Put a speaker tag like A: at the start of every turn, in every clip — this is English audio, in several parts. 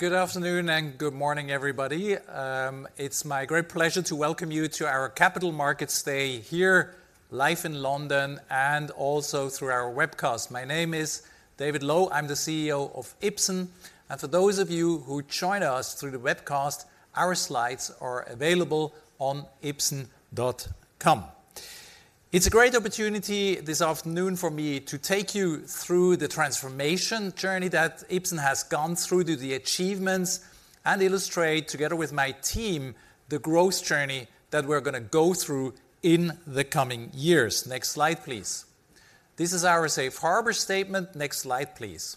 A: Good afternoon and good morning, everybody. It's my great pleasure to welcome you to our Capital Markets Day here, live in London and also through our webcast. My name is David Loew, I'm the CEO of Ipsen, and for those of you who join us through the webcast, our slides are available on ipsen.com. It's a great opportunity this afternoon for me to take you through the transformation journey that Ipsen has gone through, through the achievements, and illustrate together with my team, the growth journey that we're gonna go through in the coming years. Next slide, please. This is our safe harbor statement. Next slide, please.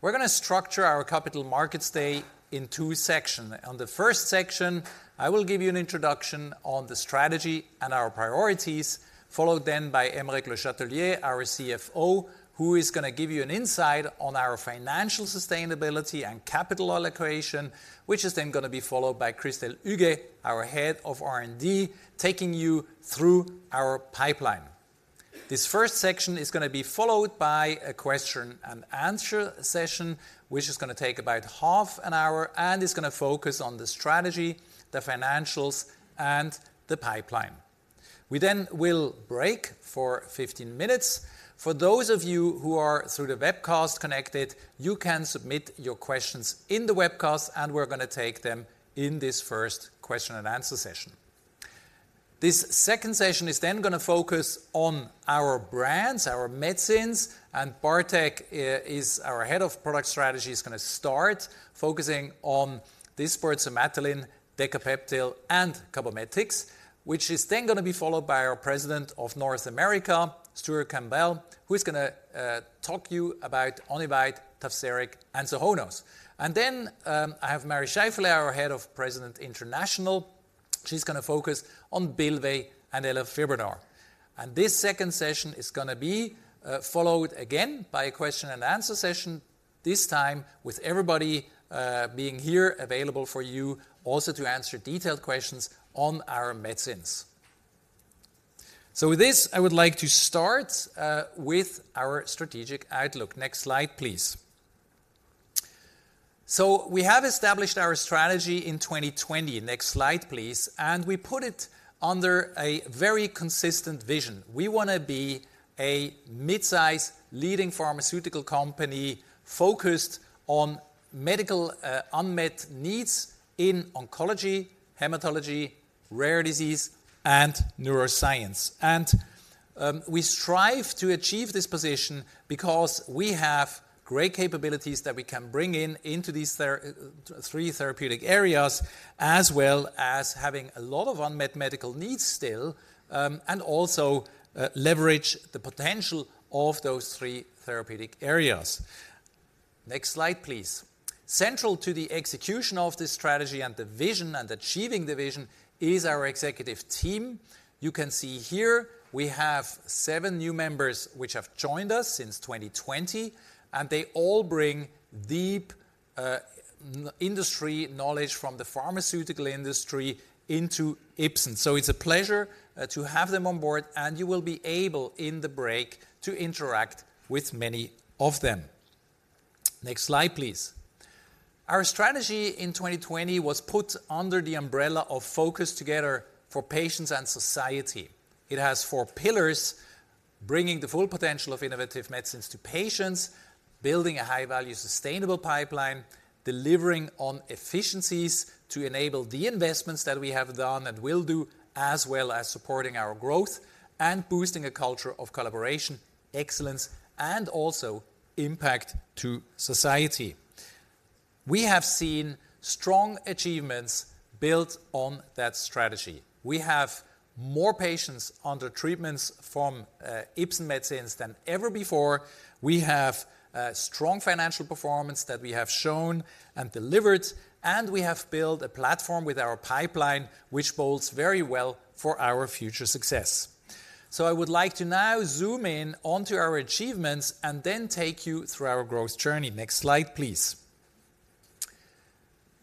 A: We're gonna structure our Capital Markets Day in two sections. On the first section, I will give you an introduction on the strategy and our priorities, followed then by Aymeric Le Chatelier, our CFO, who is gonna give you an insight on our financial sustainability and capital allocation, which is then gonna be followed by Huguet, our Head of R&D, taking you through our pipeline. This first section is gonna be followed by a question and answer session, which is gonna take about half an hour and is gonna focus on the strategy, the financials, and the pipeline. We then will break for 15 minutes. For those of you who are through the webcast connected, you can submit your questions in the webcast, and we're gonna take them in this first question and answer session. This second session is then gonna focus on our brands, our medicines, and Bartek is our Head of Product Strategy, is gonna start focusing on this for Somatuline, Decapeptyl, and Cabometyx, which is then gonna be followed by our President of North America, Stewart Campbell, who is gonna talk to you about Onivyde, Tazverik, and Sohonos. Then I have Mari Scheiffele, our head of President International. She's gonna focus on Bylvay and elafibranor. This second session is gonna be followed again by a question and answer session, this time with everybody being here available for you also to answer detailed questions on our medicines. So with this, I would like to start with our strategic outlook. Next slide, please. We have established our strategy in 2020. Next slide, please. We put it under a very consistent vision. We wanna be a mid-size leading pharmaceutical company focused on medical unmet needs in oncology, hematology, rare disease, and neuroscience. We strive to achieve this position because we have great capabilities that we can bring in into these three therapeutic areas, as well as having a lot of unmet medical needs still, and also leverage the potential of those three therapeutic areas. Next slide, please. Central to the execution of this strategy and the vision, and achieving the vision is our executive team. You can see here we have seven new members which have joined us since 2020, and they all bring deep industry knowledge from the pharmaceutical industry into Ipsen. So it's a pleasure to have them on board, and you will be able, in the break, to interact with many of them. Next slide, please. Our strategy in 2020 was put under the umbrella of Focus Together For Patients and Society. It has four pillars, bringing the full potential of innovative medicines to patients, building a high-value, sustainable pipeline, delivering on efficiencies to enable the investments that we have done and will do, as well as supporting our growth and boosting a culture of collaboration, excellence, and also impact to society. We have seen strong achievements built on that strategy. We have more patients under treatments from Ipsen medicines than ever before. We have strong financial performance that we have shown and delivered, and we have built a platform with our pipeline, which bodes very well for our future success. So I would like to now zoom in onto our achievements and then take you through our growth journey. Next slide, please.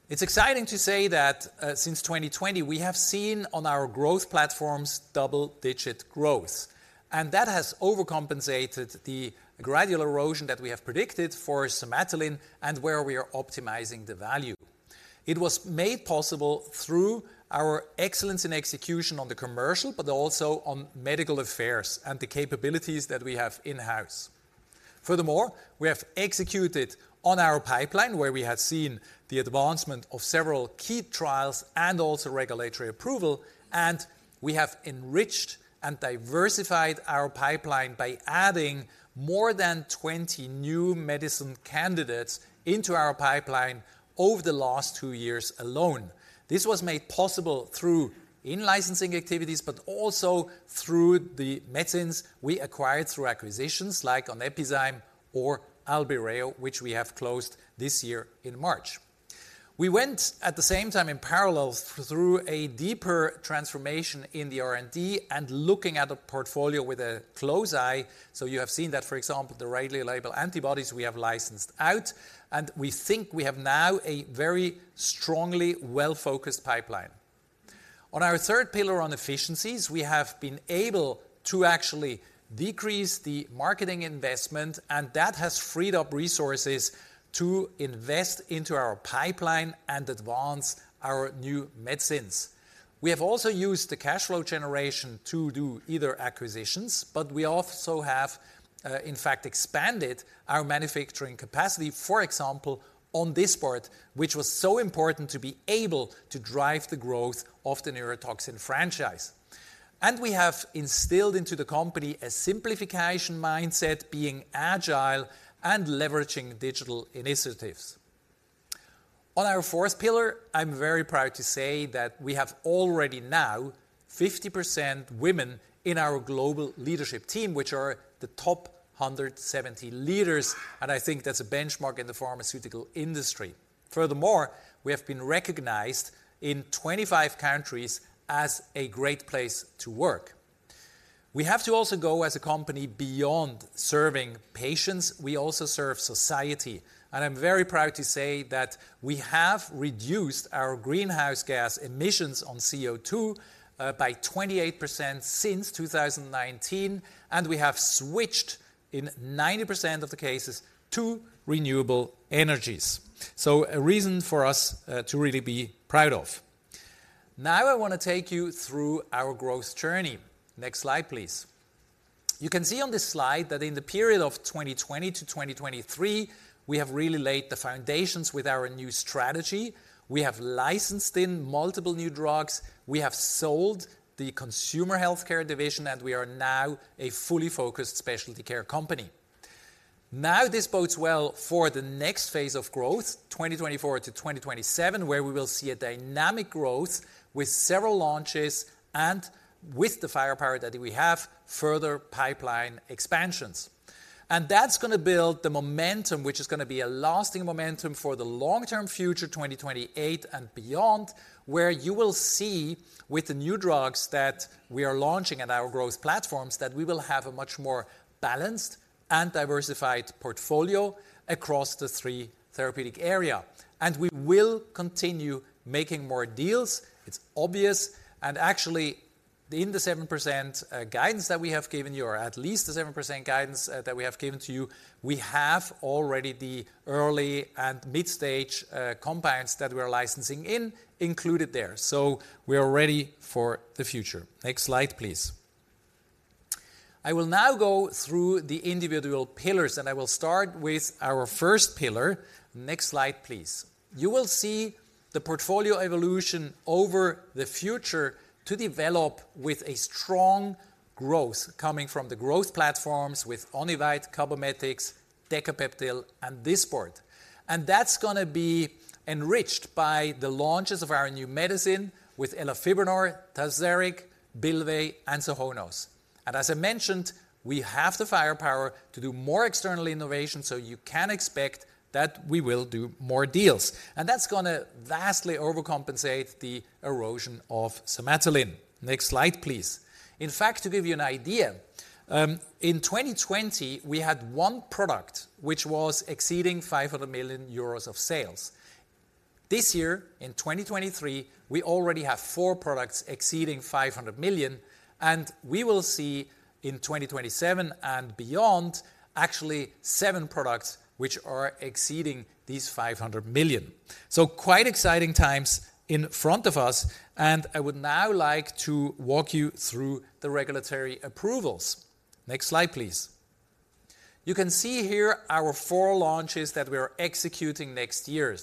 A: It's exciting to say that since 2020, we have seen on our growth platforms double-digit growth, and that has overcompensated the gradual erosion that we have predicted for Somatuline and where we are optimizing the value. It was made possible through our excellence in execution on the commercial, but also on medical affairs and the capabilities that we have in-house. Furthermore, we have executed on our pipeline, where we have seen the advancement of several key trials and also regulatory approval, and we have enriched and diversified our pipeline by adding more than 20 new medicine candidates into our pipeline over the last two years alone. This was made possible through in-licensing activities, but also through the medicines we acquired through acquisitions like Epizyme or Albireo, which we have closed this year in March. We went, at the same time, in parallel through a deeper transformation in the R&D and looking at a portfolio with a close eye. So you have seen that, for example, the rightly labeled antibodies we have licensed out, and we think we have now a very strongly well-focused pipeline. On our third pillar on efficiencies, we have been able to actually decrease the marketing investment, and that has freed up resources to invest into our pipeline and advance our new medicines. We have also used the cash flow generation to do either acquisitions, but we also have, in fact expanded our manufacturing capacity. For example, on this part, which was so important to be able to drive the growth of the neurotoxin franchise. We have instilled into the company a simplification mindset, being agile and leveraging digital initiatives. On our fourth pillar, I'm very proud to say that we have already now 50% women in our global leadership team, which are the top 170 leaders, and I think that's a benchmark in the pharmaceutical industry. Furthermore, we have been recognized in 25 countries as a great place to work. We have to also go as a company beyond serving patients. We also serve society, and I'm very proud to say that we have reduced our greenhouse gas emissions on CO2 by 28% since 2019, and we have switched in 90% of the cases to renewable energies. So a reason for us to really be proud of. Now, I want to take you through our growth journey. Next slide, please. You can see on this slide that in the period of 2020-2023, we have really laid the foundations with our new strategy. We have licensed in multiple new drugs. We have sold the consumer healthcare division, and we are now a fully focused specialty care company. Now, this bodes well for the next phase of growth, 2024-2027, where we will see a dynamic growth with several launches and with the firepower that we have, further pipeline expansions. And that's gonna build the momentum, which is gonna be a lasting momentum for the long-term future, 2028 and beyond, where you will see with the new drugs that we are launching and our growth platforms, that we will have a much more balanced and diversified portfolio across the three therapeutic area. And we will continue making more deals. It's obvious, and actually, in the 7%, guidance that we have given you, or at least the 7% guidance, that we have given to you, we have already the early and mid-stage, compounds that we're licensing in included there. So we are ready for the future. Next slide, please. I will now go through the individual pillars, and I will start with our first pillar. Next slide, please. You will see the portfolio evolution over the future to develop with a strong growth coming from the growth platforms with Onivyde, Cabometyx, Decapeptyl, and Dysport. And that's gonna be enriched by the launches of our new medicine with elafibranor, Tazverik, Bylvay, and Sohonos. And as I mentioned, we have the firepower to do more external innovation, so you can expect that we will do more deals, and that's gonna vastly overcompensate the erosion of Somatuline. Next slide, please. In fact, to give you an idea, in 2020, we had one product which was exceeding 500 million euros of sales. This year, in 2023, we already have four products exceeding 500 million, and we will see in 2027 and beyond, actually seven products which are exceeding these 500 million. So quite exciting times in front of us, and I would now like to walk you through the regulatory approvals. Next slide, please. You can see here our four launches that we are executing next year.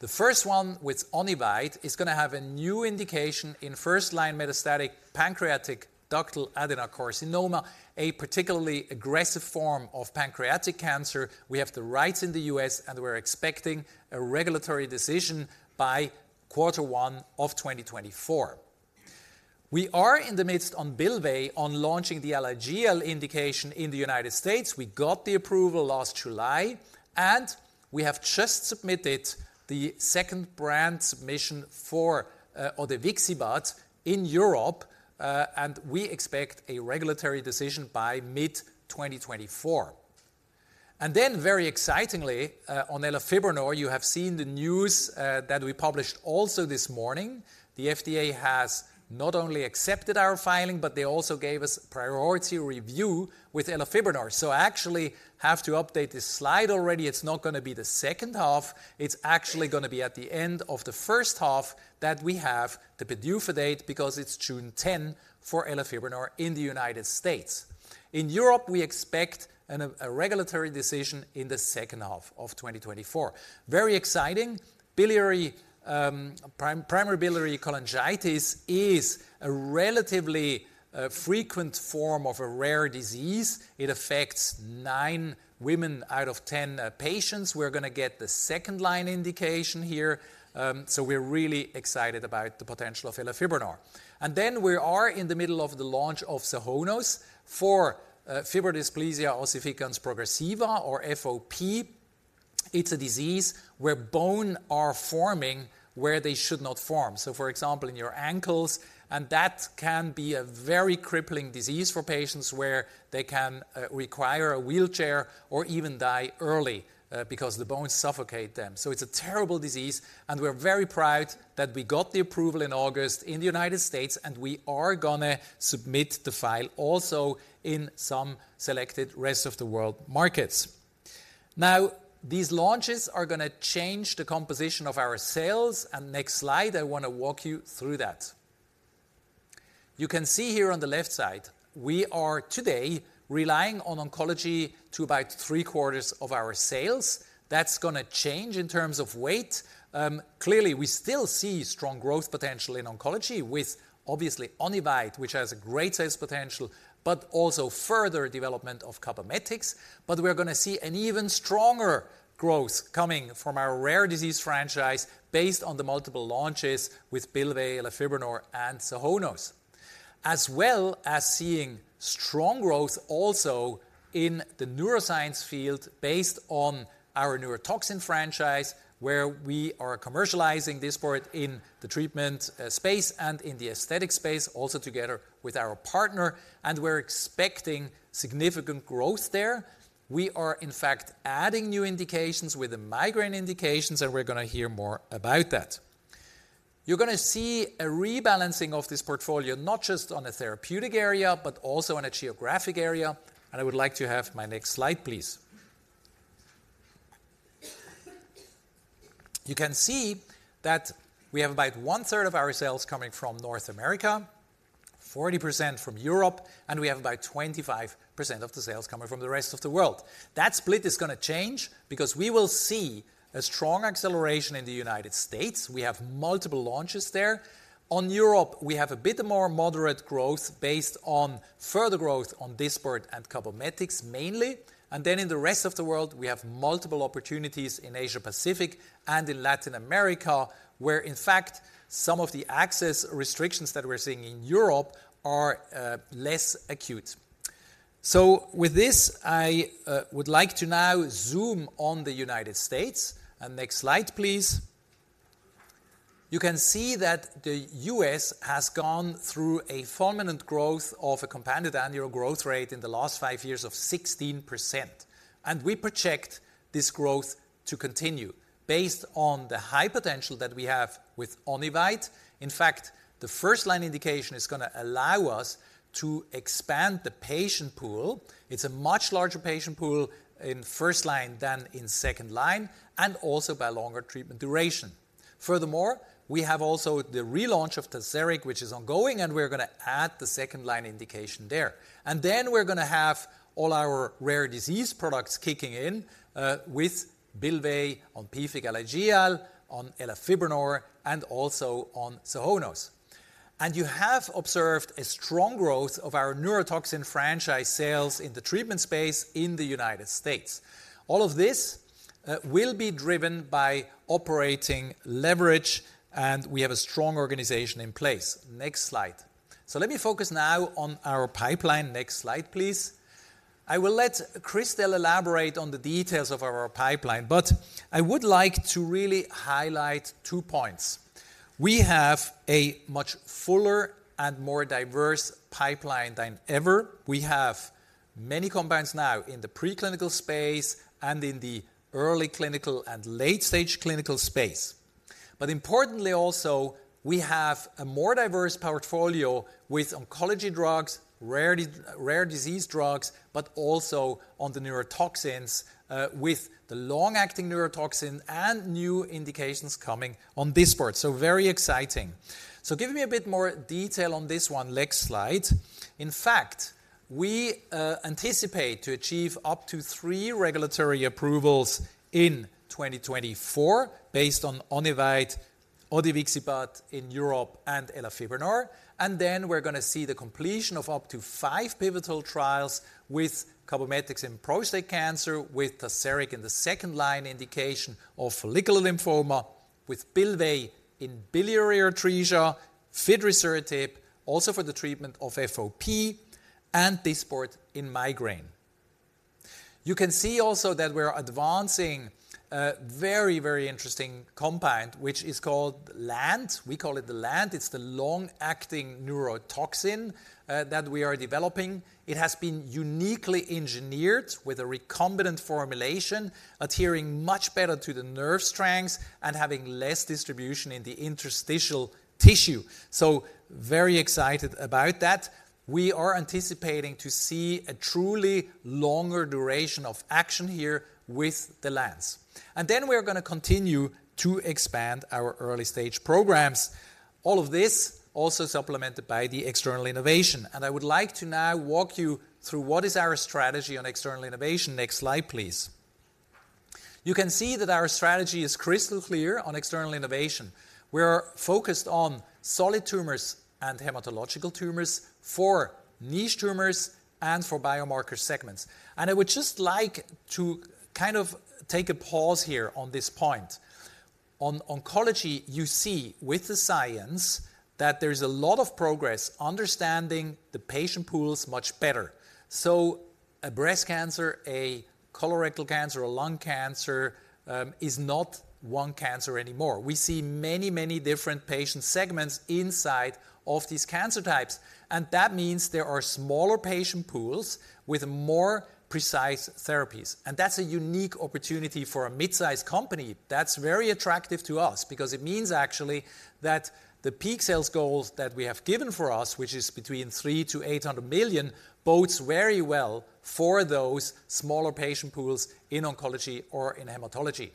A: The first one with Onivyde is gonna have a new indication in first-line metastatic pancreatic ductal adenocarcinoma, a particularly aggressive form of pancreatic cancer. We have the rights in the U.S., and we're expecting a regulatory decision by quarter one of 2024. We are in the midst on Bylvay on launching the Alagille indication in the United States. We got the approval last July, and we have just submitted the second brand submission for odevixibat in Europe, and we expect a regulatory decision by mid-2024. And then very excitingly, on elafibranor, you have seen the news that we published also this morning. The FDA has not only accepted our filing, but they also gave us priority review with elafibranor. So I actually have to update this slide already. It's not gonna be the second half, it's actually gonna be at the end of the first half that we have the PDUFA date, because it's June 10 for elafibranor in the United States. In Europe, we expect a regulatory decision in the second half of 2024. Very exciting. Primary biliary cholangitis is a relatively frequent form of a rare disease. It affects nine women out of ten patients. We're gonna get the second-line indication here, so we're really excited about the potential of elafibranor. And then we are in the middle of the launch of Sohonos for fibrodysplasia ossificans progressiva or FOP. It's a disease where bone are forming where they should not form, so for example, in your ankles, and that can be a very crippling disease for patients where they can require a wheelchair or even die early because the bones suffocate them. So it's a terrible disease, and we're very proud that we got the approval in August in the United States, and we are gonna submit the file also in some selected rest of the world markets. Now, these launches are gonna change the composition of our sales, and next slide, I wanna walk you through that. You can see here on the left side, we are today relying on oncology to about three-quarters of our sales. That's gonna change in terms of weight. Clearly, we still see strong growth potential in oncology with obviously Onivyde, which has a great sales potential, but also further development of Cabometyx. But we're gonna see an even stronger growth coming from our rare disease franchise based on the multiple launches with Bylvay, elafibranor, and Sohonos, as well as seeing strong growth also in the neuroscience field based on our neurotoxin franchise, where we are commercializing Dysport in the treatment space and in the aesthetic space, also together with our partner, and we're expecting significant growth there. We are, in fact, adding new indications with the migraine indications, and we're gonna hear more about that. You're gonna see a rebalancing of this portfolio, not just on a therapeutic area, but also on a geographic area. And I would like to have my next slide, please. You can see that we have about one-third of our sales coming from North America, 40% from Europe, and we have about 25% of the sales coming from the rest of the world. That split is gonna change because we will see a strong acceleration in the United States. We have multiple launches there. On Europe, we have a bit more moderate growth based on further growth on Dysport and Cabometyx mainly. Then in the rest of the world, we have multiple opportunities in Asia Pacific and in Latin America, where in fact, some of the access restrictions that we're seeing in Europe are less acute. So with this, I would like to now zoom on the United States. Next slide, please. You can see that the U.S. has gone through a prominent growth of a compounded annual growth rate in the last five years of 16%, and we project this growth to continue based on the high potential that we have with Onivyde. In fact, the first-line indication is gonna allow us to expand the patient pool. It's a much larger patient pool in first line than in second line, and also by longer treatment duration. Furthermore, we have also the relaunch of Tazverik, which is ongoing, and we're gonna add the second-line indication there. And then we're gonna have all our rare disease products kicking in, with Bylvay on Phelan-McDermid Syndrome, on elafibranor, and also on Sohonos. And you have observed a strong growth of our neurotoxin franchise sales in the treatment space in the United States. All of this will be driven by operating leverage, and we have a strong organization in place. Next slide. So let me focus now on our pipeline. Next slide, please. I will let Christelle elaborate on the details of our pipeline, but I would like to really highlight two points. We have a much fuller and more diverse pipeline than ever. We have many compounds now in the preclinical space and in the early clinical and late-stage clinical space. But importantly, also, we have a more diverse portfolio with oncology drugs, rare disease drugs, but also on the neurotoxins, with the long-acting neurotoxin and new indications coming on Dysport. So very exciting. So giving me a bit more detail on this one. Next slide. In fact, we anticipate to achieve up to 3 regulatory approvals in 2024 based on Onivyde, odevixibat in Europe and elafibranor. And then we're gonna see the completion of up to five pivotal trials with Cabometyx in prostate cancer, with Tazverik in the second-line indication of follicular lymphoma, with Bylvay in biliary atresia, fidrisertib, also for the treatment of FOP and Dysport in migraine. You can see also that we're advancing a very, very interesting compound, which is called LANT. We call it the LANT. It's the long-acting neurotoxin that we are developing. It has been uniquely engineered with a recombinant formulation, adhering much better to the nerve strengths and having less distribution in the interstitial tissue. So very excited about that. We are anticipating to see a truly longer duration of action here with the LANTs. And then we are gonna continue to expand our early-stage programs. All of this also supplemented by the external innovation, and I would like to now walk you through what is our strategy on external innovation. Next slide, please. You can see that our strategy is crystal clear on external innovation. We're focused on solid tumors and hematological tumors for niche tumors and for biomarker segments. And I would just like to kind of take a pause here on this point. On oncology, you see with the science that there's a lot of progress understanding the patient pools much better. So a breast cancer, a colorectal cancer, a lung cancer, is not one cancer anymore. We see many, many different patient segments inside of these cancer types, and that means there are smaller patient pools with more precise therapies. That's a unique opportunity for a mid-sized company. That's very attractive to us because it means actually that the peak sales goals that we have given for us, which is between 300-800 million, bodes very well for those smaller patient pools in oncology or in hematology.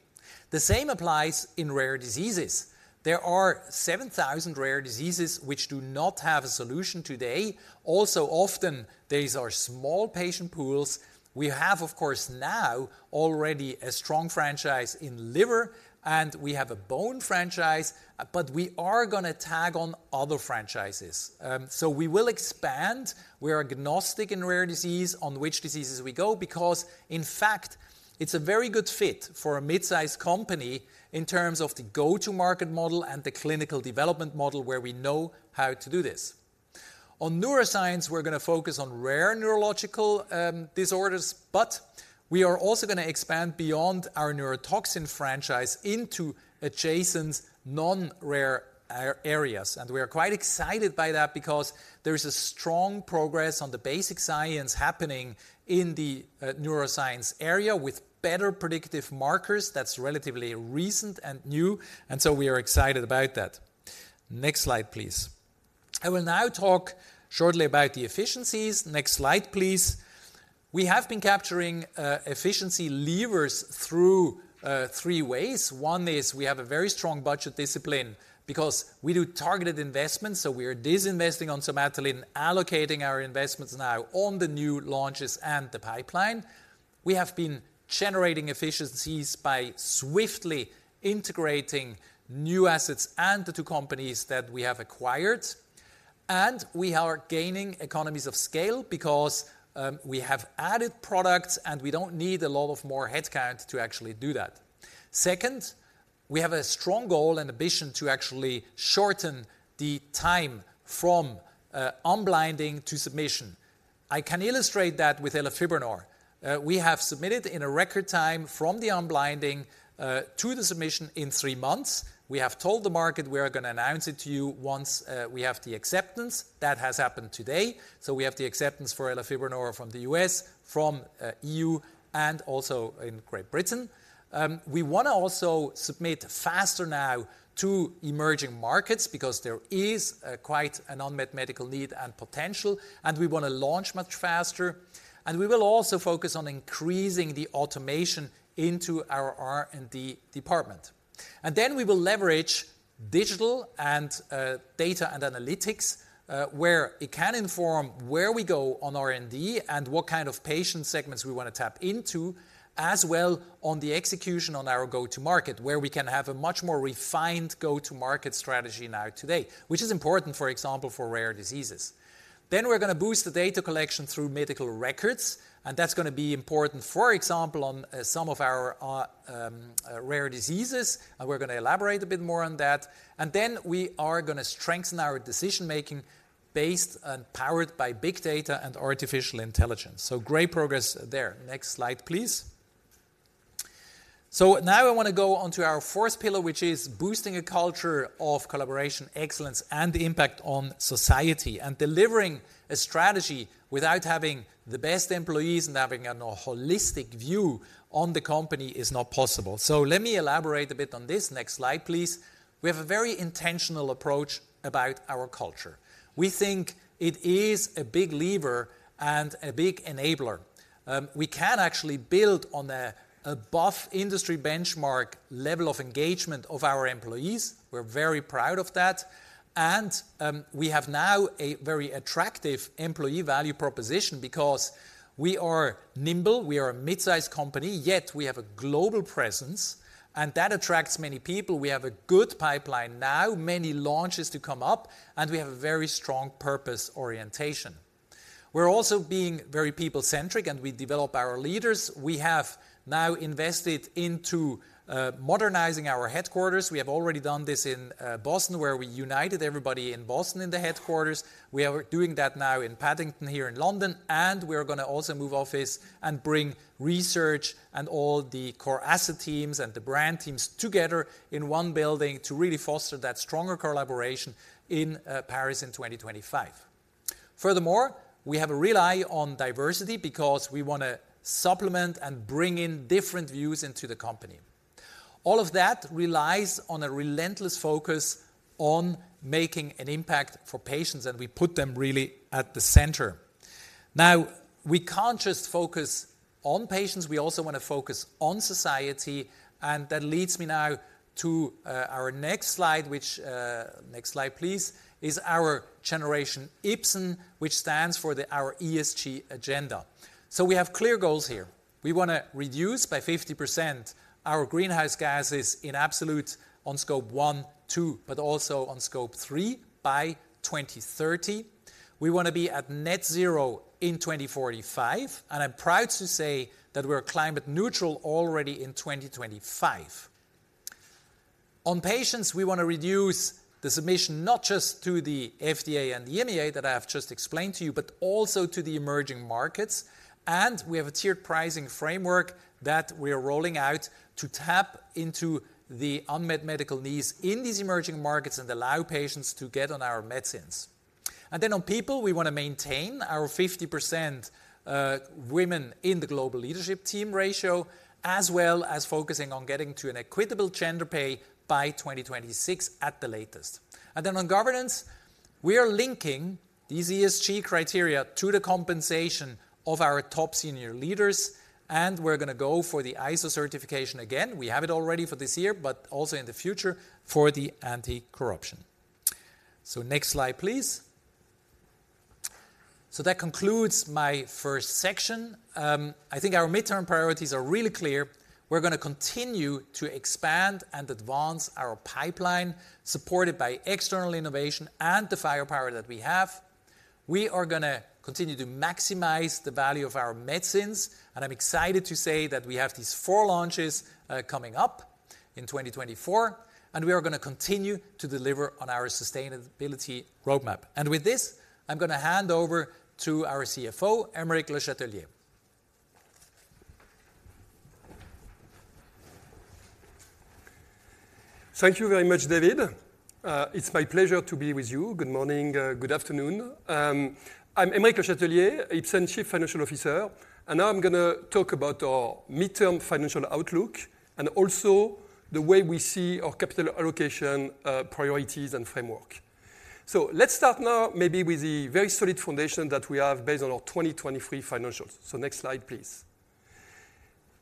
A: The same applies in rare diseases. There are 7,000 rare diseases which do not have a solution today. Also, often these are small patient pools. We have, of course, now already a strong franchise in liver, and we have a bone franchise, but we are gonna tag on other franchises. So we will expand. We are agnostic in rare disease on which diseases we go because, in fact, it's a very good fit for a mid-sized company in terms of the go-to-market model and the clinical development model, where we know how to do this. On neuroscience, we're gonna focus on rare neurological disorders, but we are also gonna expand beyond our neurotoxin franchise into adjacent non-rare areas. And we are quite excited by that because there is a strong progress on the basic science happening in the neuroscience area with better predictive markers that's relatively recent and new, and so we are excited about that. Next slide, please. I will now talk shortly about the efficiencies. Next slide, please. We have been capturing efficiency levers through three ways. One is we have a very strong budget discipline because we do targeted investments, so we are disinvesting on Somatuline, allocating our investments now on the new launches and the pipeline. We have been generating efficiencies by swiftly integrating new assets and the two companies that we have acquired, and we are gaining economies of scale because we have added products, and we don't need a lot of more headcount to actually do that. Second, we have a strong goal and ambition to actually shorten the time from unblinding to submission. I can illustrate that with elafibranor. We have submitted in a record time from the unblinding to the submission in three months. We have told the market we are gonna announce it to you once we have the acceptance. That has happened today. So we have the acceptance for elafibranor from the U.S., from E.U., and also in Great Britain. We wanna also submit faster now to emerging markets because there is quite an unmet medical need and potential, and we wanna launch much faster. And we will also focus on increasing the automation into our R&D department. And then we will leverage digital and data and analytics where it can inform where we go on R&D and what kind of patient segments we wanna tap into, as well on the execution on our go-to-market, where we can have a much more refined go-to-market strategy now today, which is important, for example, for rare diseases. Then we're gonna boost the data collection through medical records, and that's gonna be important, for example, on some of our rare diseases, and we're gonna elaborate a bit more on that. And then we are gonna strengthen our decision-making based and powered by big data and artificial intelligence. So great progress there. Next slide, please. So now I wanna go on to our fourth pillar, which is boosting a culture of collaboration, excellence, and impact on society. And delivering a strategy without having the best employees and having a holistic view on the company is not possible. So let me elaborate a bit on this. Next slide, please. We have a very intentional approach about our culture. We think it is a big lever and a big enabler. We can actually build on the above industry benchmark level of engagement of our employees. We're very proud of that, and we have now a very attractive employee value proposition because we are nimble, we are a mid-sized company, yet we have a global presence, and that attracts many people. We have a good pipeline now, many launches to come up, and we have a very strong purpose orientation. We're also being very people-centric, and we develop our leaders. We have now invested into modernizing our headquarters. We have already done this in Boston, where we united everybody in Boston in the headquarters. We are doing that now in Paddington, here in London, and we are gonna also move office and bring research and all the core asset teams and the brand teams together in one building to really foster that stronger collaboration in Paris in 2025. Furthermore, we have a reliance on diversity because we wanna supplement and bring in different views into the company. All of that relies on a relentless focus on making an impact for patients, and we put them really at the center. Now, we can't just focus on patients, we also wanna focus on society, and that leads me now to our next slide, which next slide, please, is our Generation Ipsen, which stands for our ESG agenda. So we have clear goals here. We wanna reduce by 50% our greenhouse gases in absolute on Scope 1, 2, but also on Scope 3 by 2030. We wanna be at net zero in 2045, and I'm proud to say that we're climate neutral already in 2025. On patients, we wanna reduce the submission, not just to the FDA and the EMA that I have just explained to you, but also to the emerging markets. We have a tiered pricing framework that we are rolling out to tap into the unmet medical needs in these emerging markets and allow patients to get on our medicines. On people, we want to maintain our 50% women in the global leadership team ratio, as well as focusing on getting to an equitable gender pay by 2026 at the latest. On governance, we are linking these ESG criteria to the compensation of our top senior leaders, and we're going to go for the ISO certification again. We have it already for this year, but also in the future for the anti-corruption. Next slide, please. That concludes my first section. I think our midterm priorities are really clear. We're going to continue to expand and advance our pipeline, supported by external innovation and the firepower that we have. We are going to continue to maximize the value of our medicines, and I'm excited to say that we have these four launches, coming up in 2024, and we are going to continue to deliver on our sustainability roadmap. With this, I'm going to hand over to our CFO, Aymeric Le Chatelier.
B: Thank you very much, David. It's my pleasure to be with you. Good morning. Good afternoon. I'm Aymeric Le Chatelier, Ipsen's Chief Financial Officer, and now I'm going to talk about our midterm financial outlook and also the way we see our capital allocation, priorities and framework. So let's start now maybe with the very solid foundation that we have based on our 2023 financials. So next slide, please.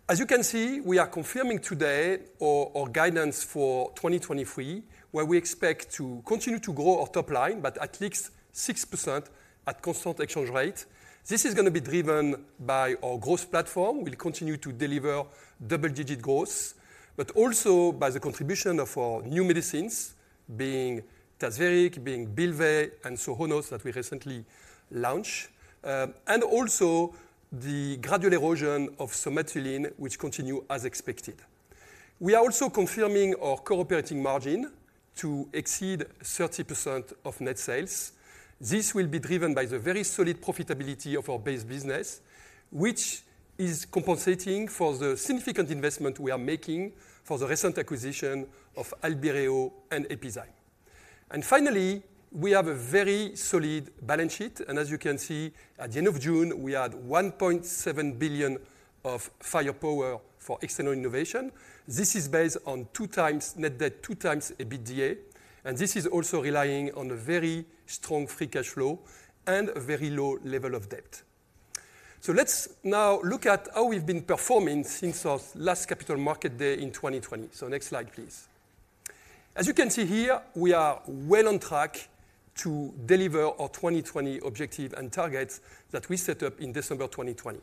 B: As you can see, we are confirming today our guidance for 2023, where we expect to continue to grow our top line, but at least 6% at constant exchange rate. This is going to be driven by our growth platform. We'll continue to deliver double-digit growth, but also by the contribution of our new medicines being Tazverik, being Bylvay, and Sohonos that we recently launched, and also the gradual erosion of Somatuline, which continues as expected. We are also confirming our core operating margin to exceed 30% of net sales. This will be driven by the very solid profitability of our base business, which is compensating for the significant investment we are making for the recent acquisition of Albireo and Epizyme. And finally, we have a very solid balance sheet, and as you can see, at the end of June, we had 1.7 billion of firepower for external innovation. This is based on 2x net debt, 2x EBITDA, and this is also relying on a very strong free cash flow and a very low level of debt. So let's now look at how we've been performing since our last Capital Markets Day in 2020. Next slide, please. As you can see here, we are well on track to deliver our 2020 objective and targets that we set up in December 2020.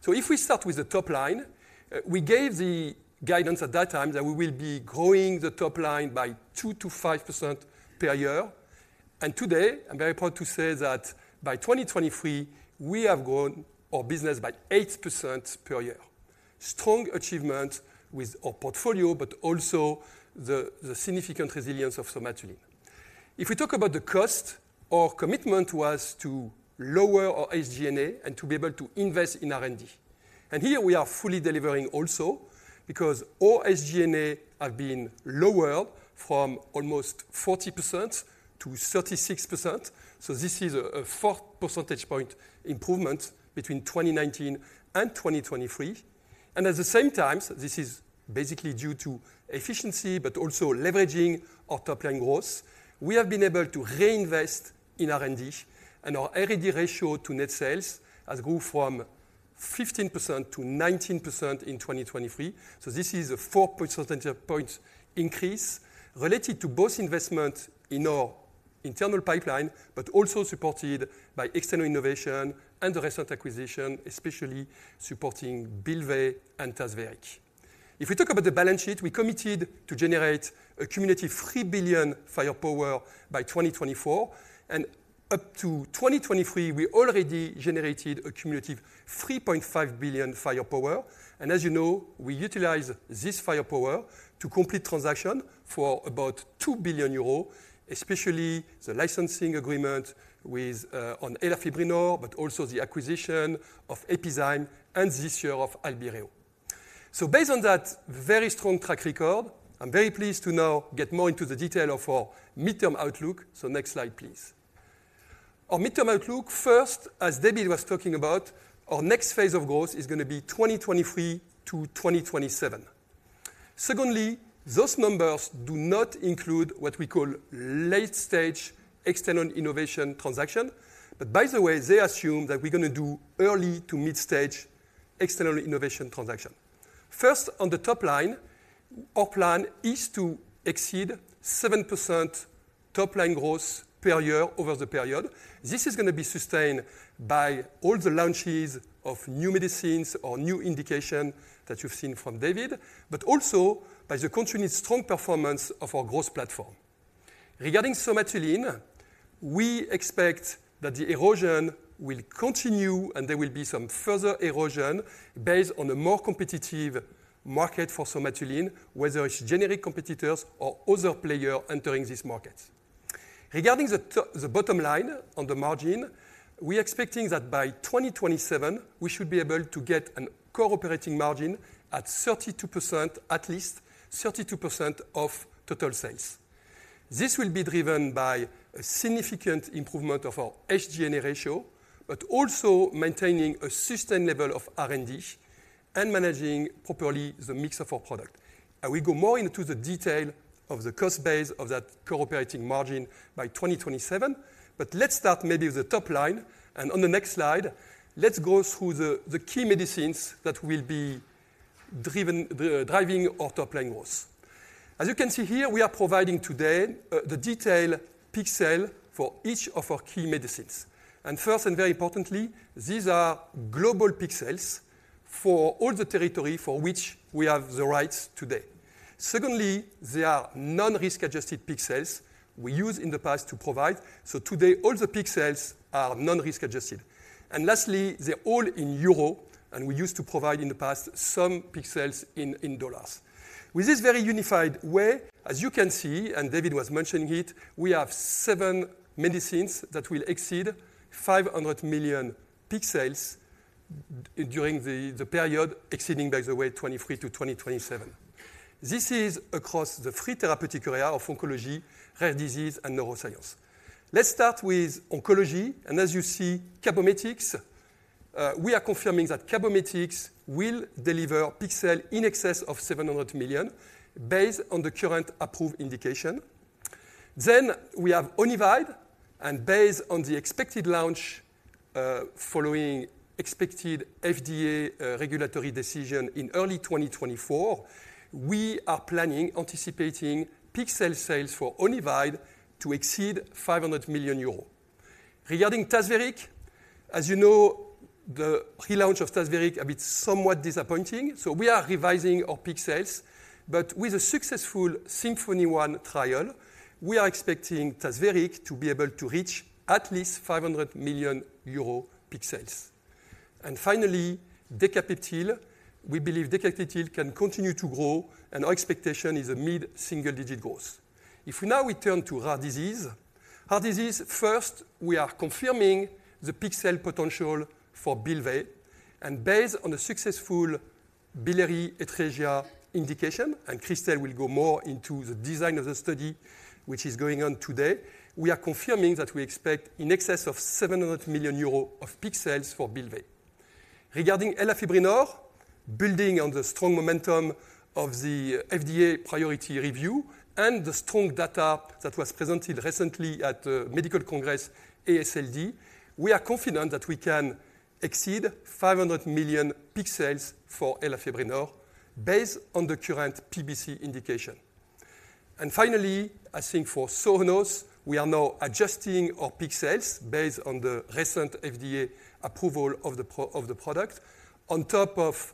B: So if we start with the top line, we gave the guidance at that time that we will be growing the top line by 2%-5% per year. And today, I'm very proud to say that by 2023, we have grown our business by 8% per year. Strong achievement with our portfolio, but also the significant resilience of Somatuline. If we talk about the cost, our commitment was to lower our SG&A and to be able to invest in R&D. Here we are fully delivering also, because our SG&A have been lowered from almost 40% to 36%. So this is a four percentage point improvement between 2019 and 2023. And at the same time, this is basically due to efficiency, but also leveraging our top-line growth. We have been able to reinvest in R&D, and our R&D ratio to net sales has grown from 15% to 19% in 2023. So this is a four percentage point increase related to both investment in our internal pipeline, but also supported by external innovation and the recent acquisition, especially supporting Bylvay and Tazverik. If we talk about the balance sheet, we committed to generate a cumulative 3 billion firepower by 2024, and up to 2023, we already generated a cumulative 3.5 billion firepower. As you know, we utilize this firepower to complete transaction for about 2 billion euros, especially the licensing agreement with, on elafibranor, but also the acquisition of Epizyme and this year of Albireo. So based on that very strong track record, I'm very pleased to now get more into the detail of our midterm outlook. So next slide, please. Our midterm outlook, first, as David was talking about, our next phase of growth is going to be 2023 to 2027. Secondly, those numbers do not include what we call late-stage external innovation transaction. But by the way, they assume that we're going to do early to mid-stage external innovation transaction. First, on the top line, our plan is to exceed 7% top-line growth per year over the period. This is going to be sustained by all the launches of new medicines or new indication that you've seen from David, but also by the continued strong performance of our growth platform. Regarding Somatuline, we expect that the erosion will continue, and there will be some further erosion based on a more competitive market for Somatuline, whether it's generic competitors or other players entering this market. Regarding the bottom line on the margin, we are expecting that by 2027, we should be able to get a core operating margin at 32%, at least 32% of total sales. This will be driven by a significant improvement of our SG&A ratio, but also maintaining a sustained level of R&D and managing properly the mix of our product. We go more into the detail of the cost base of that core operating margin by 2027. But let's start maybe with the top line, and on the next slide, let's go through the key medicines that will be driven, driving our top-line growth. As you can see here, we are providing today the detailed peak sale for each of our key medicines. And first, and very importantly, these are global peak sales for all the territory for which we have the rights today. Secondly, they are non-risk-adjusted peak sales we used in the past to provide, so today all the peak sales are non-risk-adjusted. And lastly, they're all in euro, and we used to provide in the past some peak sales in dollars. With this very unified way, as you can see, and David was mentioning it, we have seven medicines that will exceed 500 million peak sales during the period, exceeding, by the way, 2023-2027. This is across the three therapeutic area of oncology, rare disease, and neuroscience. Let's start with oncology, and as you see, Cabometyx, we are confirming that Cabometyx will deliver peak sale in excess of 700 million based on the current approved indication. Then we have Onivyde, and based on the expected launch following expected FDA regulatory decision in early 2024, we are planning anticipating peak sales for Onivyde to exceed 500 million euros. Regarding Tazverik, as you know, the relaunch of Tazverik a bit somewhat disappointing, so we are revising our peak sales. But with a successful SYMPHONY-1 trial, we are expecting Tazverik to be able to reach at least 500 million euro peak sales. And finally, Decapeptyl. We believe Decapeptyl can continue to grow, and our expectation is a mid-single-digit growth. If now we turn to rare disease. Rare disease, first, we are confirming the peak sale potential for Bylvay, and based on the successful biliary atresia indication, and Christelle will go more into the design of the study which is going on today, we are confirming that we expect in excess of 700 million euros of peak sales for Bylvay. Regarding elafibranor, building on the strong momentum of the FDA priority review and the strong data that was presented recently at, Medical Congress AASLD, we are confident that we can exceed 500 million peak sales for elafibranor based on the current PBC indication. And finally, I think for Sohonos, we are now adjusting our peak sales based on the recent FDA approval of the product, on top of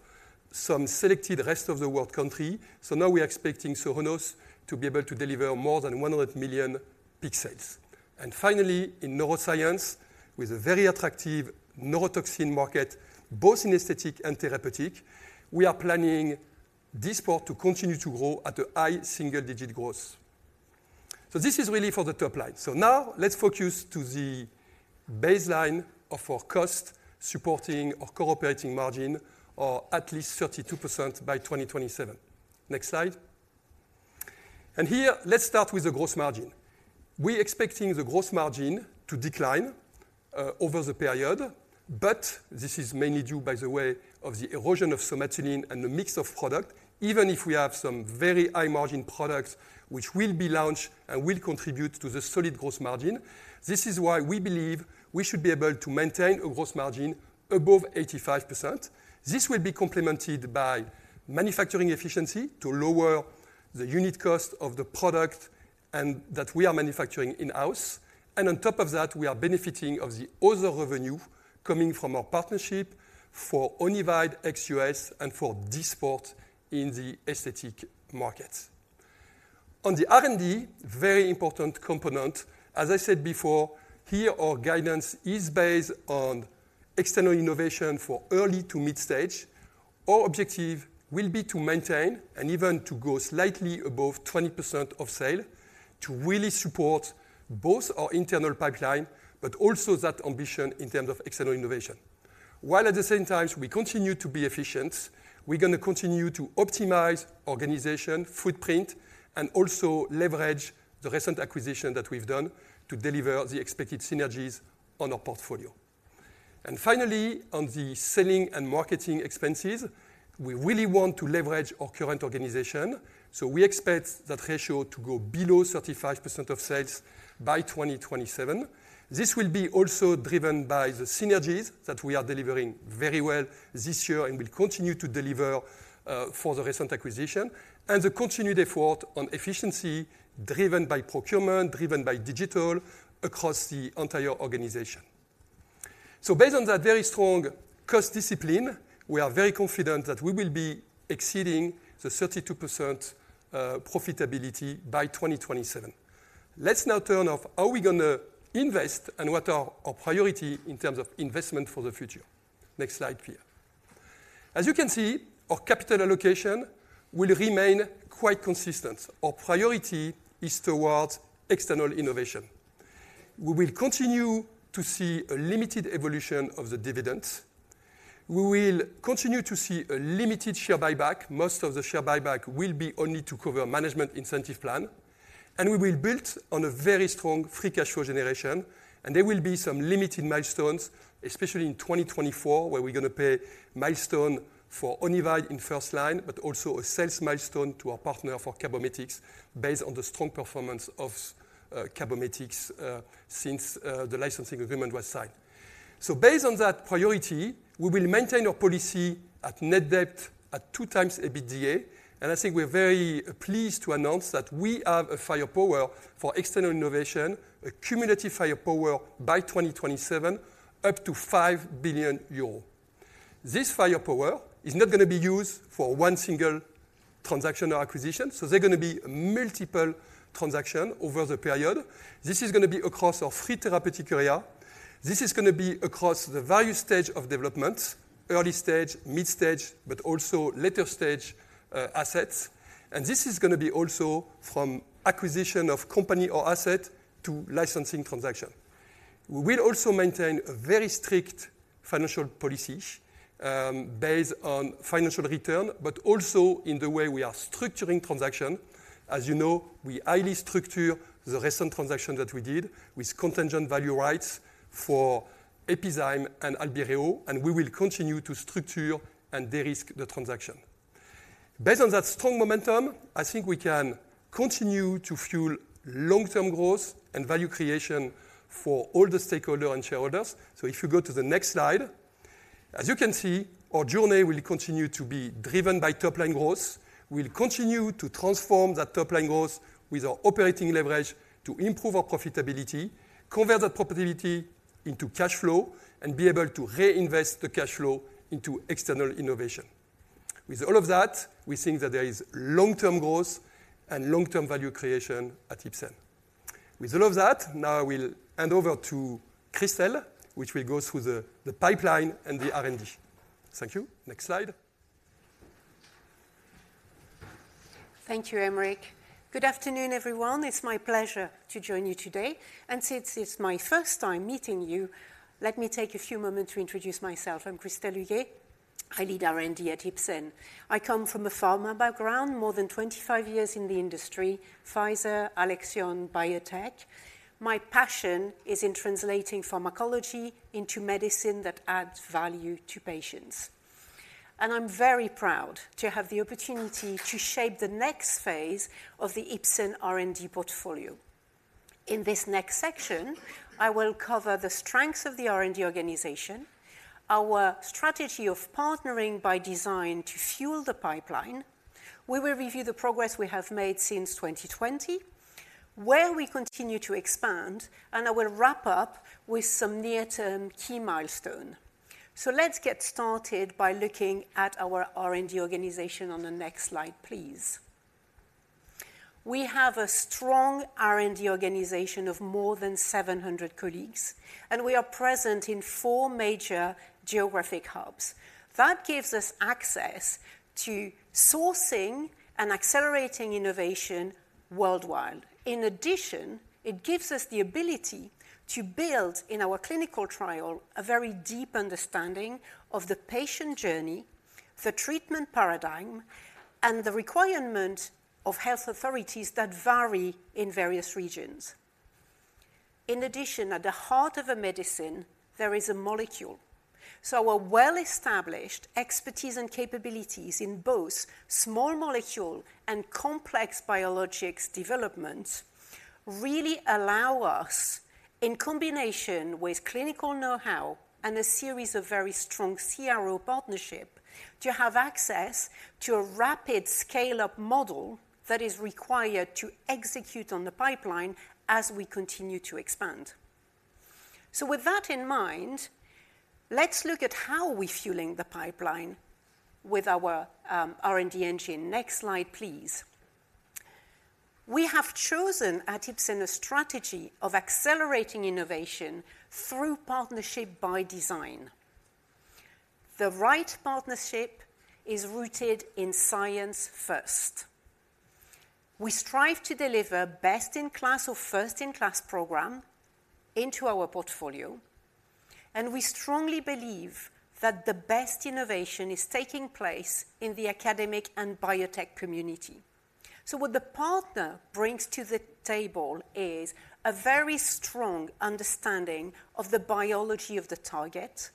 B: some selected rest-of-the-world countries. So now we are expecting Sohonos to be able to deliver more than 100 million peak sales. And finally, in neuroscience, with a very attractive neurotoxin market, both in aesthetics and therapeutics, we are planning this part to continue to grow at a high single-digit rate. So this is really for the top line. So now let's focus on the baseline of our costs, supporting our core operating margin of at least 32% by 2027. Next slide. And here, let's start with the gross margin. We expecting the gross margin to decline over the period, but this is mainly due, by the way, to the erosion of Somatuline and the mix of product, even if we have some very high-margin products which will be launched and will contribute to the solid gross margin. This is why we believe we should be able to maintain a gross margin above 85%. This will be complemented by manufacturing efficiency to lower the unit cost of the product and that we are manufacturing in-house. And on top of that, we are benefiting from the other revenue coming from our partnership for Onivyde ex U.S. and for Dysport in the aesthetic market. On the R&D, very important component, as I said before, here our guidance is based on external innovation for early to mid-stage. Our objective will be to maintain and even to go slightly above 20% of sales, to really support both our internal pipeline, but also that ambition in terms of external innovation. While at the same time, we continue to be efficient, we're going to continue to optimize organization, footprint, and also leverage the recent acquisition that we've done to deliver the expected synergies on our portfolio. And finally, on the selling and marketing expenses, we really want to leverage our current organization, so we expect that ratio to go below 35% of sales by 2027. This will be also driven by the synergies that we are delivering very well this year and will continue to deliver for the recent acquisition, and the continued effort on efficiency driven by procurement, driven by digital across the entire organization. So based on that very strong cost discipline, we are very confident that we will be exceeding the 32% profitability by 2027. Let's now turn to how we're going to invest and what are our priority in terms of investment for the future. Next slide, please. As you can see, our capital allocation will remain quite consistent. Our priority is towards external innovation. We will continue to see a limited evolution of the dividend. We will continue to see a limited share buyback. Most of the share buyback will be only to cover management incentive plan, and we will build on a very strong free cash flow generation, and there will be some limited milestones, especially in 2024, where we're going to pay milestone for Onivyde in first line, but also a sales milestone to our partner for Cabometyx, based on the strong performance of Cabometyx since the licensing agreement was signed. So based on that priority, we will maintain our policy at net debt at 2x EBITDA, and I think we're very pleased to announce that we have a firepower for external innovation, a cumulative firepower by 2027, up to 5 billion euros. This firepower is not going to be used for one single transaction or acquisition, so there are going to be multiple transaction over the period. This is going to be across our three therapeutic area. This is going to be across the value stage of development, early stage, mid stage, but also later stage, assets. And this is going to be also from acquisition of company or asset to licensing transaction. We will also maintain a very strict financial policy, based on financial return, but also in the way we are structuring transaction. As you know, we highly structure the recent transaction that we did with contingent value rights for Epizyme and Albireo, and we will continue to structure and de-risk the transaction. Based on that strong momentum, I think we can continue to fuel long-term growth and value creation for all the stakeholder and shareholders. So if you go to the next slide. As you can see, our journey will continue to be driven by top-line growth. We'll continue to transform that top-line growth with our operating leverage to improve our profitability, convert that profitability into cash flow, and be able to reinvest the cash flow into external innovation. With all of that, we think that there is long-term growth and long-term value creation at Ipsen. With all of that, now I will hand over to Christelle, which will go through the pipeline and the R&D. Thank you. Next slide.
C: Thank you, Aymeric. Good afternoon, everyone. It's my pleasure to join you today, and since it's my first time meeting you, let me take a few moments to introduce myself. I'm Christelle Huguet, I lead R&D at Ipsen. I come from a pharma background, more than 25 years in the industry, Pfizer, Alexion, biotech. My passion is in translating pharmacology into medicine that adds value to patients. I'm very proud to have the opportunity to shape the next phase of the Ipsen R&D portfolio. In this next section, I will cover the strengths of the R&D organization, our strategy of partnering by design to fuel the pipeline. We will review the progress we have made since 2020, where we continue to expand, and I will wrap up with some near-term key milestone. Let's get started by looking at our R&D organization on the next slide, please. We have a strong R&D organization of more than 700 colleagues, and we are present in four major geographic hubs. That gives us access to sourcing and accelerating innovation worldwide. In addition, it gives us the ability to build, in our clinical trial, a very deep understanding of the patient journey, the treatment paradigm, and the requirement of health authorities that vary in various regions. In addition, at the heart of a medicine, there is a molecule. So a well-established expertise and capabilities in both small molecule and complex biologics development really allow us, in combination with clinical know-how and a series of very strong CRO partnership, to have access to a rapid scale-up model that is required to execute on the pipeline as we continue to expand. So with that in mind, let's look at how we're fueling the pipeline with our R&D engine. Next slide, please. We have chosen at Ipsen a strategy of accelerating innovation through partnership by design. The right partnership is rooted in science first. We strive to deliver best-in-class or first-in-class program into our portfolio, and we strongly believe that the best innovation is taking place in the academic and biotech community. So what the partner brings to the table is a very strong understanding of the biology of the target,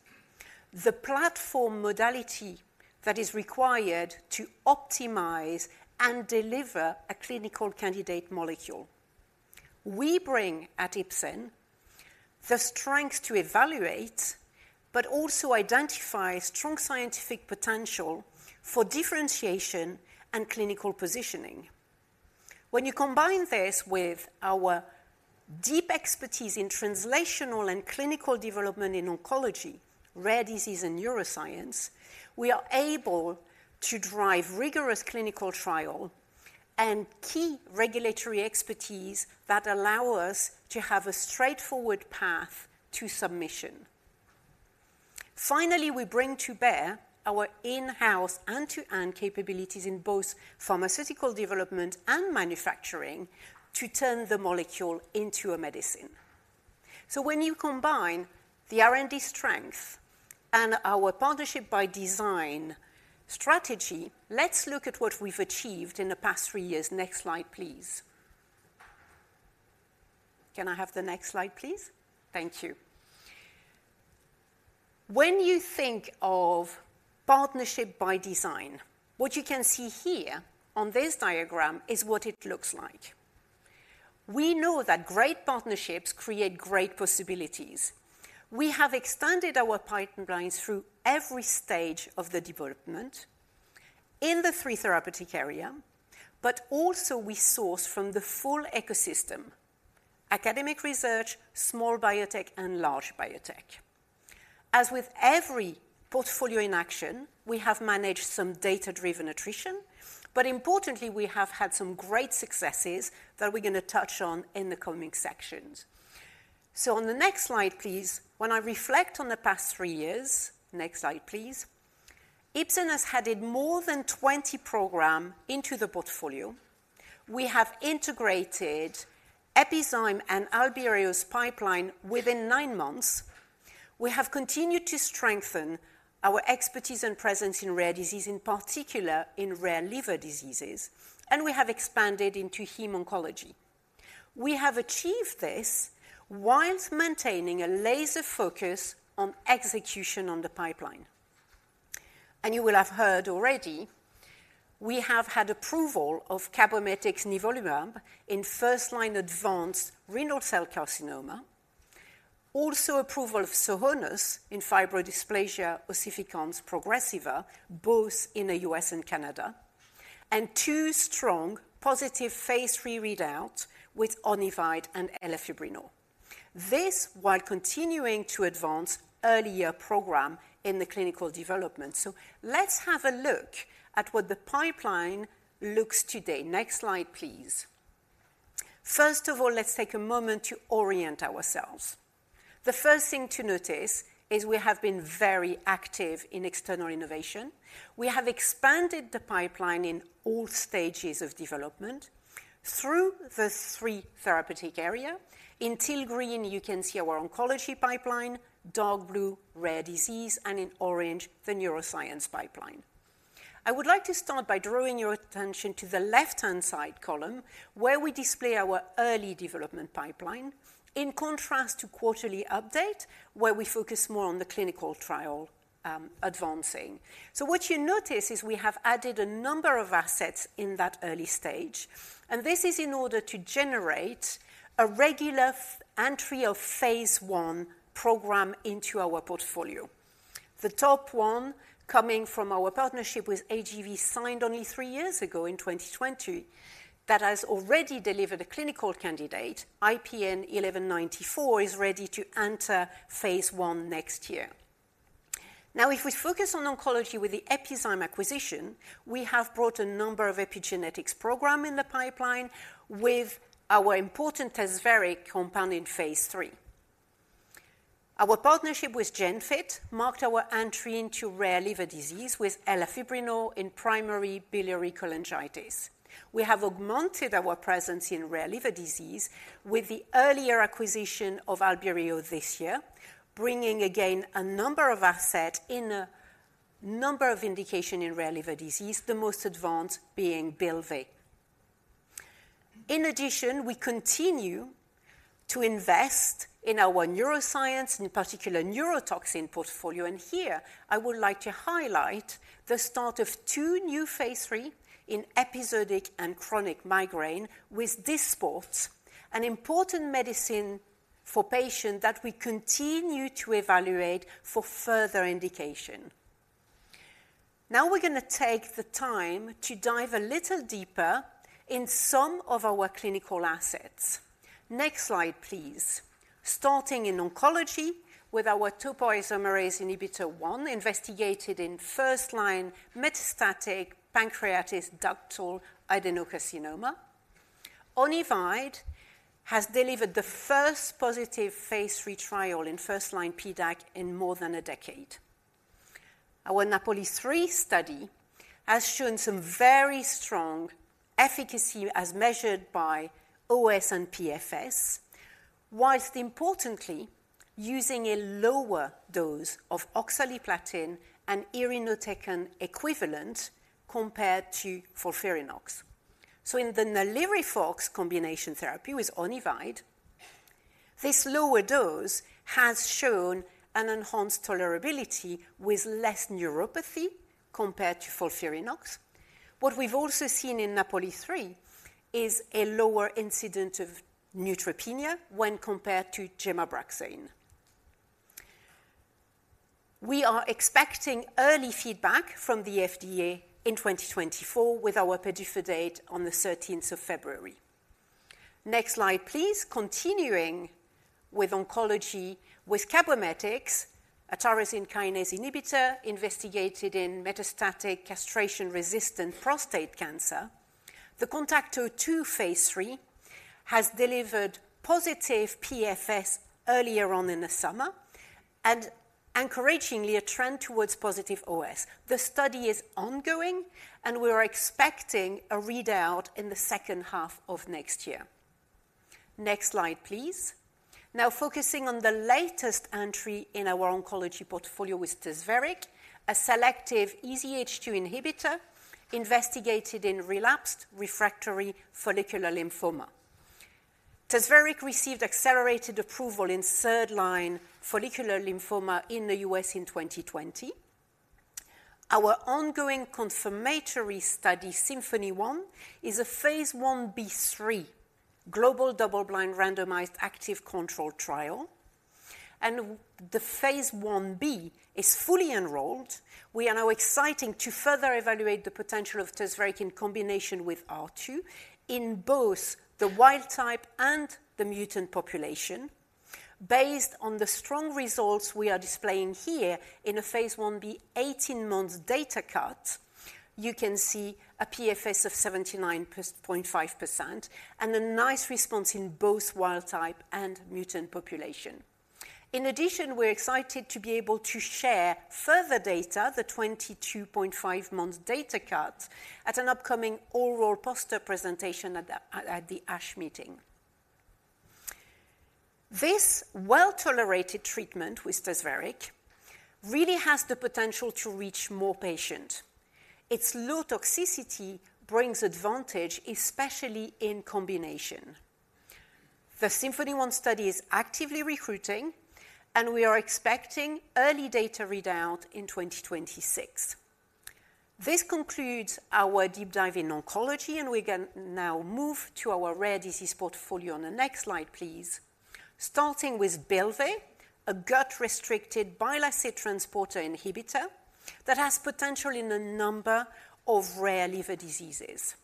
C: the platform modality that is required to optimize and deliver a clinical candidate molecule. We bring at Ipsen the strength to evaluate, but also identify strong scientific potential for differentiation and clinical positioning. When you combine this with our deep expertise in translational and clinical development in oncology, rare disease, and neuroscience, we are able to drive rigorous clinical trial and key regulatory expertise that allow us to have a straightforward path to submission. Finally, we bring to bear our in-house end-to-end capabilities in both pharmaceutical development and manufacturing to turn the molecule into a medicine. So when you combine the R&D strength and our partnership by design strategy, let's look at what we've achieved in the past three years. Next slide, please. Can I have the next slide, please? Thank you. When you think of partnership by design, what you can see here on this diagram is what it looks like. We know that great partnerships create great possibilities. We have extended our pipeline through every stage of the development in the three therapeutic area, but also we source from the full ecosystem: academic research, small biotech, and large biotech. As with every portfolio in action, we have managed some data-driven attrition, but importantly, we have had some great successes that we're going to touch on in the coming sections. So on the next slide, please. When I reflect on the past three years, next slide, please, Ipsen has added more than 20 programs into the portfolio. We have integrated Epizyme and Albireo's pipeline within nine months. We have continued to strengthen our expertise and presence in rare disease, in particular in rare liver diseases, and we have expanded into hem oncology. We have achieved this while maintaining a laser focus on execution on the pipeline. And you will have heard already, we have had approval of Cabometyx nivolumab in first-line advanced renal cell carcinoma. Also, approval of Sohonos in fibrodysplasia ossificans progressiva, both in the U.S. and Canada, and two strong positive phase III readouts with Onivyde and elafibranor. This while continuing to advance earlier programs in the clinical development. So let's have a look at what the pipeline looks today. Next slide, please. First of all, let's take a moment to orient ourselves. The first thing to notice is we have been very active in external innovation. We have expanded the pipeline in all stages of development through the three therapeutic area. In teal green, you can see our oncology pipeline, dark blue, rare disease, and in orange, the neuroscience pipeline. I would like to start by drawing your attention to the left-hand side column, where we display our early development pipeline, in contrast to quarterly update, where we focus more on the clinical trial advancing. So what you notice is we have added a number of assets in that early stage, and this is in order to generate a regular entry of phase I program into our portfolio. The top one coming from our partnership with AGV, signed only three years ago in 2020, that has already delivered a clinical candidate, IPN-01194, is ready to enter phase I next year. Now, if we focus on oncology with the Epizyme acquisition, we have brought a number of epigenetics program in the pipeline with our important Tazverik compound in phase III. Our partnership with Genfit marked our entry into rare liver disease with elafibranor in primary biliary cholangitis. We have augmented our presence in rare liver disease with the earlier acquisition of Albireo this year, bringing again a number of asset in a number of indication in rare liver disease, the most advanced being Bylvay. In addition, we continue to invest in our neuroscience, in particular neurotoxin portfolio, and here I would like to highlight the start of two new phase III in episodic and chronic migraine with Dysport, an important medicine for patients that we continue to evaluate for further indication. Now, we're going to take the time to dive a little deeper in some of our clinical assets. Next slide, please. Starting in oncology with our topoisomerase inhibitor, Onivyde, investigated in first-line metastatic pancreatic ductal adenocarcinoma. Onivyde has delivered the first positive phase III trial in first-line PDAC in more than a decade. Our NAPOLI-3 study has shown some very strong efficacy as measured by OS and PFS, while importantly, using a lower dose of oxaliplatin and irinotecan equivalent compared to FOLFIRINOX. So in the NALIRIFOX combination therapy with Onivyde, this lower dose has shown an enhanced tolerability with less neuropathy compared to FOLFIRINOX. What we've also seen in NAPOLI-3 is a lower incidence of neutropenia when compared to Gem/Abraxane. We are expecting early feedback from the FDA in 2024 with our PDUFA date on the February 13th. Next slide, please. Continuing with oncology, with Cabometyx, a tyrosine kinase inhibitor investigated in metastatic castration-resistant prostate cancer. The CONTACT-02 phase III has delivered positive PFS earlier on in the summer and encouragingly, a trend towards positive OS. The study is ongoing, and we are expecting a readout in the second half of next year. Next slide, please. Now focusing on the latest entry in our oncology portfolio with Tazverik, a selective EZH2 inhibitor investigated in relapsed refractory follicular lymphoma. Tazverik received accelerated approval in third-line follicular lymphoma in the U.S. in 2020. Our ongoing confirmatory study, SYMPHONY-1, is a phase I-B/III global double-blind, randomized active control trial, and the phase I-B is fully enrolled. We are now excited to further evaluate the potential of Tazverik in combination with R² in both the wild type and the mutant population. Based on the strong results we are displaying here in a phase I-B 18-month data cut, you can see a PFS of 79.5% and a nice response in both wild type and mutant population. In addition, we're excited to be able to share further data the 22.5-month data cut, at an upcoming oral poster presentation at the ASH meeting. This well-tolerated treatment with Tazverik really has the potential to reach more patients. Its low toxicity brings advantage, especially in combination. The SYMPHONY-1 study is actively recruiting, and we are expecting early data readout in 2026. This concludes our deep dive in oncology, and we can now move to our rare disease portfolio on the next slide, please. Starting with Bylvay, a gut-restricted bile acid transporter inhibitor that has potential in a number of rare liver diseases.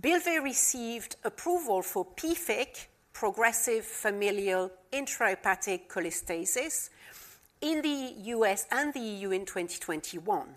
C: Bylvay received approval for PFIC, progressive familial intrahepatic cholestasis, in the U.S. and the EU in 2021.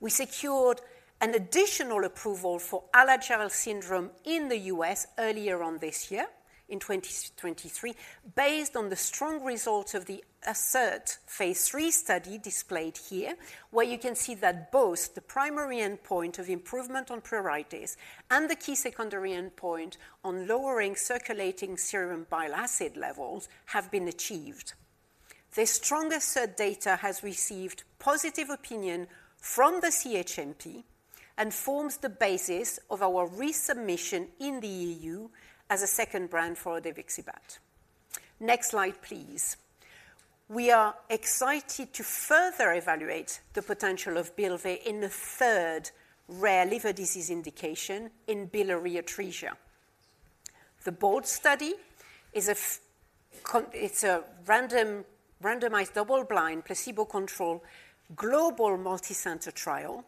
C: We secured an additional approval for Alagille syndrome in the U.S. earlier on this year, in 2023, based on the strong results of the ASSERT phase III study displayed here, where you can see that both the primary endpoint of improvement on pruritus and the key secondary endpoint on lowering circulating serum bile acid levels have been achieved. The phase III data has received positive opinion from the CHMP and forms the basis of our resubmission in the EU as a second indication for odevixibat. Next slide, please. We are excited to further evaluate the potential of Bylvay in the third rare liver disease indication in biliary atresia. The BOLD study is a randomized, double-blind, placebo-controlled, global multicenter trial.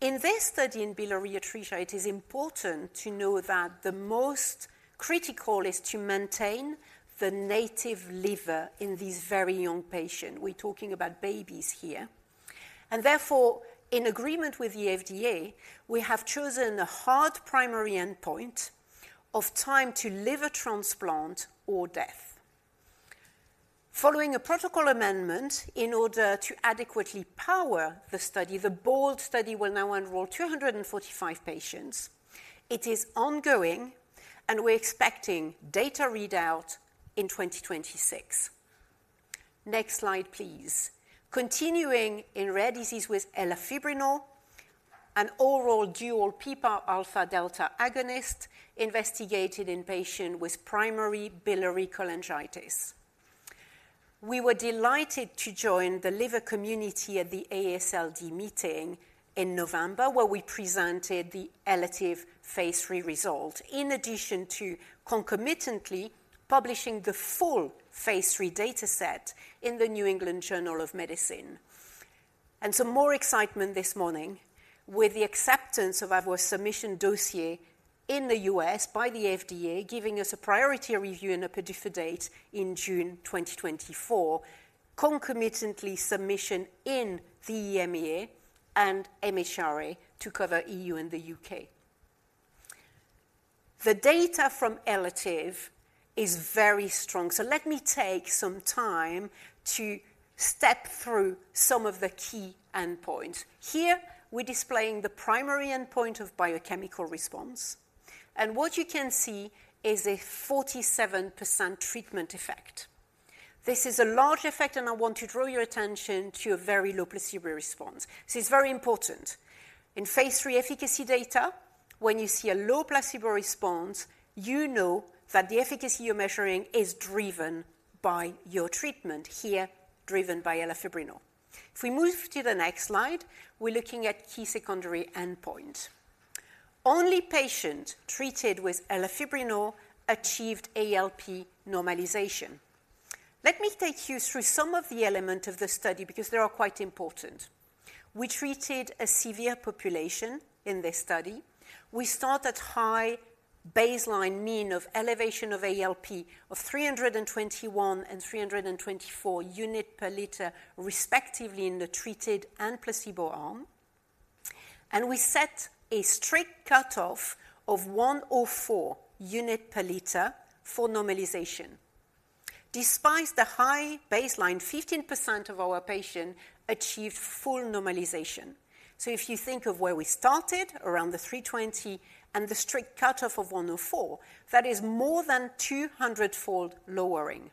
C: In this study, in biliary atresia, it is important to know that the most critical is to maintain the native liver in these very young patients. We're talking about babies here, and therefore, in agreement with the FDA, we have chosen a hard primary endpoint of time to liver transplant or death. Following a protocol amendment in order to adequately power the study, the BOLD study will now enroll 245 patients. It is ongoing, and we're expecting data readout in 2026. Next slide, please. Continuing in rare disease with elafibranor, an oral dual PPAR alpha delta agonist investigated in patients with primary biliary cholangitis. We were delighted to join the liver community at the AASLD meeting in November, where we presented the ELATIVE phase III result, in addition to concomitantly publishing the full phase III dataset in the New England Journal of Medicine. Some more excitement this morning with the acceptance of our submission dossier in the U.S. by the FDA, giving us a priority review and a PDUFA date in June 2024. Concomitantly, submission in the EMA and MHRA to cover EU and the U.K. The data from ELATIVE is very strong, so let me take some time to step through some of the key endpoints. Here, we're displaying the primary endpoint of biochemical response, and what you can see is a 47% treatment effect. This is a large effect, and I want to draw your attention to a very low placebo response. This is very important. In phase III efficacy data, when you see a low placebo response, you know that the efficacy you're measuring is driven by your treatment, here, driven by elafibranor. If we move to the next slide, we're looking at key secondary endpoint. Only patient treated with elafibranor achieved ALP normalization. Let me take you through some of the elements of the study because they are quite important. We treated a severe population in this study. We start at high baseline mean of elevation of ALP of 321 and 324 U/L, respectively, in the treated and placebo arm. We set a strict cutoff of 104 U/L for normalization. Despite the high baseline, 15% of our patients achieved full normalization. So if you think of where we started, around the 320 and the strict cutoff of 104, that is more than 200-fold lowering.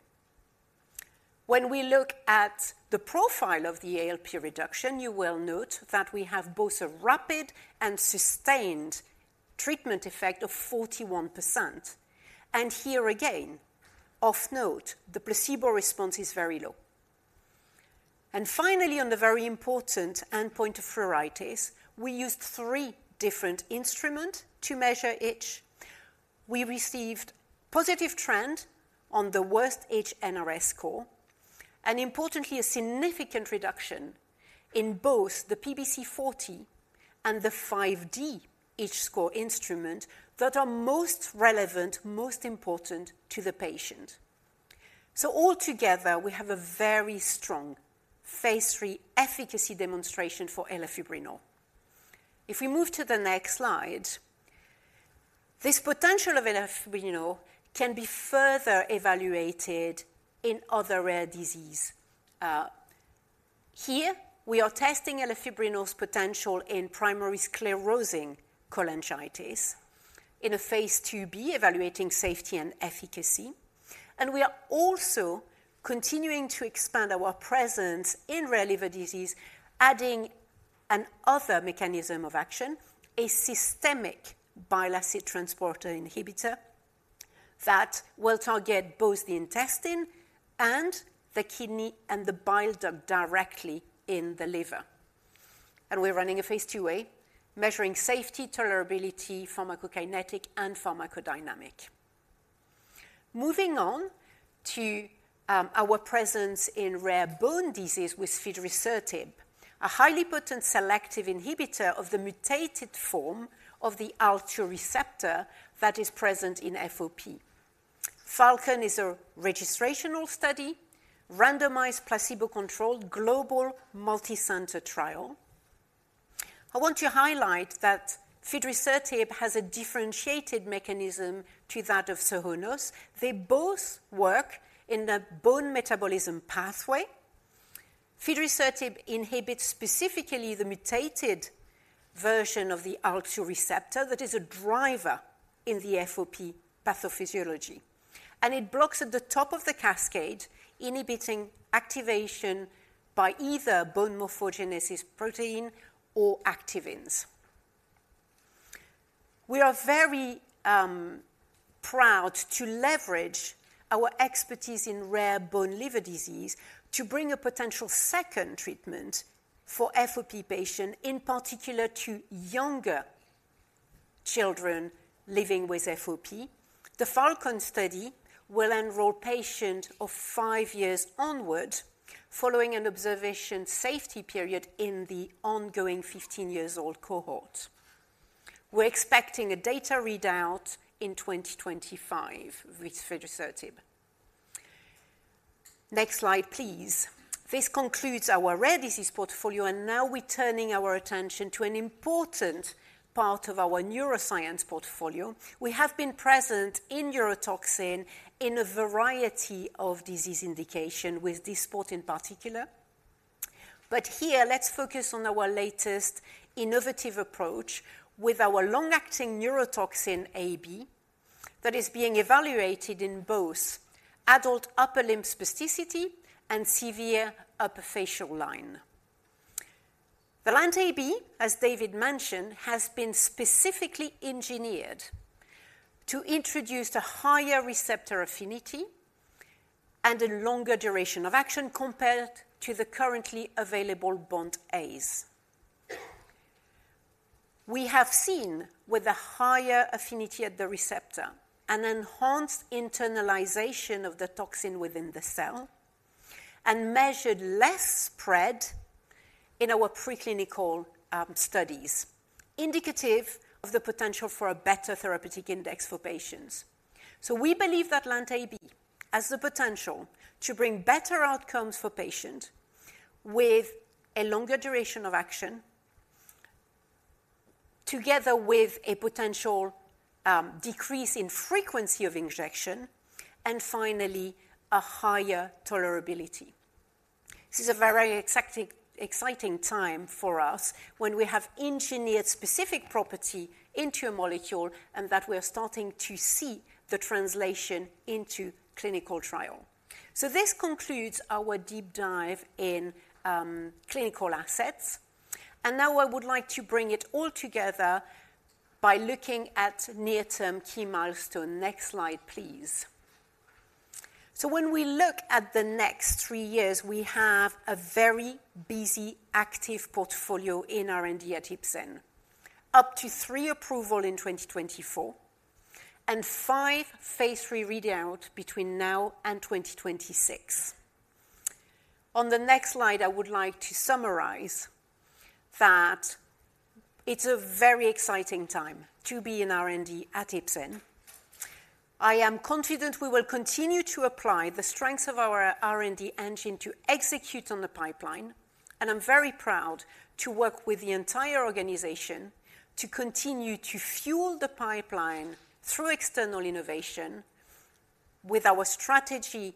C: When we look at the profile of the ALP reduction, you will note that we have both a rapid and sustained treatment effect of 41%. And here again, of note, the placebo response is very low. And finally, on the very important endpoint of pruritus, we used 3 different instruments to measure itch. We received positive trend on the worst itch NRS score, and importantly, a significant reduction in both the PBC-40 and the 5-D itch score instrument that are most relevant, most important to the patient. So altogether, we have a very strong phase III efficacy demonstration for elafibranor. If we move to the next slide, this potential of elafibranor can be further evaluated in other rare disease. Here we are testing elafibranor's potential in primary sclerosing cholangitis in a phase II-B, evaluating safety and efficacy. We are also continuing to expand our presence in rare liver disease, adding another mechanism of action, a systemic bile acid transporter inhibitor that will target both the intestine and the kidney and the bile duct directly in the liver. We're running a phase II-A, measuring safety, tolerability, pharmacokinetic, and pharmacodynamic. Moving on to our presence in rare bone disease with fidrisertib, a highly potent selective inhibitor of the mutated form of the ALK2 receptor that is present in FOP. FALCON is a registrational study, randomized, placebo-controlled, global, multicenter trial. I want to highlight that fidrisertib has a differentiated mechanism to that of Sohonos. They both work in the bone metabolism pathway. Fidrisertib inhibits specifically the mutated version of the ALK2 receptor that is a driver in the FOP pathophysiology, and it blocks at the top of the cascade, inhibiting activation by either bone morphogenesis protein or activins. We are very proud to leverage our expertise in rare bone liver disease to bring a potential second treatment for FOP patient, in particular to younger children living with FOP. The FALCON study will enroll patients of five years onward, following an observation safety period in the ongoing 15-year-old cohort. We're expecting a data readout in 2025 with fidrisertib. Next slide, please. This concludes our rare disease portfolio, and now we're turning our attention to an important part of our neuroscience portfolio. We have been present in neurotoxin in a variety of disease indication with Dysport in particular. But here, let's focus on our latest innovative approach with our long-acting neurotoxin LANT, that is being evaluated in both adult upper limb spasticity and severe upper facial line. LANT, as David mentioned, has been specifically engineered to introduce a higher receptor affinity and a longer duration of action compared to the currently available BoNT/A's. We have seen with a higher affinity at the receptor, an enhanced internalization of the toxin within the cell and measured less spread in our preclinical studies, indicative of the potential for a better therapeutic index for patients. So we believe that LANT has the potential to bring better outcomes for patients with a longer duration of action, together with a potential decrease in frequency of injection, and finally, a higher tolerability. This is a very exciting, exciting time for us when we have engineered specific property into a molecule and that we are starting to see the translation into clinical trial. This concludes our deep dive in clinical assets, and now I would like to bring it all together by looking at near-term key milestones. Next slide, please. So when we look at the next three years, we have a very busy, active portfolio in R&D at Ipsen. Up to three approvals in 2024, and five phase III readouts between now and 2026. On the next slide, I would like to summarize that it's a very exciting time to be in R&D at Ipsen. I am confident we will continue to apply the strengths of our R&D engine to execute on the pipeline, and I'm very proud to work with the entire organization to continue to fuel the pipeline through external innovation with our strategy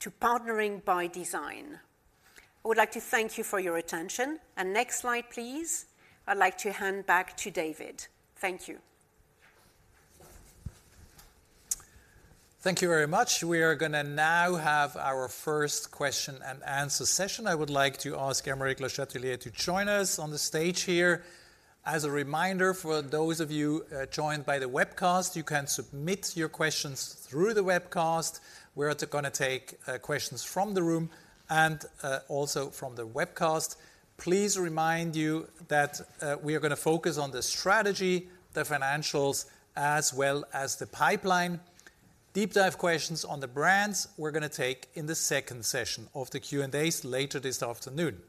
C: to partnering by design. I would like to thank you for your attention, and next slide, please. I'd like to hand back to David. Thank you.
A: Thank you very much. We are gonna now have our first question and answer session. I would like to ask Aymeric Le Chatelier to join us on the stage here. As a reminder, for those of you joined by the webcast, you can submit your questions through the webcast. We're gonna take questions from the room and also from the webcast. Please remind you that we are gonna focus on the strategy, the financials, as well as the pipeline. Deep dive questions on the brands, we're gonna take in the second session of the Q&A later this afternoon.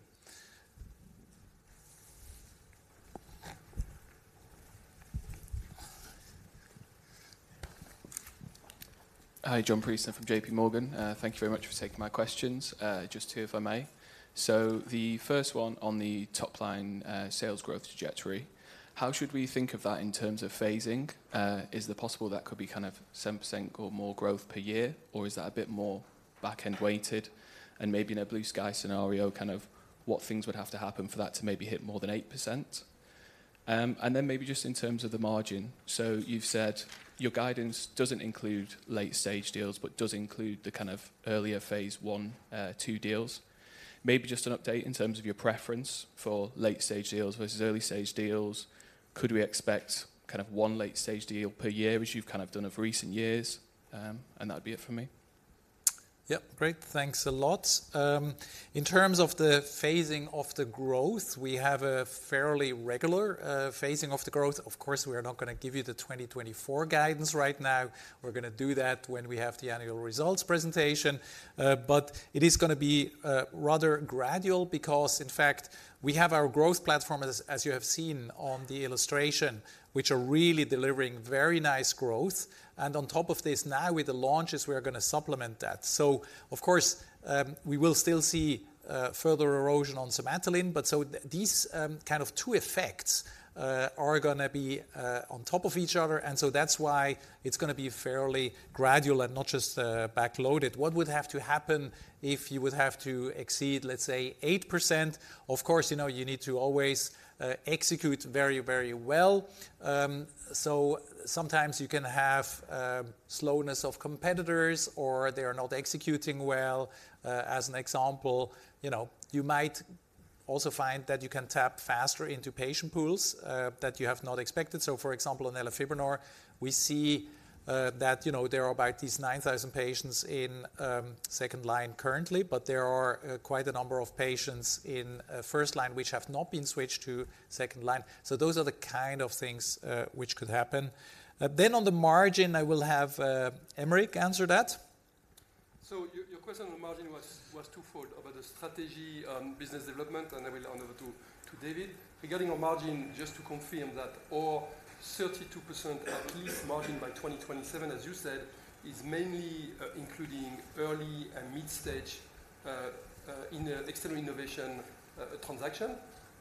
D: Hi, John Preece from JP Morgan. Thank you very much for taking my questions. Just two, if I may. So the first one on the top line, sales growth trajectory, how should we think of that in terms of phasing? Is it possible that could be kind of some percent or more growth per year, or is that a bit more back-end weighted? And maybe in a blue sky scenario, kind of what things would have to happen for that to maybe hit more than 8%. And then maybe just in terms of the margin. So you've said your guidance doesn't include late-stage deals, but does include the kind of earlier phase one, two deals. Maybe just an update in terms of your preference for late-stage deals versus early-stage deals. Could we expect kind of one late-stage deal per year, which you've kind of done of recent years? And that'd be it for me.
A: Yep, great. Thanks a lot. In terms of the phasing of the growth, we have a fairly regular phasing of the growth. Of course, we are not gonna give you the 2024 guidance right now. We're gonna do that when we have the annual results presentation. But it is gonna be rather gradual because, in fact, we have our growth platform, as you have seen on the illustration, which are really delivering very nice growth. And on top of this, now with the launches, we are gonna supplement that. So of course, we will still see further erosion on Somatuline, but so these kind of two effects are gonna be on top of each other, and so that's why it's gonna be fairly gradual and not just backloaded. What would have to happen if you would have to exceed, let's say, 8%? Of course, you know, you need to always execute very, very well. So sometimes you can have slowness of competitors, or they are not executing well. As an example, you know, you might also find that you can tap faster into patient pools that you have not expected. So, for example, in elafibranor, we see that, you know, there are about these 9,000 patients in second line currently, but there are quite a number of patients in first line, which have not been switched to second line. So those are the kind of things which could happen. Then on the margin, I will have Aymeric answer that.
B: So your question on margin was twofold, about the strategy on business development, and I will hand over to David. Regarding on margin, just to confirm that our 32% at least margin by 2027, as you said, is mainly including early and mid-stage in the external innovation transaction.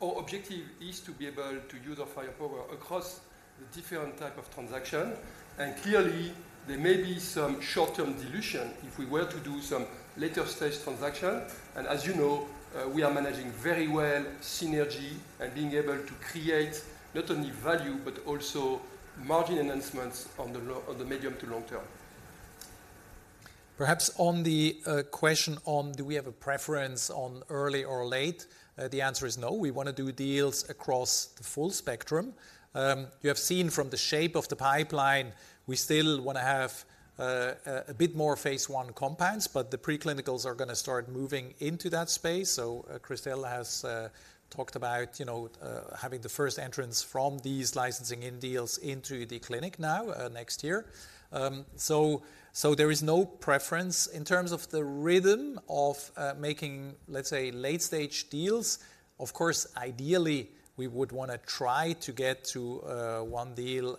B: Our objective is to be able to use our firepower across the different type of transaction, and clearly, there may be some short-term dilution if we were to do some later-stage transaction. And as you know, we are managing very well synergy and being able to create not only value, but also margin enhancements on the medium to long term.
A: Perhaps on the question on do we have a preference on early or late, the answer is no. We wanna do deals across the full spectrum. You have seen from the shape of the pipeline, we still wanna have a bit more phase one compounds, but the preclinicals are gonna start moving into that space. So, Christelle has talked about, you know, having the first entrants from these licensing in deals into the clinic now, next year. So, there is no preference. In terms of the rhythm of making, let's say, late-stage deals, of course, ideally, we would wanna try to get to one deal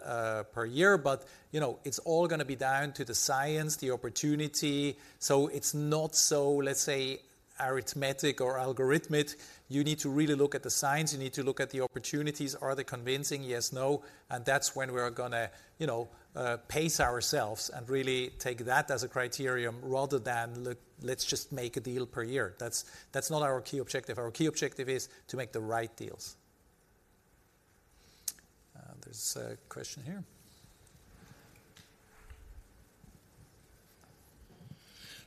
A: per year, but, you know, it's all gonna be down to the science, the opportunity. So it's not so, let's say, arithmetic or algorithmic. You need to really look at the science. You need to look at the opportunities. Are they convincing? Yes, no. And that's when we are gonna, you know, pace ourselves and really take that as a criterion rather than let's just make a deal per year. That's, that's not our key objective. Our key objective is to make the right deals. There's a question here.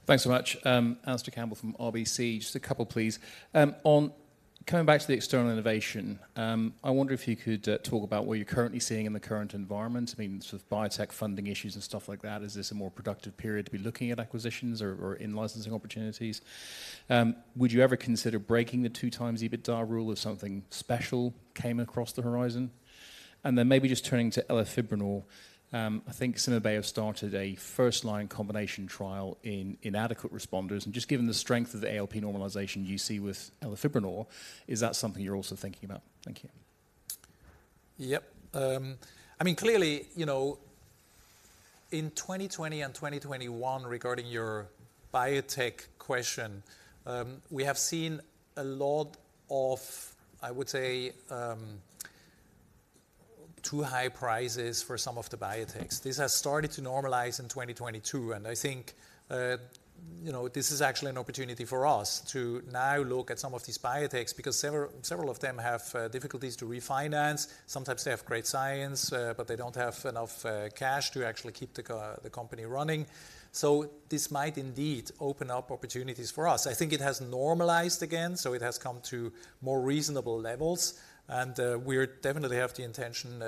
E: Thanks so much. Alistair Campbell from RBC. Just a couple, please. Coming back to the external innovation, I wonder if you could talk about what you're currently seeing in the current environment. I mean, sort of biotech funding issues and stuff like that. Is this a more productive period to be looking at acquisitions or in-licensing opportunities? Would you ever consider breaking the two times EBITDA rule if something special came across the horizon? And then maybe just turning to elafibranor. I think Sanofi have started a first-line combination trial in inadequate responders, and just given the strength of the ALP normalization you see with elafibranor, is that something you're also thinking about? Thank you.
A: Yep. I mean, clearly, you know, in 2020 and 2021, regarding your biotech question, we have seen a lot of, I would say, too high prices for some of the biotechs. This has started to normalize in 2022, and I think, you know, this is actually an opportunity for us to now look at some of these biotechs because several of them have difficulties to refinance. Sometimes they have great science, but they don't have enough cash to actually keep the company running. So this might indeed open up opportunities for us. I think it has normalized again, so it has come to more reasonable levels, and we definitely have the intention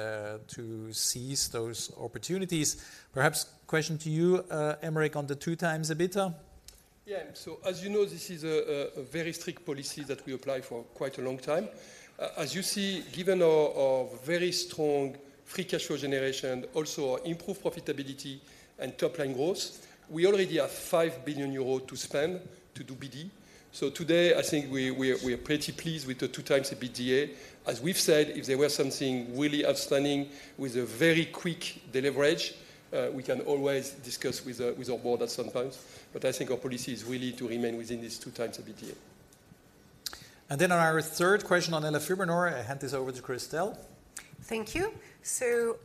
A: to seize those opportunities. Perhaps question to you, Aymeric, on the 2x EBITDA?
B: Yeah. So as you know, this is a very strict policy that we apply for quite a long time. As you see, given our very strong free cash flow generation, also our improved profitability and top-line growth, we already have 5 billion euros to spend to do BD. So today, I think we are pretty pleased with the 2x EBITDA. As we've said, if there were something really outstanding with a very quick delivery, we can always discuss with our board at some point. But I think our policy is really to remain within this 2x EBITDA.
A: Then, on our third question on elafibranor, I hand this over to Christelle.
C: Thank you. So,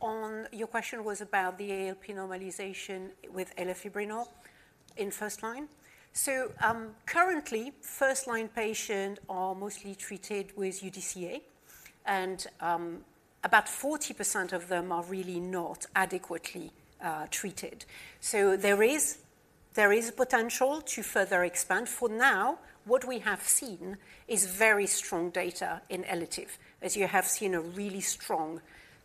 C: on your question was about the ALP normalization with elafibranor in first-line. So, currently, first-line patient are mostly treated with UDCA, and about 40% of them are really not adequately treated. So there is potential to further expand. For now, what we have seen is very strong data in ELATIVE, as you have seen a really strong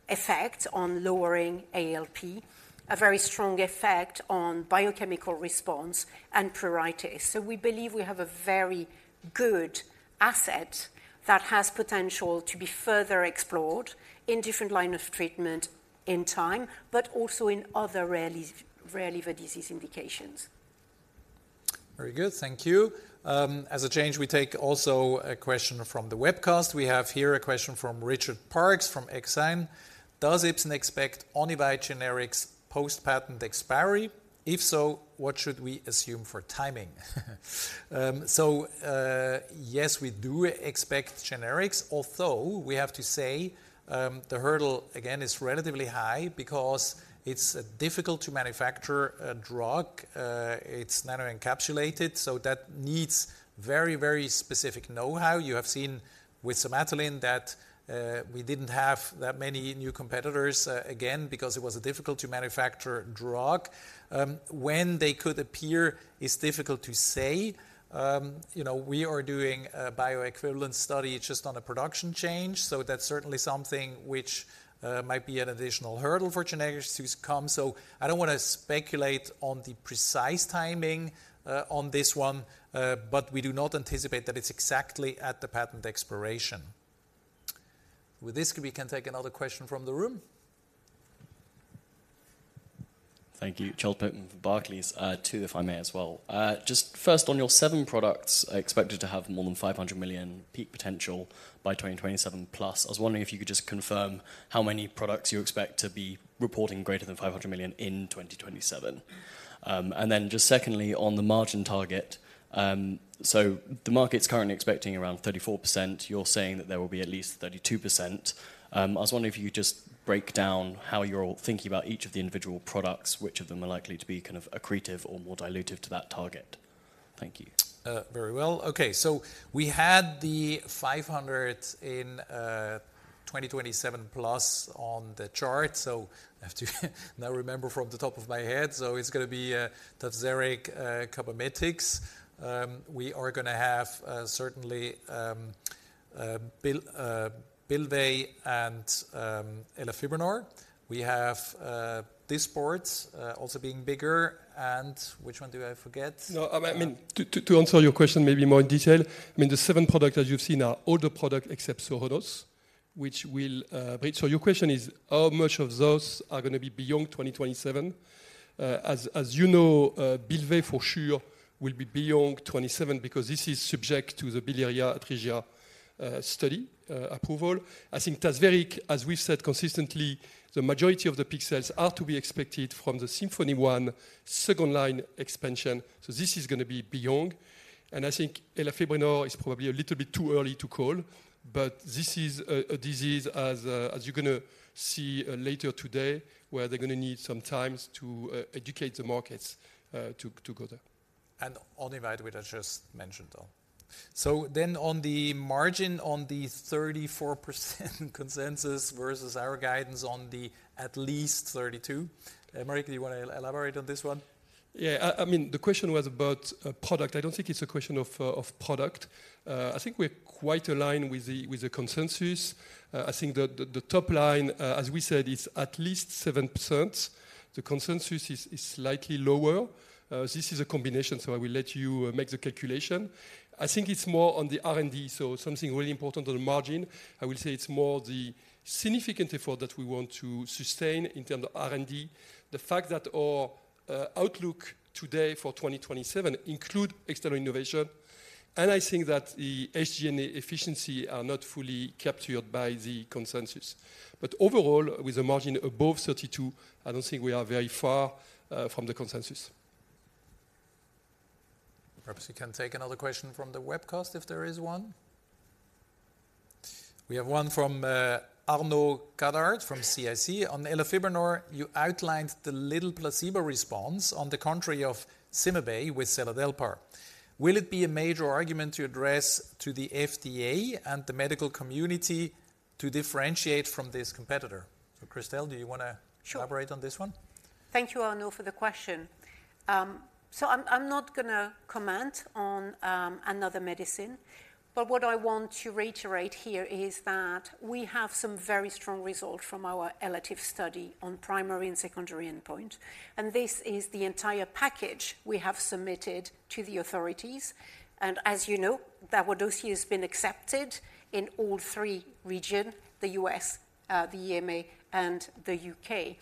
C: effect on lowering ALP, a very strong effect on biochemical response and pruritus. So we believe we have a very good asset that has potential to be further explored in different line of treatment in time, but also in other rare liver disease indications.
A: Very good. Thank you. As a change, we take also a question from the webcast. We have here a question from Richard Parkes, from Exane: Does Ipsen expect Onivyde generics post-patent expiry? If so, what should we assume for timing? So, yes, we do expect generics, although we have to say, the hurdle, again, is relatively high because it's difficult to manufacture a drug. It's nano-encapsulated, so that needs very, very specific know-how. You have seen with Somatuline that, we didn't have that many new competitors, again, because it was a difficult to manufacture drug. When they could appear is difficult to say. You know, we are doing a bioequivalent study just on a production change, so that's certainly something which, might be an additional hurdle for generics to come. So I don't want to speculate on the precise timing, on this one, but we do not anticipate that it's exactly at the patent expiration. With this, we can take another question from the room.
F: Thank you. Charles Pitman from Barclays. Two, if I may, as well. Just first, on your seven products expected to have more than 500 million peak potential by 2027 plus, I was wondering if you could just confirm how many products you expect to be reporting greater than 500 million in 2027. And then just secondly, on the margin target, so the market's currently expecting around 34%. You're saying that there will be at least 32%. I was wondering if you could just break down how you're all thinking about each of the individual products, which of them are likely to be kind of accretive or more dilutive to that target. Thank you.
A: Very well. Okay, so we had the 500 in 2027 plus on the chart, so I have to now remember from the top of my head. So it's gonna be Tazverik, Cabometyx. We are gonna have certainly Bylvay and elafibranor. We have Dysport also being bigger. And which one do I forget?
B: No, I mean, to answer your question maybe more in detail, I mean, the seven products, as you've seen, are all the products except Sohonos, which will reach. So your question is, how much of those are gonna be beyond 2027? As you know, Bylvay, for sure, will be beyond 2027 because this is subject to the biliary atresia study approval. I think Tazverik, as we've said consistently, the majority of the peak sales are to be expected from the SYMPHONY-1 second-line expansion, so this is gonna be beyond. And I think elafibranor is probably a little bit too early to call, but this is a disease, as you're gonna see later today, where they're gonna need some time to educate the markets to go there.
A: Onivyde, which I just mentioned though. Then on the margin, on the 34% consensus versus our guidance on the at least 32. Aymeric, do you want to elaborate on this one?
B: Yeah, I mean, the question was about product. I don't think it's a question of product. I think we're quite aligned with the consensus. I think the top line, as we said, is at least 7%. The consensus is slightly lower. This is a combination, so I will let you make the calculation. I think it's more on the R&D, so something really important on the margin. I will say it's more the significant effort that we want to sustain in terms of R&D. The fact that our outlook today for 2027 include external innovation, and I think that the SG&A efficiency are not fully captured by the consensus. But overall, with a margin above 32, I don't think we are very far from the consensus.
A: Perhaps you can take another question from the webcast if there is one. We have one from Arnaud Cadart from CIC. On elafibranor, you outlined the little placebo response on the contrary of CymaBay with seladelpar. Will it be a major argument to address to the FDA and the medical community to differentiate from this competitor? So, Christelle, do you wanna-
C: Sure.
A: Elaborate on this one?
C: Thank you, Arnaud, for the question. So I'm not gonna comment on another medicine, but what I want to reiterate here is that we have some very strong results from our ELATIVE study on primary and secondary endpoint, and this is the entire package we have submitted to the authorities. As you know, our dossier has been accepted in all three regions, the U.S., the EMA, and the U.K.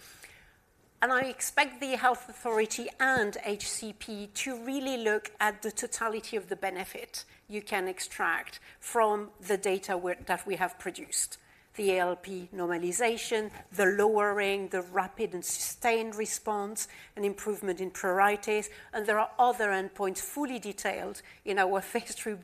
C: I expect the health authority and HCP to really look at the totality of the benefit you can extract from the data work that we have produced. The ALP normalization, the lowering, the rapid and sustained response, and improvement in pruritus, and there are other endpoints fully detailed in our phase 3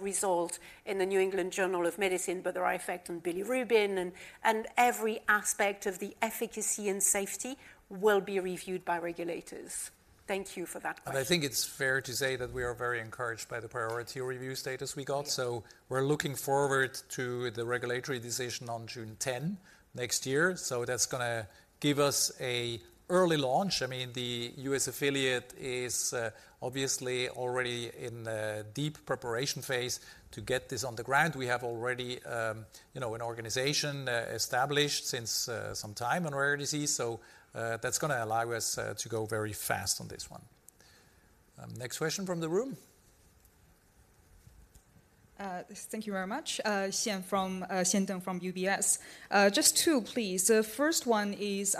C: result in the New England Journal of Medicine, but there are effect on bilirubin, and, and every aspect of the efficacy and safety will be reviewed by regulators. Thank you for that question.
A: I think it's fair to say that we are very encouraged by the priority review status we got.
C: Yeah.
A: So we're looking forward to the regulatory decision on June 10 next year. So that's gonna give us a early launch. I mean, the U.S. affiliate is obviously already in the deep preparation phase to get this on the ground. We have already, you know, an organization established since some time on rare disease, so that's gonna allow us to go very fast on this one. Next question from the room?
G: Thank you very much. Xian Deng from UBS. Just two, please. The first one is,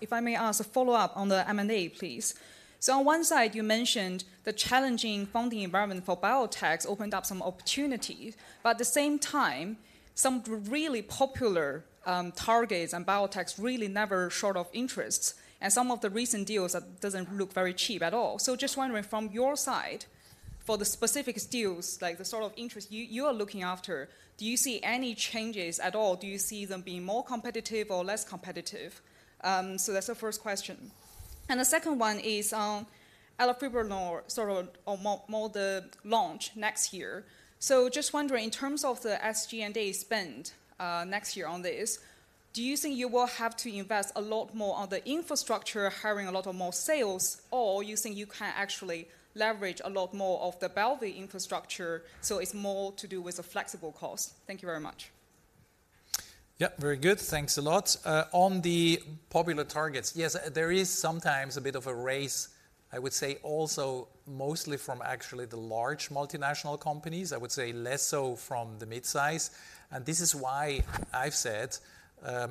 G: if I may ask a follow-up on the M&A, please. So on one side, you mentioned the challenging funding environment for biotechs opened up some opportunity, but at the same time, some really popular, targets and biotechs really never short of interests, and some of the recent deals that doesn't look very cheap at all. So just wondering, from your side, for the specific deals, like the sort of interest you, you are looking after, do you see any changes at all? Do you see them being more competitive or less competitive? So that's the first question. And the second one is on elafibranor, sort of on more the launch next year. So just wondering, in terms of the SG&A spend, next year on this, do you think you will have to invest a lot more on the infrastructure, hiring a lot of more sales, or you think you can actually leverage a lot more of the Bylvay infrastructure, so it's more to do with the flexible cost? Thank you very much.
A: Yeah, very good. Thanks a lot. On the popular targets, yes, there is sometimes a bit of a race, I would say also mostly from actually the large multinational companies, I would say less so from the mid-size. And this is why I've said,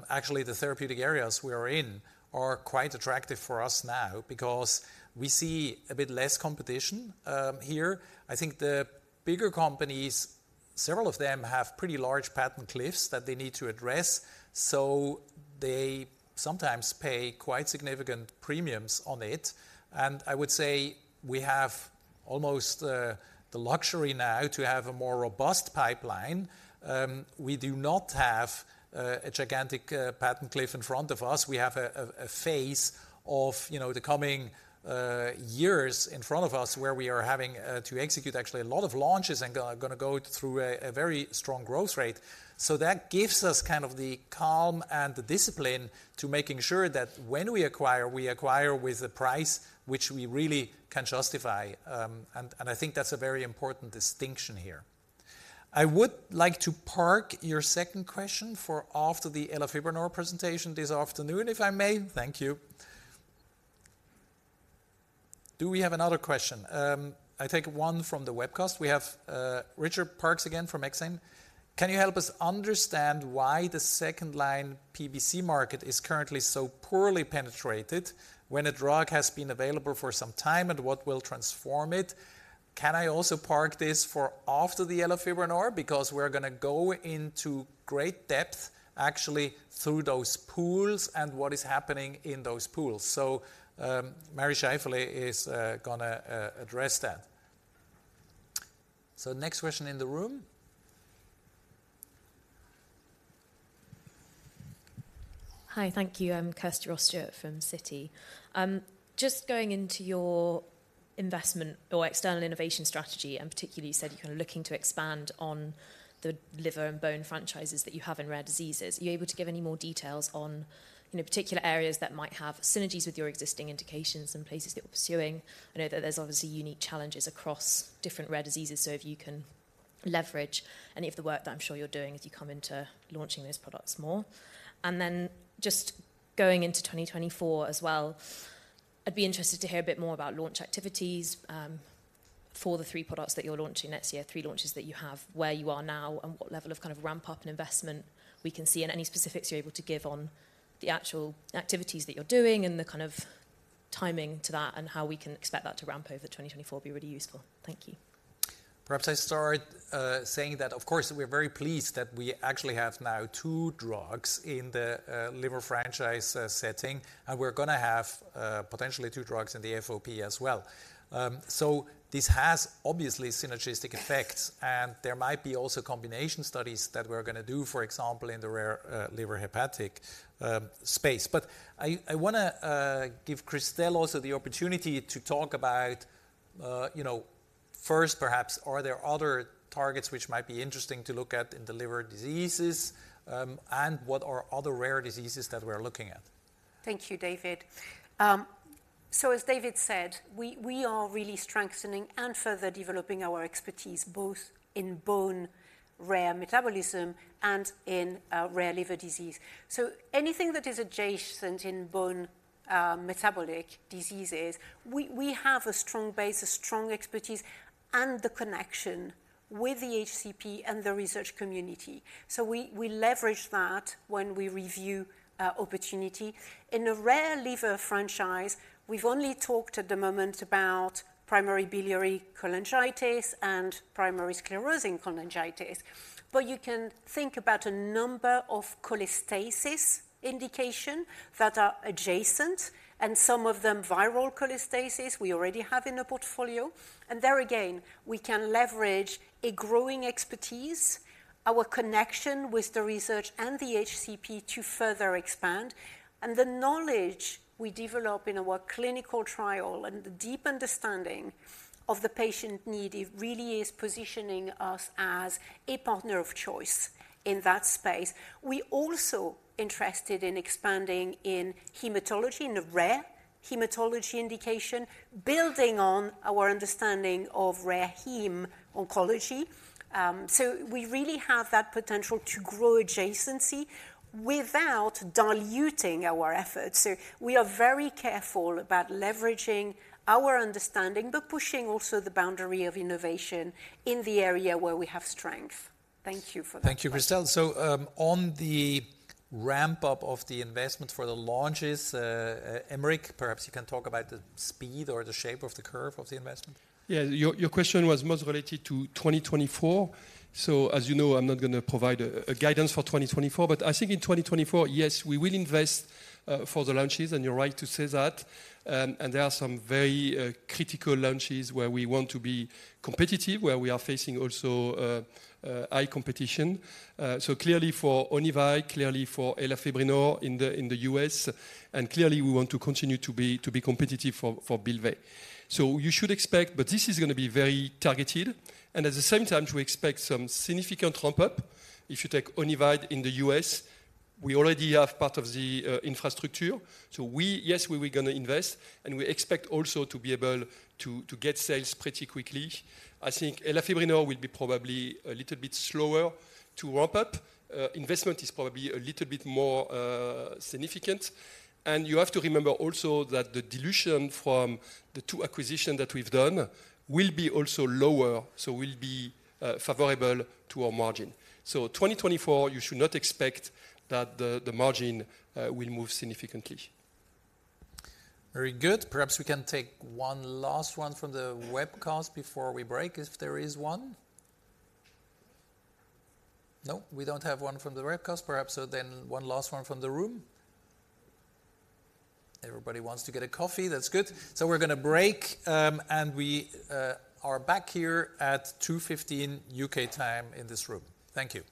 A: actually, the therapeutic areas we are in are quite attractive for us now because we see a bit less competition here. I think the bigger companies, several of them have pretty large patent cliffs that they need to address, so they sometimes pay quite significant premiums on it. And I would say we have almost the luxury now to have a more robust pipeline. We do not have a gigantic patent cliff in front of us. We have a phase of, you know, the coming years in front of us, where we are having to execute actually a lot of launches and gonna go through a very strong growth rate. So that gives us kind of the calm and the discipline to making sure that when we acquire, we acquire with a price which we really can justify, and I think that's a very important distinction here. I would like to park your second question for after the elafibranor presentation this afternoon, if I may. Thank you. Do we have another question? I take one from the webcast. We have Richard Parkes again from Exane. Can you help us understand why the second-line PBC market is currently so poorly penetrated when a drug has been available for some time, and what will transform it? Can I also park this for after the elafibranor? Because we're gonna go into great depth, actually through those pools and what is happening in those pools. So, Mari Scheiffele is gonna address that. So next question in the room?
H: Hi. Thank you. I'm Kirsty Ross-Stewart from Citi. Just going into your investment or external innovation strategy, and particularly you said you're kind of looking to expand on the liver and bone franchises that you have in rare diseases. Are you able to give any more details on, you know, particular areas that might have synergies with your existing indications and places that you're pursuing? I know that there's obviously unique challenges across different rare diseases, so if you can leverage any of the work that I'm sure you're doing as you come into launching those products more. And then just going into 2024 as well, I'd be interested to hear a bit more about launch activities for the three products that you're launching next year, three launches that you have, where you are now, and what level of kind of ramp-up and investment we can see, and any specifics you're able to give on the actual activities that you're doing and the kind of timing to that, and how we can expect that to ramp over 2024 will be really useful. Thank you.
A: Perhaps I start saying that, of course, we're very pleased that we actually have now two drugs in the liver franchise setting, and we're going to have potentially two drugs in the FOP as well. So this has obviously synergistic effects, and there might be also combination studies that we're going to do, for example, in the rare liver hepatic space. But I want to give Christelle also the opportunity to talk about, you know, first, perhaps, are there other targets which might be interesting to look at in the liver diseases, and what are other rare diseases that we're looking at?
C: Thank you, David. So as David said, we, we are really strengthening and further developing our expertise, both in bone rare metabolism and in rare liver disease. So anything that is adjacent in bone metabolic diseases, we, we have a strong base, a strong expertise, and the connection with the HCP and the research community. So we, we leverage that when we review opportunity. In a rare liver franchise, we've only talked at the moment about primary biliary cholangitis and primary sclerosing cholangitis. But you can think about a number of cholestasis indication that are adjacent, and some of them, viral cholestasis, we already have in the portfolio. And there, again, we can leverage a growing expertise, our connection with the research and the HCP to further expand. The knowledge we develop in our clinical trial and the deep understanding of the patient need, it really is positioning us as a partner of choice in that space. We also interested in expanding in hematology, in the rare hematology indication, building on our understanding of rare heme oncology. So we really have that potential to grow adjacency without diluting our efforts. So we are very careful about leveraging our understanding, but pushing also the boundary of innovation in the area where we have strength. Thank you for that.
A: Thank you, Christelle. On the ramp-up of the investment for the launches, Aymeric, perhaps you can talk about the speed or the shape of the curve of the investment.
B: Yeah. Your question was most related to 2024. So as you know, I'm not going to provide a guidance for 2024, but I think in 2024, yes, we will invest for the launches, and you're right to say that. And there are some very critical launches where we want to be competitive, where we are facing also high competition. So clearly for Onivyde, clearly for elafibranor in the U.S., and clearly, we want to continue to be competitive for Bylvay. So you should expect. But this is going to be very targeted, and at the same time, we expect some significant ramp-up. If you take Onivyde in the U.S., we already have part of the infrastructure. Yes, we were going to invest, and we expect also to be able to get sales pretty quickly. I think elafibranor will be probably a little bit slower to ramp up. Investment is probably a little bit more significant. And you have to remember also that the dilution from the two acquisition that we've done will be also lower, so will be favorable to our margin. So 2024, you should not expect that the margin will move significantly.
A: Very good. Perhaps we can take one last one from the webcast before we break, if there is one. No, we don't have one from the webcast. Perhaps so then one last one from the room. Everybody wants to get a coffee. That's good. So we're going to break, and we are back here at 2:15 P.M. U.K. time in this room. Thank you.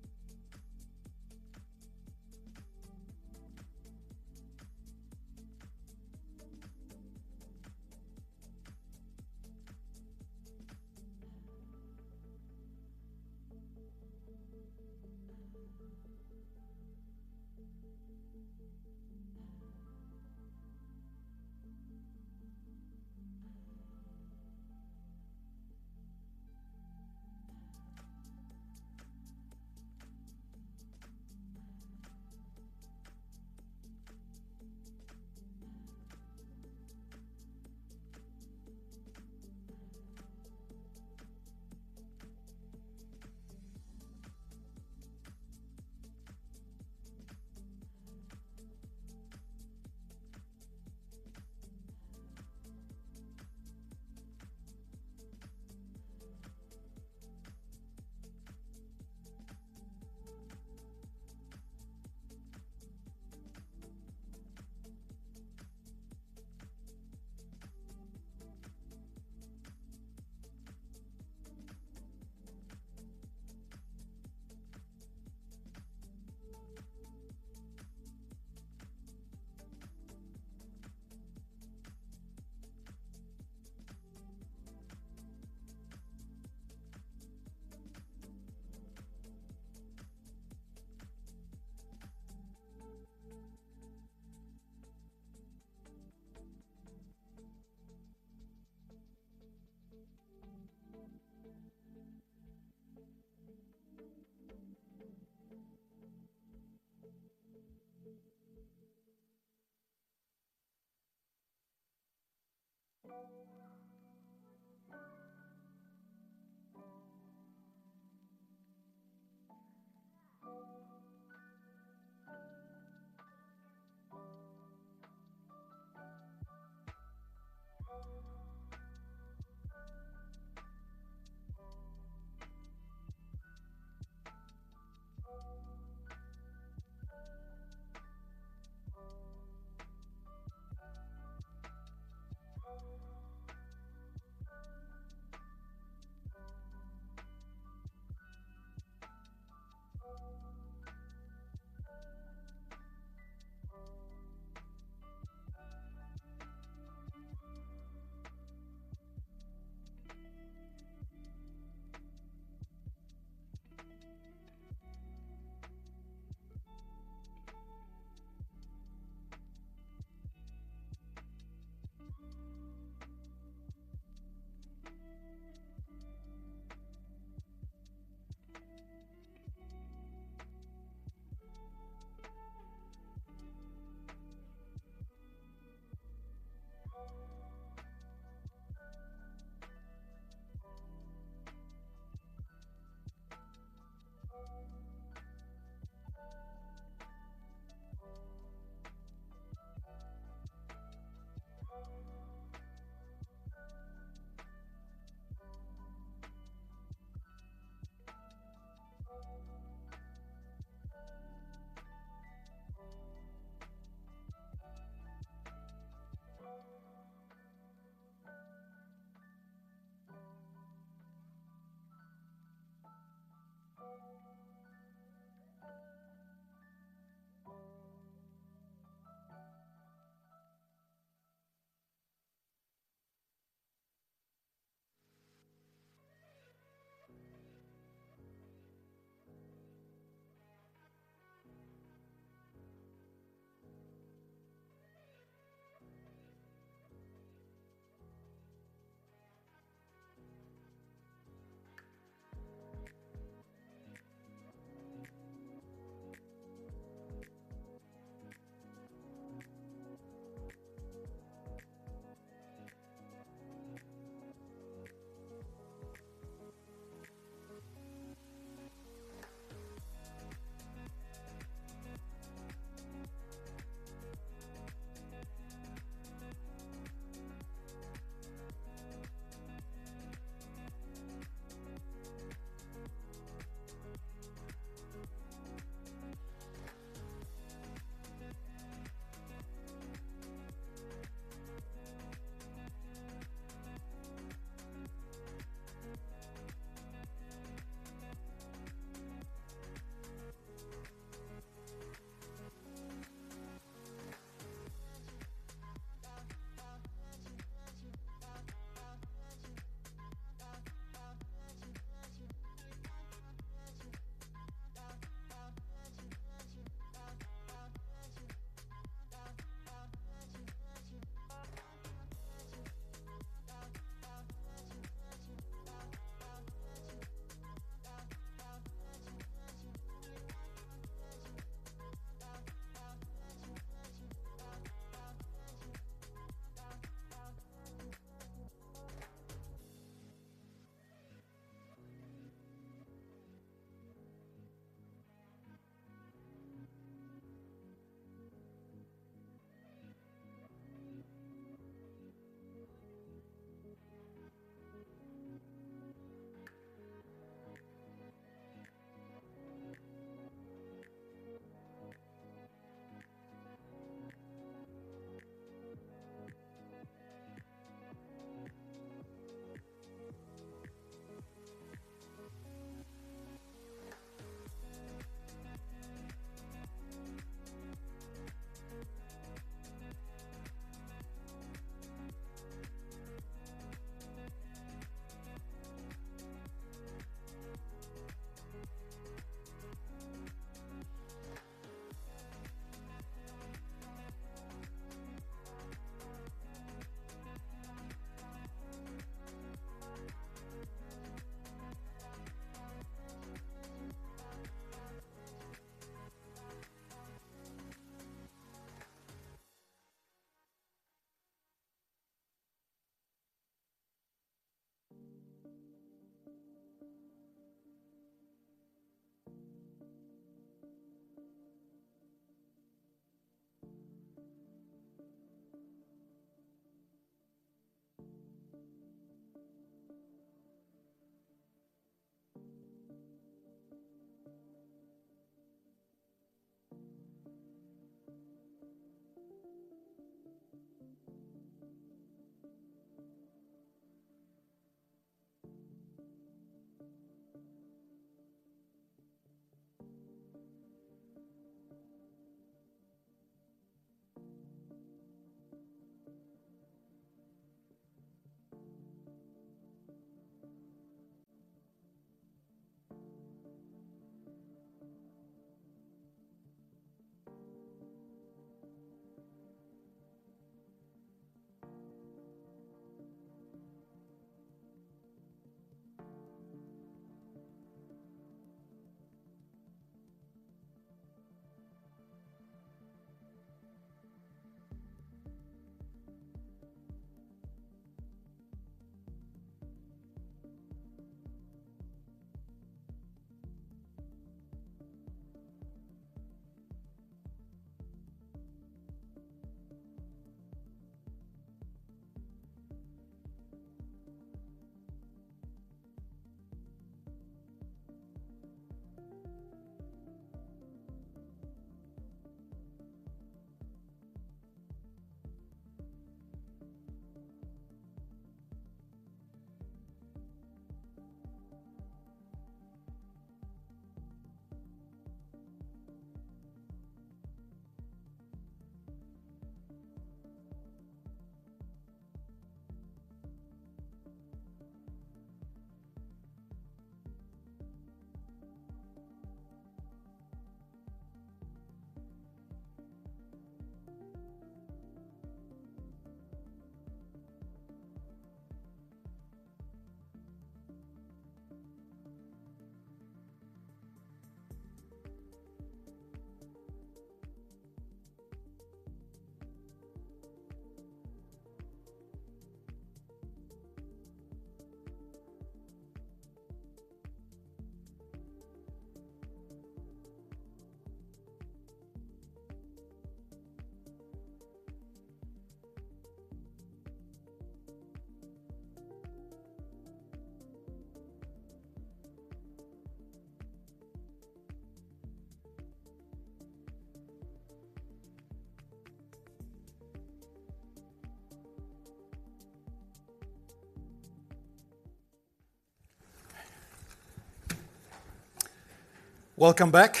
I: Welcome back!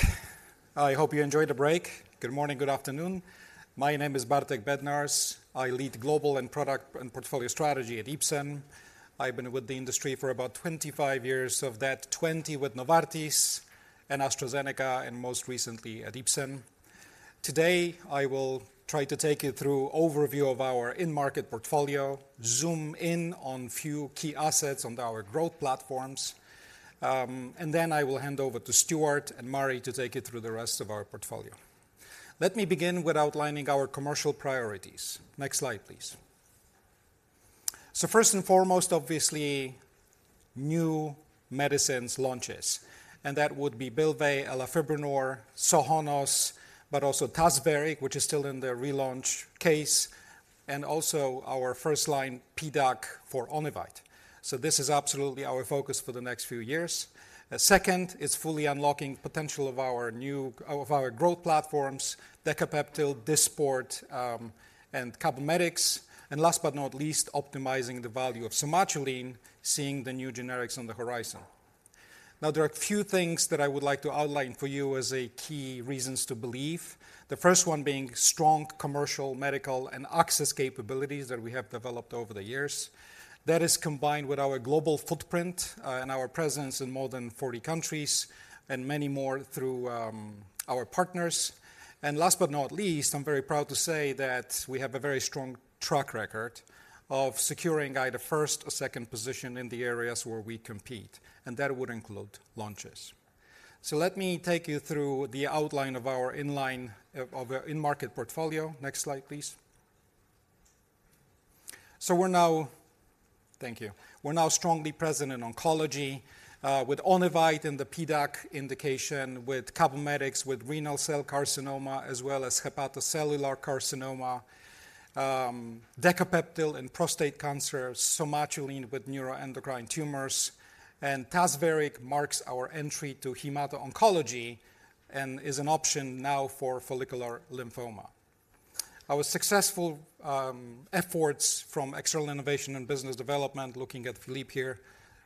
I: I hope you enjoyed the break. Good morning, good afternoon. My name is Bartek Bednarz. I lead Global and Product and Portfolio Strategy at Ipsen. I've been with the industry for about 25 years, of that, 20 with Novartis and AstraZeneca, and most recently at Ipsen. Today, I will try to take you through overview of our in-market portfolio, zoom in on few key assets on our growth platforms, and then I will hand over to Stewart and Mari to take you through the rest of our portfolio. Let me begin with outlining our commercial priorities. Next slide, please. So first and foremost, obviously, new medicines launches, and that would be Bylvay, elafibranor, Sohonos, but also Tazverik, which is still in the relaunch case, and also our first-line PDAC for Onivyde. So this is absolutely our focus for the next few years. Second, is fully unlocking potential of our growth platforms, Decapeptyl, Dysport, and Cabometyx. And last but not least, optimizing the value of Somatuline, seeing the new generics on the horizon. Now, there are a few things that I would like to outline for you as a key reasons to believe. The first one being strong commercial, medical, and access capabilities that we have developed over the years. That is combined with our global footprint, and our presence in more than 40 countries and many more through our partners. And last but not least, I'm very proud to say that we have a very strong track record of securing either first or second position in the areas where we compete, and that would include launches. So let me take you through the outline of our in-line, of our in-market portfolio. Next slide, please. So we're now. Thank you. We're now strongly present in oncology with Onivyde in the PDAC indication, with Cabometyx with renal cell carcinoma, as well as hepatocellular carcinoma, Decapeptyl in prostate cancer, Somatuline with neuroendocrine tumors, and Tazverik marks our entry to hemato-oncology and is an option now for follicular lymphoma. Our successful efforts from external innovation and business development, looking at Philippe here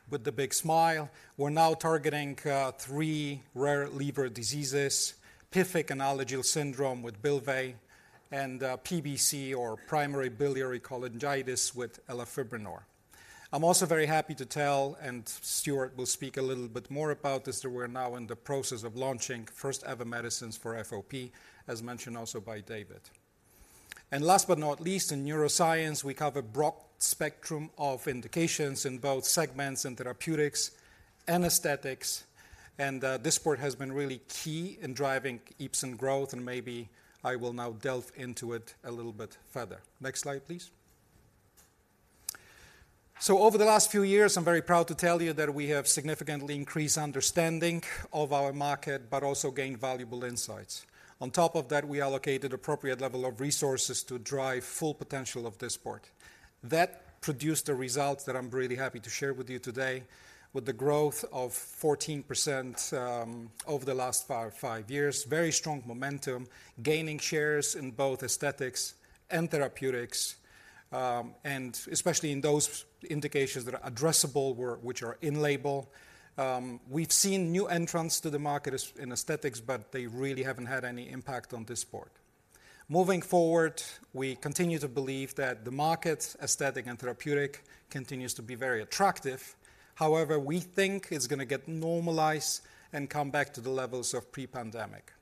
I: with the big smile, we're now targeting three rare liver diseases, PFIC and Alagille syndrome with Bylvay, and PBC or primary biliary cholangitis with elafibranor. I'm also very happy to tell, and Stewart will speak a little bit more about this, that we're now in the process of launching first-ever medicines for FOP, as mentioned also by David. Last but not least, in neuroscience, we cover broad spectrum of indications in both segments and therapeutics, aesthetics, and Dysport has been really key in driving Ipsen growth, and maybe I will now delve into it a little bit further. Next slide, please. Over the last few years, I'm very proud to tell you that we have significantly increased understanding of our market, but also gained valuable insights. On top of that, we allocated appropriate level of resources to drive full potential of Dysport. That produced the results that I'm really happy to share with you today, with the growth of 14% over the last five years. Very strong momentum, gaining shares in both aesthetics and therapeutics, and especially in those indications that are addressable, which are in label. We've seen new entrants to the market in aesthetics, but they really haven't had any impact on Dysport. Moving forward, we continue to believe that the market, aesthetic and therapeutic, continues to be very attractive. However, we think it's gonna get normalized and come back to the levels of pre-pandemic.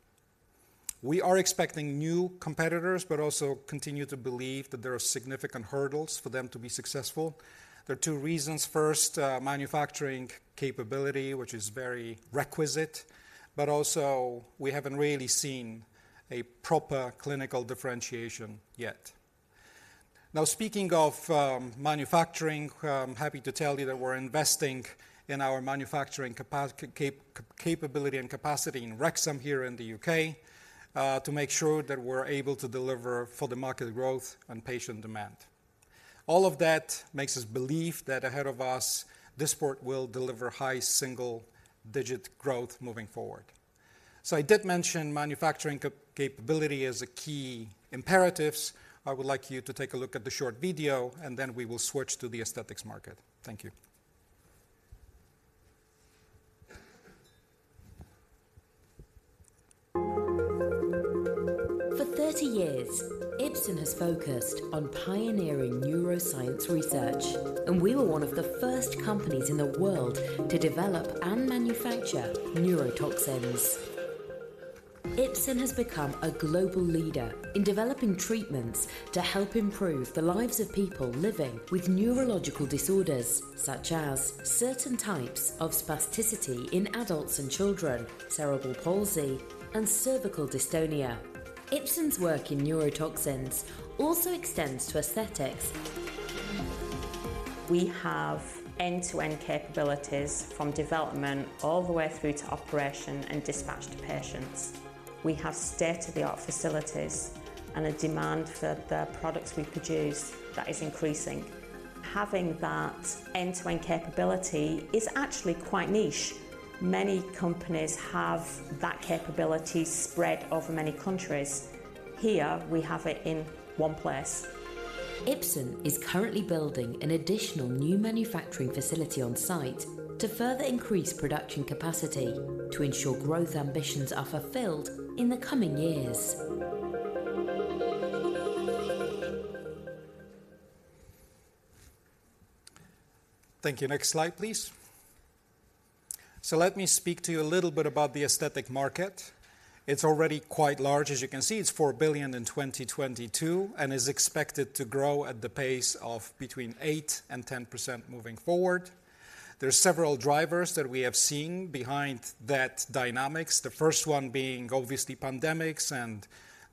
I: We are expecting new competitors, but also continue to believe that there are significant hurdles for them to be successful. There are two reasons: First, manufacturing capability, which is very requisite, but also we haven't really seen a proper clinical differentiation yet. Now, speaking of manufacturing, I'm happy to tell you that we're investing in our manufacturing capac capability and capacity in Wrexham here in the U.K. to make sure that we're able to deliver for the market growth and patient demand. All of that makes us believe that ahead of us, Dysport will deliver high single-digit growth moving forward. So I did mention manufacturing capability as a key imperatives. I would like you to take a look at the short video, and then we will switch to the aesthetics market. Thank you.
J: For 30 years, Ipsen has focused on pioneering neuroscience research, and we were one of the first companies in the world to develop and manufacture neurotoxins. Ipsen has become a global leader in developing treatments to help improve the lives of people living with neurological disorders, such as certain types of spasticity in adults and children, cerebral palsy, and cervical dystonia. Ipsen's work in neurotoxins also extends to aesthetics. We have end-to-end capabilities from development all the way through to operation and dispatch to patients. We have state-of-the-art facilities and a demand for the products we produce that is increasing. Having that end-to-end capability is actually quite niche. Many companies have that capability spread over many countries. Here, we have it in one place. Ipsen is currently building an additional new manufacturing facility on site to further increase production capacity to ensure growth ambitions are fulfilled in the coming years.
I: Thank you. Next slide, please. So let me speak to you a little bit about the aesthetic market. It's already quite large. As you can see, it's $4 billion in 2022 and is expected to grow at the pace of between 8% and 10% moving forward. There are several drivers that we have seen behind that dynamics. The first one being obviously pandemics and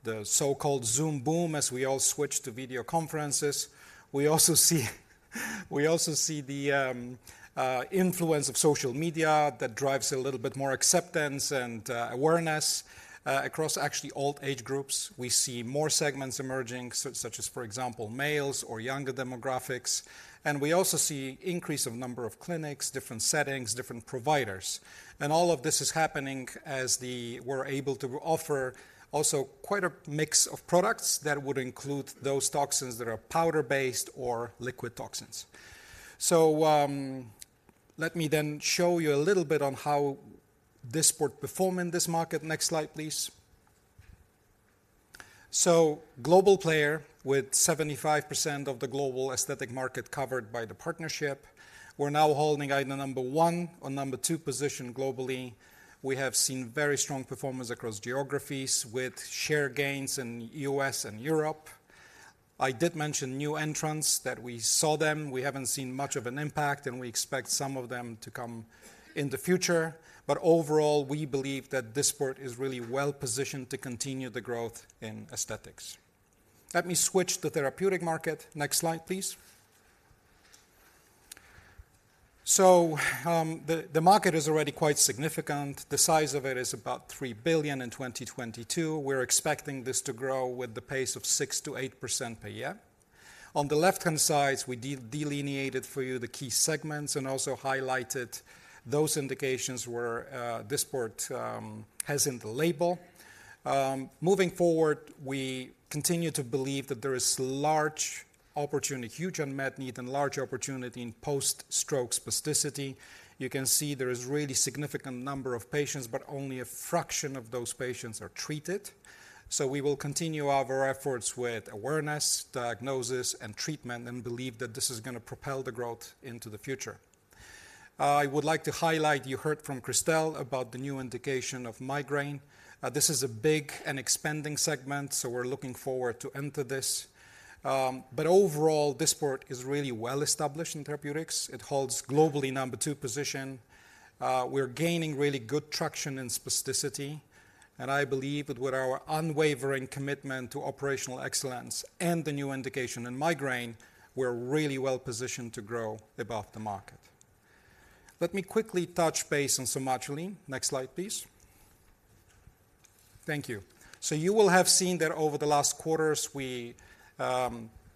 I: the so-called Zoom boom, as we all switched to video conferences. We also see the influence of social media that drives a little bit more acceptance and awareness across actually all age groups. We see more segments emerging, such as, for example, males or younger demographics. And we also see increase of number of clinics, different settings, different providers. All of this is happening as we're able to offer also quite a mix of products that would include those toxins that are powder-based or liquid toxins. So, let me then show you a little bit on how Dysport perform in this market. Next slide, please. So global player with 75% of the global aesthetic market covered by the partnership. We're now holding either number one or number two position globally. We have seen very strong performance across geographies, with share gains in U.S. and Europe. I did mention new entrants, that we saw them. We haven't seen much of an impact, and we expect some of them to come in the future. But overall, we believe that Dysport is really well positioned to continue the growth in aesthetics. Let me switch to therapeutic market. Next slide, please. The market is already quite significant. The size of it is about $3 billion in 2022. We're expecting this to grow with the pace of 6%-8% per year. On the left-hand side, we delineated for you the key segments and also highlighted those indications where Dysport has in the label. Moving forward, we continue to believe that there is large opportunity, huge unmet need and large opportunity in post-stroke spasticity. You can see there is really significant number of patients, but only a fraction of those patients are treated. We will continue our efforts with awareness, diagnosis, and treatment, and believe that this is gonna propel the growth into the future. I would like to highlight, you heard from Christelle about the new indication of migraine. This is a big and expanding segment, so we're looking forward to enter this. But overall, Dysport is really well established in therapeutics. It holds globally number two position. We're gaining really good traction in spasticity, and I believe that with our unwavering commitment to operational excellence and the new indication in migraine, we're really well positioned to grow above the market. Let me quickly touch base on Somatuline. Next slide, please. Thank you. So you will have seen that over the last quarters, we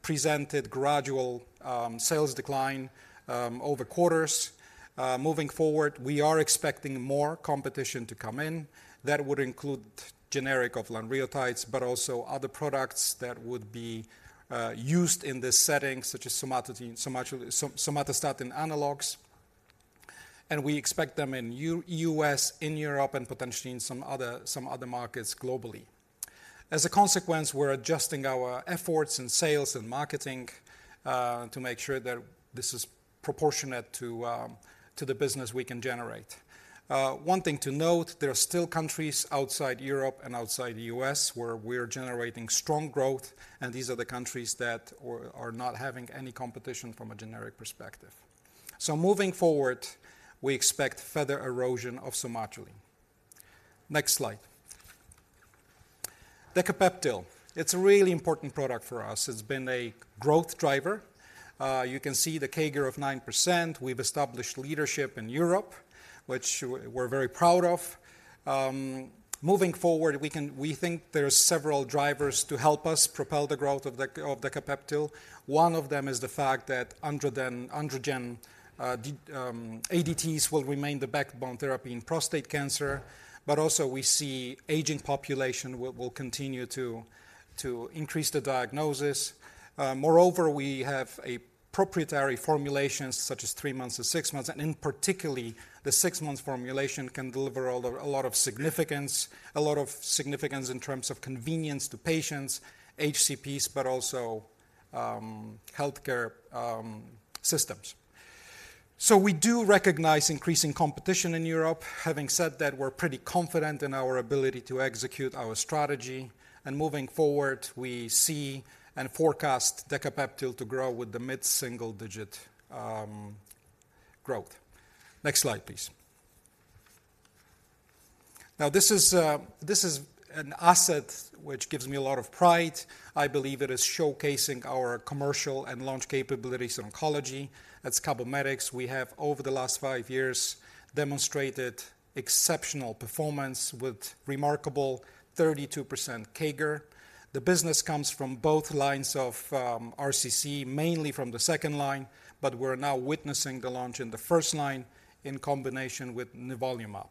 I: presented gradual sales decline over quarters. Moving forward, we are expecting more competition to come in. That would include generic of lanreotide, but also other products that would be used in this setting, such as somatostatin analogues. We expect them in U.S., in Europe, and potentially in some other markets globally. As a consequence, we're adjusting our efforts in sales and marketing to make sure that this is proportionate to the business we can generate. One thing to note, there are still countries outside Europe and outside the US where we're generating strong growth, and these are the countries that are not having any competition from a generic perspective. So moving forward, we expect further erosion of Somatuline. Next slide. Decapeptyl. It's a really important product for us. It's been a growth driver. You can see the CAGR of 9%. We've established leadership in Europe, which we're very proud of. Moving forward, we think there are several drivers to help us propel the growth of Decapeptyl. One of them is the fact that androgen ADTs will remain the backbone therapy in prostate cancer, but also we see aging population will continue to increase the diagnosis. Moreover, we have proprietary formulations, such as three months and six months, and in particular, the six months formulation can deliver a lot of significance, a lot of significance in terms of convenience to patients, HCPs, but also healthcare systems. So we do recognize increasing competition in Europe. Having said that, we're pretty confident in our ability to execute our strategy, and moving forward, we see and forecast Decapeptyl to grow with the mid-single-digit growth. Next slide, please. Now, this is an asset which gives me a lot of pride. I believe it is showcasing our commercial and launch capabilities in oncology. That's Cabometyx. We have, over the last five years, demonstrated exceptional performance with remarkable 32% CAGR. The business comes from both lines of RCC, mainly from the second line, but we're now witnessing the launch in the first line in combination with nivolumab.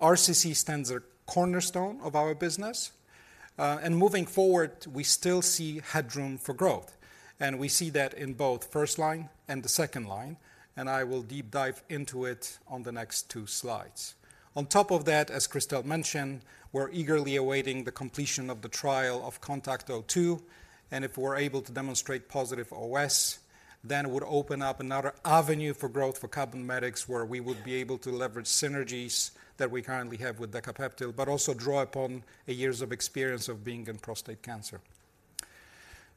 I: RCC stands a cornerstone of our business, and moving forward, we still see headroom for growth, and we see that in both first line and the second line, and I will deep dive into it on the next two slides. On top of that, as Christelle mentioned, we're eagerly awaiting the completion of the trial of CONTACT-02, and if we're able to demonstrate positive OS, then it would open up another avenue for growth for Cabometyx, where we would be able to leverage synergies that we currently have with Decapeptyl, but also draw upon the years of experience of being in prostate cancer.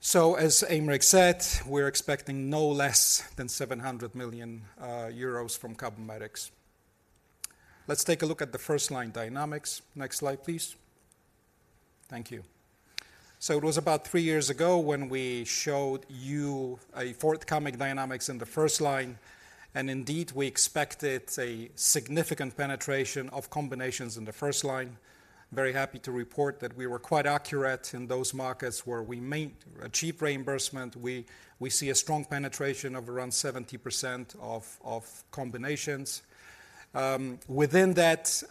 I: So as Aymeric said, we're expecting no less than 700 million euros from Cabometyx. Let's take a look at the first-line dynamics. Next slide, please. Thank you. So it was about three years ago when we showed you a forthcoming dynamics in the first line, and indeed, we expected a significant penetration of combinations in the first line. Very happy to report that we were quite accurate in those markets where we made achieve reimbursement. We, we see a strong penetration of around 70% of combinations. Within that,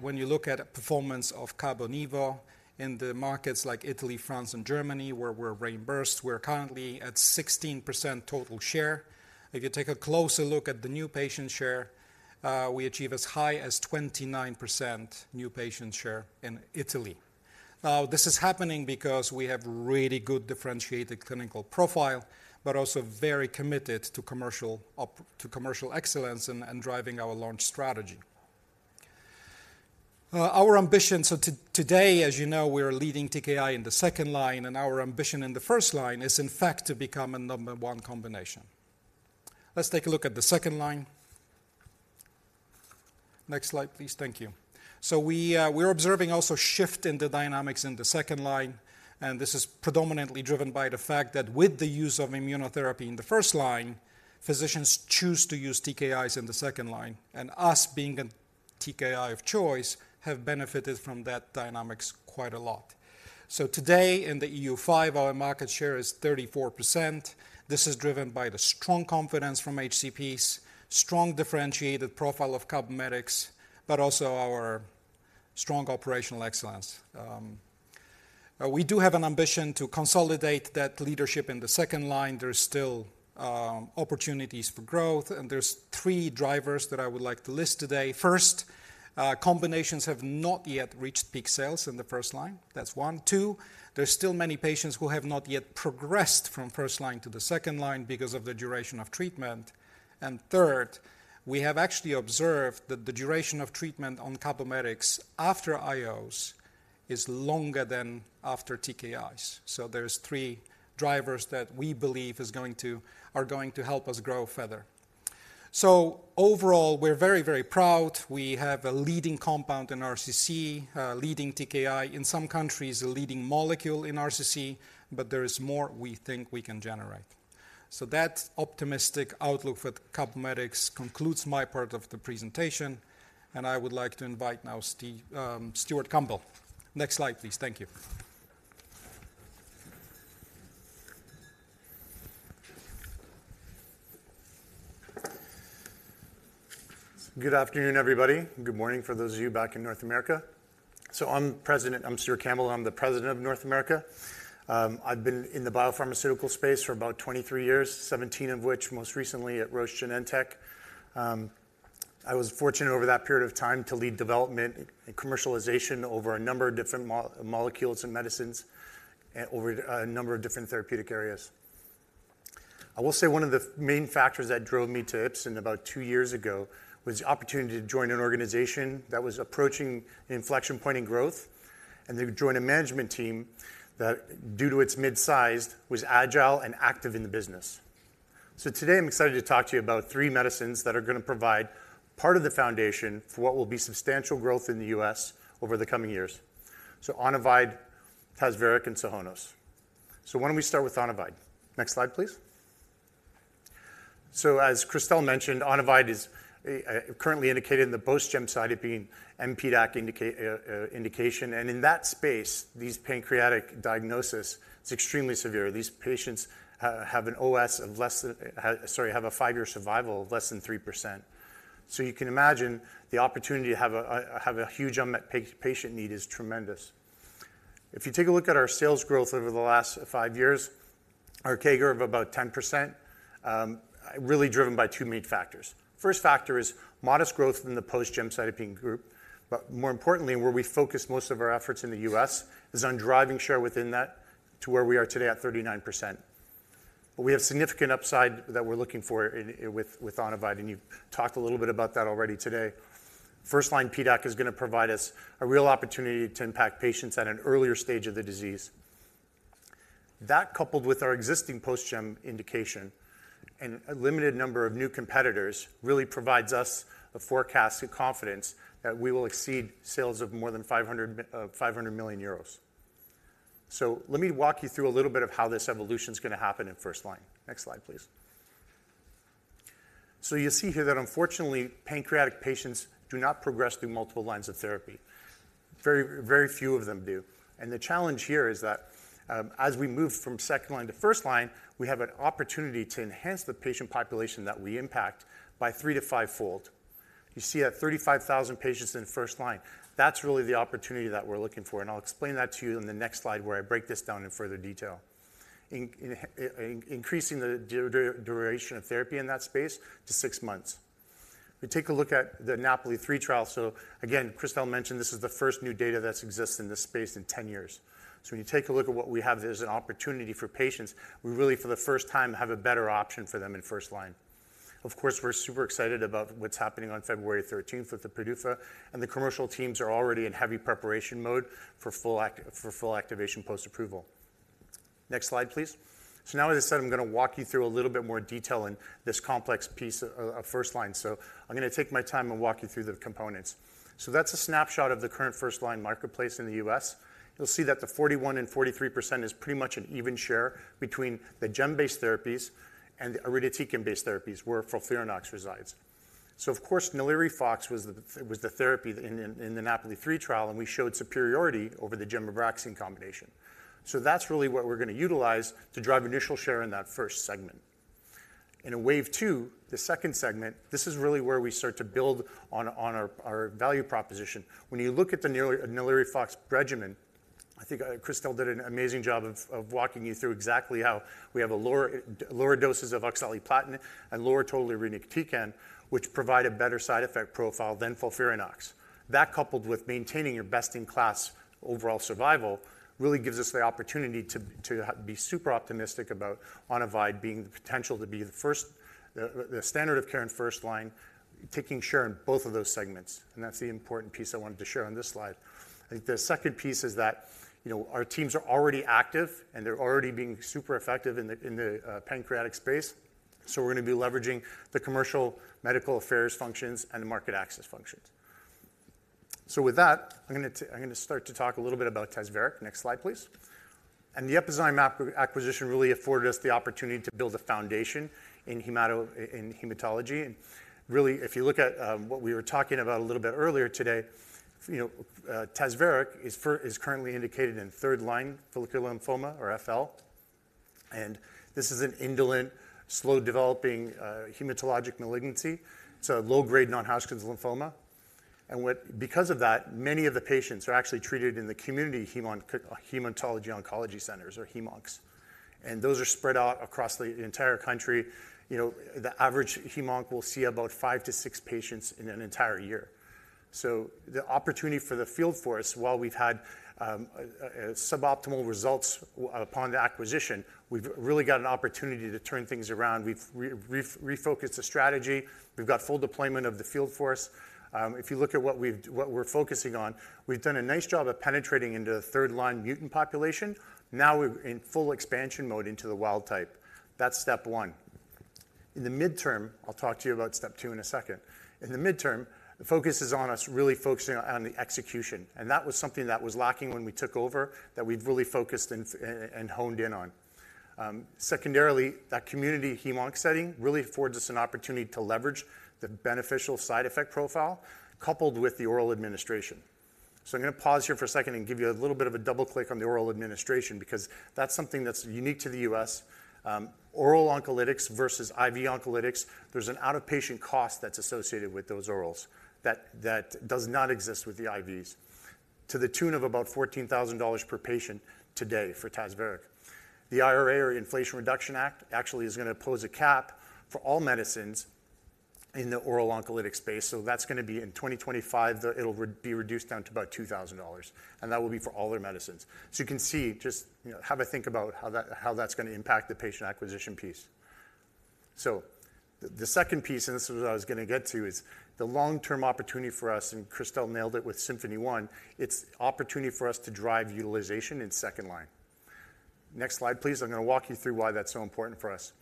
I: when you look at performance of Cabometyx in the markets like Italy, France, and Germany, where we're reimbursed, we're currently at 16% total share. If you take a closer look at the new patient share, we achieve as high as 29% new patient share in Italy. Now, this is happening because we have really good differentiated clinical profile, but also very committed to commercial excellence and driving our launch strategy. Our ambition, so today, as you know, we are leading TKI in the second line, and our ambition in the first line is, in fact, to become a number one combination. Let's take a look at the second line. Next slide, please. Thank you. So we're observing also shift in the dynamics in the second line, and this is predominantly driven by the fact that with the use of immunotherapy in the first line, physicians choose to use TKIs in the second line, and us, being a TKI of choice, have benefited from that dynamics quite a lot. So today, in the EU5, our market share is 34%. This is driven by the strong confidence from HCPs, strong differentiated profile of Cabometyx, but also our strong operational excellence. We do have an ambition to consolidate that leadership in the second line. There's still opportunities for growth, and there's three drivers that I would like to list today. First, combinations have not yet reached peak sales in the first line. That's one. Two, there's still many patients who have not yet progressed from first line to the second line because of the duration of treatment. And third, we have actually observed that the duration of treatment on Cabometyx after IOs is longer than after TKIs. So there's three drivers that we believe are going to help us grow further. So overall, we're very, very proud. We have a leading compound in RCC, leading TKI, in some countries, a leading molecule in RCC, but there is more we think we can generate. So that optimistic outlook for Cabometyx concludes my part of the presentation, and I would like to invite now Stewart Campbell. Next slide, please. Thank you.
K: Good afternoon, everybody. Good morning for those of you back in North America. I'm President. I'm Stewart Campbell. I'm the President of North America. I've been in the biopharmaceutical space for about 23 years, 17 of which most recently at Roche Genentech. I was fortunate over that period of time to lead development and commercialization over a number of different molecules and medicines, and over a number of different therapeutic areas. I will say one of the main factors that drove me to Ipsen about two years ago was the opportunity to join an organization that was approaching an inflection point in growth, and to join a management team that, due to its mid-sized, was agile and active in the business. So today, I'm excited to talk to you about three medicines that are going to provide part of the foundation for what will be substantial growth in the U.S. over the coming years. So Onivyde, Tazverik, and Sohonos. So why don't we start with Onivyde? Next slide, please. So as Christelle mentioned, Onivyde is currently indicated in the post-gemcitabine mPDAC indication, and in that space, these pancreatic diagnosis is extremely severe. These patients have a five-year survival of less than 3%. So you can imagine the opportunity to have a huge unmet patient need is tremendous. If you take a look at our sales growth over the last five years, our CAGR of about 10%, really driven by two main factors. First factor is modest growth in the post-gemcitabine group, but more importantly, where we focus most of our efforts in the U.S., is on driving share within that to where we are today at 39%. But we have significant upside that we're looking for in, with, with Onivyde, and you've talked a little bit about that already today. First-line PDAC is going to provide us a real opportunity to impact patients at an earlier stage of the disease. That, coupled with our existing post-gem indication and a limited number of new competitors, really provides us a forecast and confidence that we will exceed sales of more than 500 million euros. So let me walk you through a little bit of how this evolution is going to happen in first line. Next slide, please. So you see here that unfortunately, pancreatic patients do not progress through multiple lines of therapy. Very, very few of them do. And the challenge here is that, as we move from second line to first line, we have an opportunity to enhance the patient population that we impact by three- to fivefold. You see that 35,000 patients in first line, that's really the opportunity that we're looking for, and I'll explain that to you in the next slide, where I break this down in further detail. In increasing the duration of therapy in that space to six months. We take a look at the NAPOLI-3 trial. So again, Christelle mentioned this is the first new data that exists in this space in 10 years. So when you take a look at what we have, there's an opportunity for patients. We really, for the first time, have a better option for them in first line. Of course, we're super excited about what's happening on February thirteenth with the PDUFA, and the commercial teams are already in heavy preparation mode for full activation post-approval. Next slide, please. So now, as I said, I'm going to walk you through a little bit more detail in this complex piece of first line. So I'm going to take my time and walk you through the components. So that's a snapshot of the current first line marketplace in the U.S. You'll see that the 41% and 43% is pretty much an even share between the gem-based therapies and the irinotecan-based therapies, where FOLFIRINOX resides. So of course, NALIRIFOX was the therapy in the NAPOLI-3 trial, and we showed superiority over the gemcitabine combination. So that's really what we're going to utilize to drive initial share in that first segment. In a wave two, the second segment, this is really where we start to build on our value proposition. When you look at the NALIRIFOX regimen, I think Christelle did an amazing job of walking you through exactly how we have lower doses of oxaliplatin and lower total irinotecan, which provide a better side effect profile than FOLFIRINOX. That, coupled with maintaining your best-in-class overall survival, really gives us the opportunity to be super optimistic about Onivyde being the potential to be the first the standard of care in first line, taking share in both of those segments, and that's the important piece I wanted to share on this slide. I think the second piece is that, you know, our teams are already active, and they're already being super effective in the pancreatic space. So we're going to be leveraging the commercial medical affairs functions and the market access functions. So with that, I'm going to start to talk a little bit about Tazverik. Next slide, please. And the Epizyme acquisition really afforded us the opportunity to build a foundation in hematology. Really, if you look at what we were talking about a little bit earlier today, you know, Tazverik is currently indicated in third-line follicular lymphoma or FL, and this is an indolent, slow-developing hematologic malignancy, so a low-grade non-Hodgkin's lymphoma. Because of that, many of the patients are actually treated in the community hematology oncology centers or hemoncs, and those are spread out across the entire country. You know, the average hemonc will see about five to six patients in an entire year. So the opportunity for the field force, while we've had suboptimal results upon the acquisition, we've really got an opportunity to turn things around. We've refocused the strategy. We've got full deployment of the field force. If you look at what we're focusing on, we've done a nice job of penetrating into the third-line mutant population. Now we're in full expansion mode into the wild type. That's step one. In the midterm, I'll talk to you about step two in a second. In the midterm, the focus is on us, really focusing on the execution, and that was something that was lacking when we took over, that we've really focused and honed in on. Secondarily, that community hemonc setting really affords us an opportunity to leverage the beneficial side effect profile coupled with the oral administration. So I'm going to pause here for a second and give you a little bit of a double click on the oral administration, because that's something that's unique to the U.S. Oral oncolytics versus IV oncolytics, there's an out-of-pocket cost that's associated with those orals that does not exist with the IVs, to the tune of about $14,000 per patient today for Tazverik. The IRA or Inflation Reduction Act actually is going to pose a cap for all medicines in the oral oncolytic space, so that's going to be in 2025. It'll be reduced down to about $2,000, and that will be for all their medicines. So you can see just, you know, have a think about how that, how that's going to impact the patient acquisition piece. So the second piece, and this is what I was going to get to, is the long-term opportunity for us, and Christelle nailed it with SYMPHONY-1. It's opportunity for us to drive utilization in second line. Next slide, please. I'm going to walk you through why that's so important for us.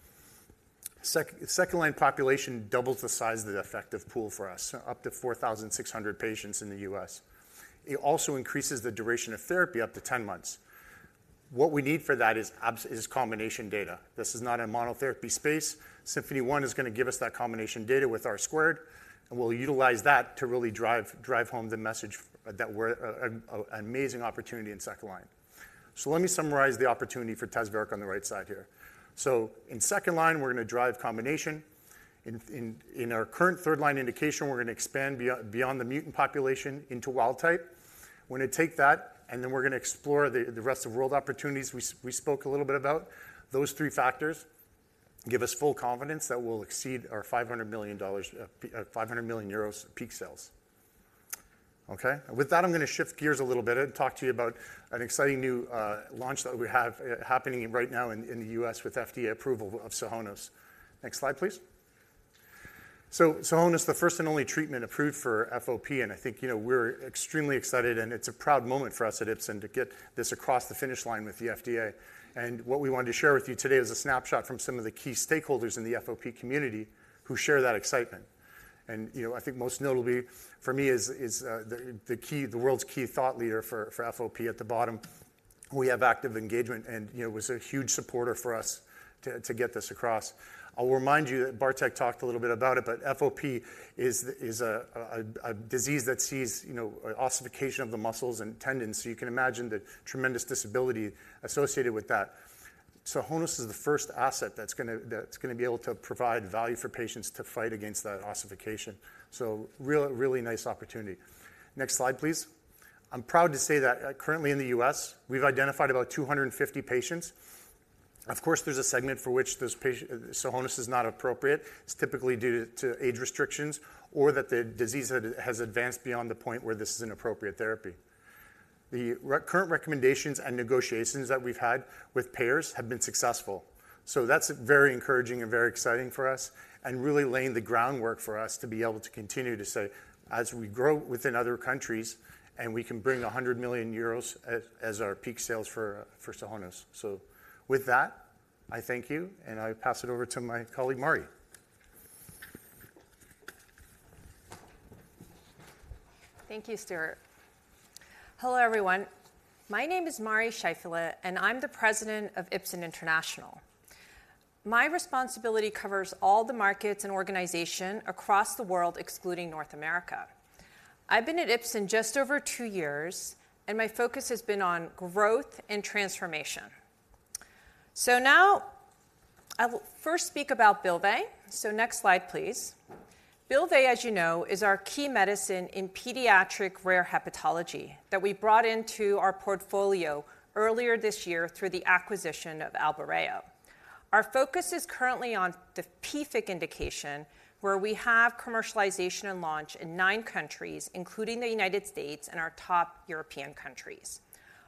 K: Second-line population doubles the size of the effective pool for us, up to 4,600 patients in the U.S. It also increases the duration of therapy up to 10 months. What we need for that is combination data. This is not a monotherapy space. SYMPHONY-1 is going to give us that combination data with R², and we'll utilize that to really drive home the message that we're an amazing opportunity in second line. So let me summarize the opportunity for Tazverik on the right side here. So in second line, we're going to drive combination. In our current third-line indication, we're going to expand beyond the mutant population into wild type. We're going to take that, and then we're going to explore the rest of world opportunities we spoke a little bit about. Those three factors give us full confidence that we'll exceed our $500 million, 500 million euros peak sales. Okay, with that, I'm going to shift gears a little bit and talk to you about an exciting new launch that we have happening right now in the U.S. with FDA approval of Sohonos. Next slide, please. So, Sohonos is the first and only treatment approved for FOP, and I think, you know, we're extremely excited, and it's a proud moment for us at Ipsen to get this across the finish line with the FDA. What we wanted to share with you today is a snapshot from some of the key stakeholders in the FOP community who share that excitement. You know, I think most notably for me is the world's key thought leader for FOP at the bottom. We have active engagement and, you know, was a huge supporter for us to get this across. I'll remind you that Bartek talked a little bit about it, but FOP is a disease that sees, you know, ossification of the muscles and tendons. So you can imagine the tremendous disability associated with that. Sohonos is the first asset that's gonna, that's going to be able to provide value for patients to fight against that ossification. So really, really nice opportunity. Next slide, please. I'm proud to say that currently in the U.S., we've identified about 250 patients. Of course, there's a segment for which this patient, Sohonos is not appropriate. It's typically due to age restrictions or that the disease has advanced beyond the point where this is an appropriate therapy. The current recommendations and negotiations that we've had with payers have been successful. So that's very encouraging and very exciting for us and really laying the groundwork for us to be able to continue to say, as we grow within other countries, and we can bring 100 million euros as our peak sales for Sohonos. So with that, I thank you, and I pass it over to my colleague, Mari.
L: Thank you, Stewart. Hello, everyone. My name is Mari Scheiffele, and I'm the President of Ipsen International. My responsibility covers all the markets and organization across the world, excluding North America. I've been at Ipsen just over two years, and my focus has been on growth and transformation. Now, I will first speak about Bylvay. Next slide, please. Bylvay, as you know, is our key medicine in pediatric rare hepatology that we brought into our portfolio earlier this year through the acquisition of Albireo. Our focus is currently on the PFIC indication, where we have commercialization and launch in nine countries, including the United States and our top European countries.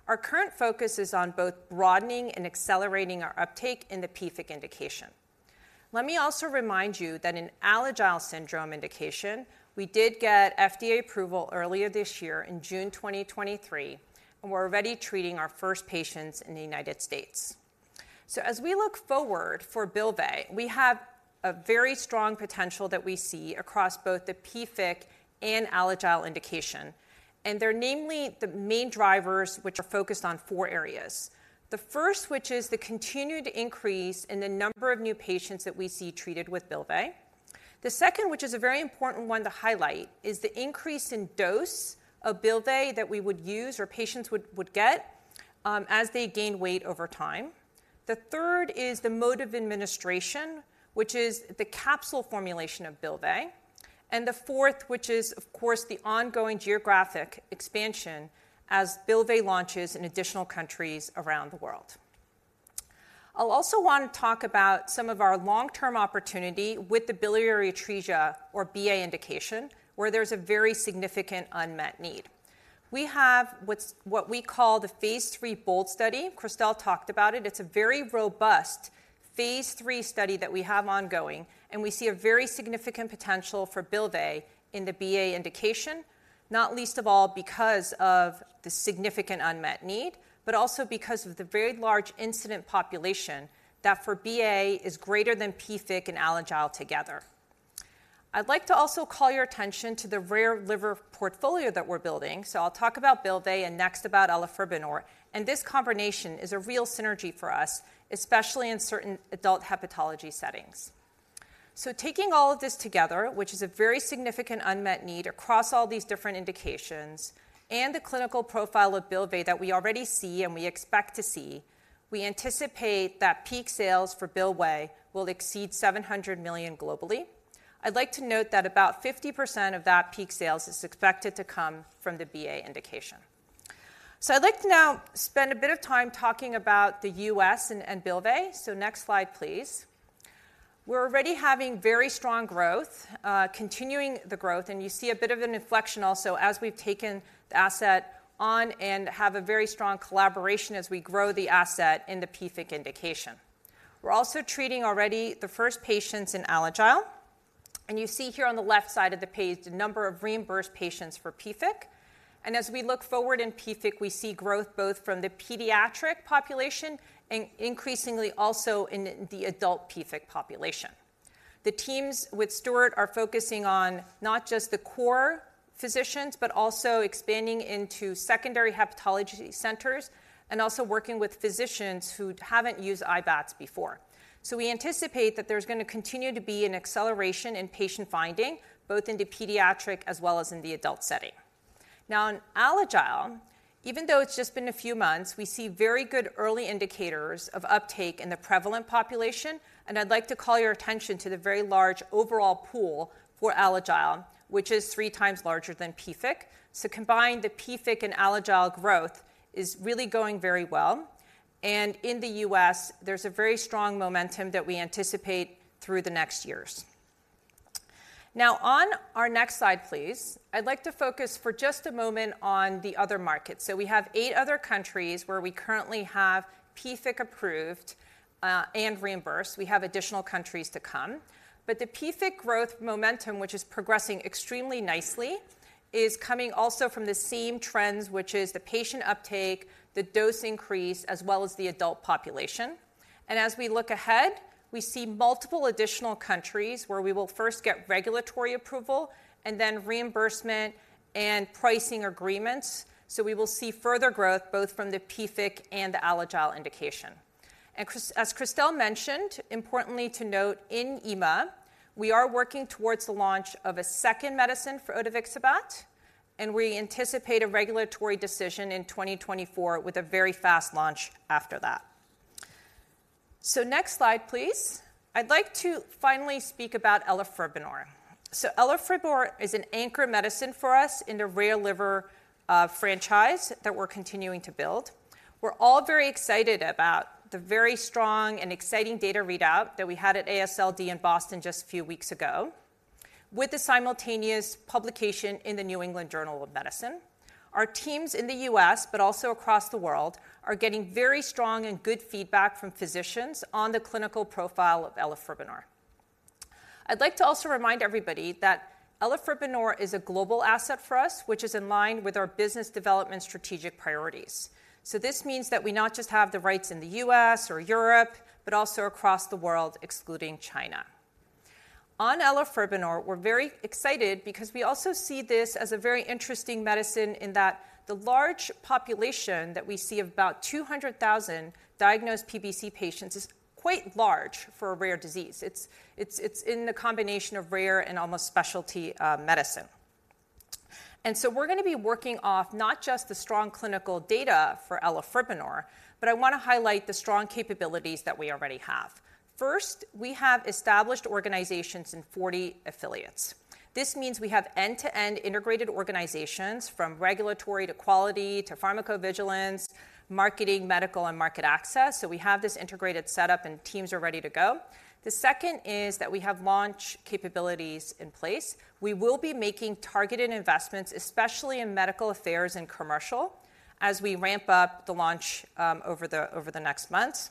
L: Our current focus is on both broadening and accelerating our uptake in the PFIC indication. Let me also remind you that in Alagille syndrome indication, we did get FDA approval earlier this year in June 2023, and we're already treating our first patients in the United States. So as we look forward for Bylvay, we have a very strong potential that we see across both the PFIC and Alagille indication, and they're namely the main drivers which are focused on four areas. The first, which is the continued increase in the number of new patients that we see treated with Bylvay. The second, which is a very important one to highlight, is the increase in dose of Bylvay that we would use or patients would, would get, as they gain weight over time. The third is the mode of administration, which is the capsule formulation of Bylvay. And the fourth, which is, of course, the ongoing geographic expansion as Bylvay launches in additional countries around the world. I'll also want to talk about some of our long-term opportunity with the biliary atresia or BA indication, where there's a very significant unmet need. We have what we call the phase III BOLD study. Christelle talked about it. It's a very robust phase III study that we have ongoing, and we see a very significant potential for Bylvay in the BA indication, not least of all because of the significant unmet need, but also because of the very large incidence population that for BA is greater than PFIC and Alagille together. I'd like to also call your attention to the rare liver portfolio that we're building. So I'll talk about Bylvay and next about elafibranor, and this combination is a real synergy for us, especially in certain adult hepatology settings. So taking all of this together, which is a very significant unmet need across all these different indications and the clinical profile of Bylvay that we already see and we expect to see, we anticipate that peak sales for Bylvay will exceed 700 million globally. I'd like to note that about 50% of that peak sales is expected to come from the BA indication. So I'd like to now spend a bit of time talking about the U.S. and, and Bylvay. So next slide, please. We're already having very strong growth, continuing the growth, and you see a bit of an inflection also as we've taken the asset on and have a very strong collaboration as we grow the asset in the PFIC indication. We're also treating already the first patients in Alagille, and you see here on the left side of the page the number of reimbursed patients for PFIC. As we look forward in PFIC, we see growth both from the pediatric population and increasingly also in the adult PFIC population. The teams with Stewart are focusing on not just the core physicians, but also expanding into secondary hepatology centers and also working with physicians who haven't used IBATs before. So we anticipate that there's gonna continue to be an acceleration in patient finding, both in the pediatric as well as in the adult setting. Now, in Alagille, even though it's just been a few months, we see very good early indicators of uptake in the prevalent population, and I'd like to call your attention to the very large overall pool for Alagille, which is three times larger than PFIC. So combined, the PFIC and Alagille growth is really going very well, and in the U.S., there's a very strong momentum that we anticipate through the next years. Now, on our next slide, please, I'd like to focus for just a moment on the other markets. So we have eight other countries where we currently have PFIC approved, and reimbursed. We have additional countries to come. But the PFIC growth momentum, which is progressing extremely nicely, is coming also from the same trends, which is the patient uptake, the dose increase, as well as the adult population. And as we look ahead, we see multiple additional countries where we will first get regulatory approval and then reimbursement and pricing agreements. So we will see further growth, both from the PFIC and the Alagille indication. And as Christelle mentioned, importantly to note, in EMA, we are working towards the launch of a second medicine for odevixibat, and we anticipate a regulatory decision in 2024 with a very fast launch after that. So next slide, please. I'd like to finally speak about elafibranor. So elafibranor is an anchor medicine for us in the rare liver franchise that we're continuing to build. We're all very excited about the very strong and exciting data readout that we had at AASLD in Boston just a few weeks ago, with the simultaneous publication in the New England Journal of Medicine. Our teams in the U.S., but also across the world, are getting very strong and good feedback from physicians on the clinical profile of elafibranor. I'd like to also remind everybody that elafibranor is a global asset for us, which is in line with our business development strategic priorities. So this means that we not just have the rights in the U.S. or Europe, but also across the world, excluding China. On elafibranor, we're very excited because we also see this as a very interesting medicine in that the large population that we see, about 200,000 diagnosed PBC patients, is quite large for a rare disease. It's in the combination of rare and almost specialty medicine. And so we're gonna be working off not just the strong clinical data for elafibranor, but I wanna highlight the strong capabilities that we already have. First, we have established organizations in 40 affiliates. This means we have end-to-end integrated organizations, from regulatory to quality to pharmacovigilance, marketing, medical, and market access. So we have this integrated setup, and teams are ready to go. The second is that we have launch capabilities in place. We will be making targeted investments, especially in medical affairs and commercial, as we ramp up the launch over the next months.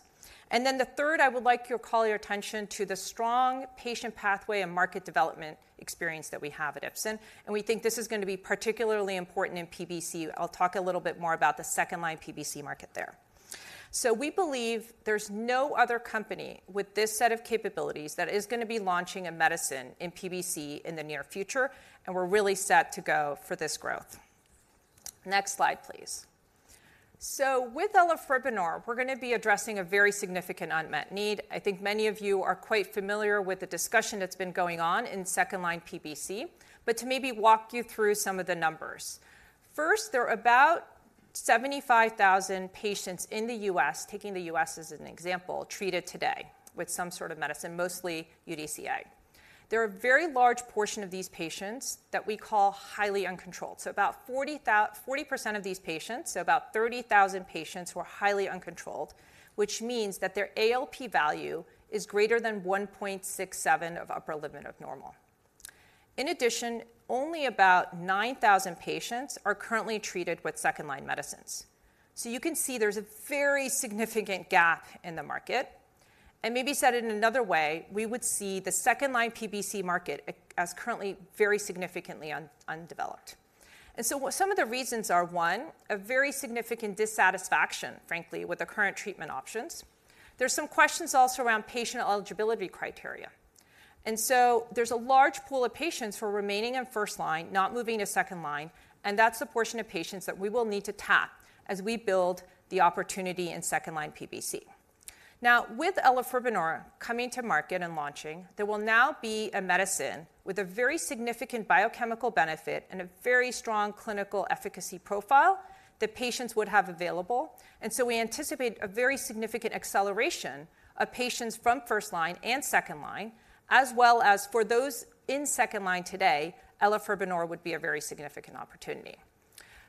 L: And then the third, I would like to call your attention to the strong patient pathway and market development experience that we have at Ipsen, and we think this is gonna be particularly important in PBC. I'll talk a little bit more about the second-line PBC market there. So we believe there's no other company with this set of capabilities that is gonna be launching a medicine in PBC in the near future, and we're really set to go for this growth. Next slide, please. So with elafibranor, we're gonna be addressing a very significant unmet need. I think many of you are quite familiar with the discussion that's been going on in second-line PBC, but to maybe walk you through some of the numbers. First, there are about 75,000 patients in the U.S., taking the U.S. as an example, treated today with some sort of medicine, mostly UDCA. There are a very large portion of these patients that we call highly uncontrolled. So about 40% of these patients, so about 30,000 patients, who are highly uncontrolled, which means that their ALP value is greater than 1.67 of upper limit of normal. In addition, only about 9,000 patients are currently treated with second-line medicines. So you can see there's a very significant gap in the market, and maybe said in another way, we would see the second-line PBC market as currently very significantly undeveloped. And so some of the reasons are, one, a very significant dissatisfaction, frankly, with the current treatment options. There's some questions also around patient eligibility criteria. And so there's a large pool of patients who are remaining on first line, not moving to second line, and that's the portion of patients that we will need to tap as we build the opportunity in second-line PBC. Now, with elafibranor coming to market and launching, there will now be a medicine with a very significant biochemical benefit and a very strong clinical efficacy profile that patients would have available. And so we anticipate a very significant acceleration of patients from first line and second line, as well as for those in second line today, elafibranor would be a very significant opportunity.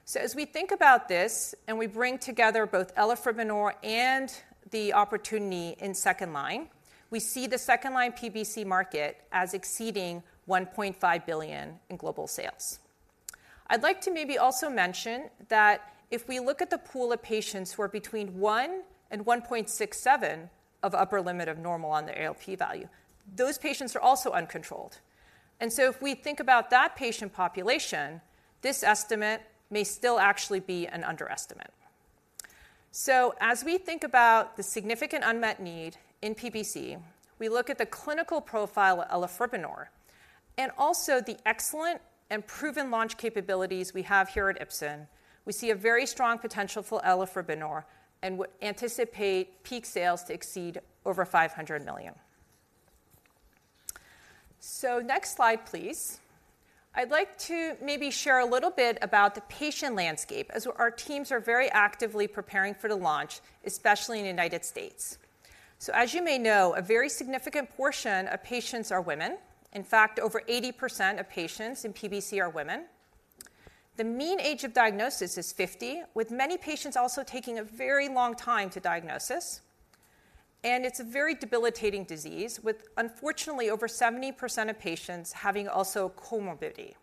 L: So as we think about this, and we bring together both elafibranor and the opportunity in second line, we see the second-line PBC market as exceeding 1.5 billion in global sales. I'd like to maybe also mention that if we look at the pool of patients who are between 1 and 1.67 of upper limit of normal on their ALP value, those patients are also uncontrolled. And so if we think about that patient population, this estimate may still actually be an underestimate. As we think about the significant unmet need in PBC, we look at the clinical profile of elafibranor and also the excellent and proven launch capabilities we have here at Ipsen. We see a very strong potential for elafibranor and we anticipate peak sales to exceed over 500 million. So next slide, please. I'd like to maybe share a little bit about the patient landscape, as our teams are very actively preparing for the launch, especially in the United States. As you may know, a very significant portion of patients are women. In fact, over 80% of patients in PBC are women. The mean age of diagnosis is 50, with many patients also taking a very long time to diagnosis, and it's a very debilitating disease, with unfortunately over 70% of patients having also comorbidity.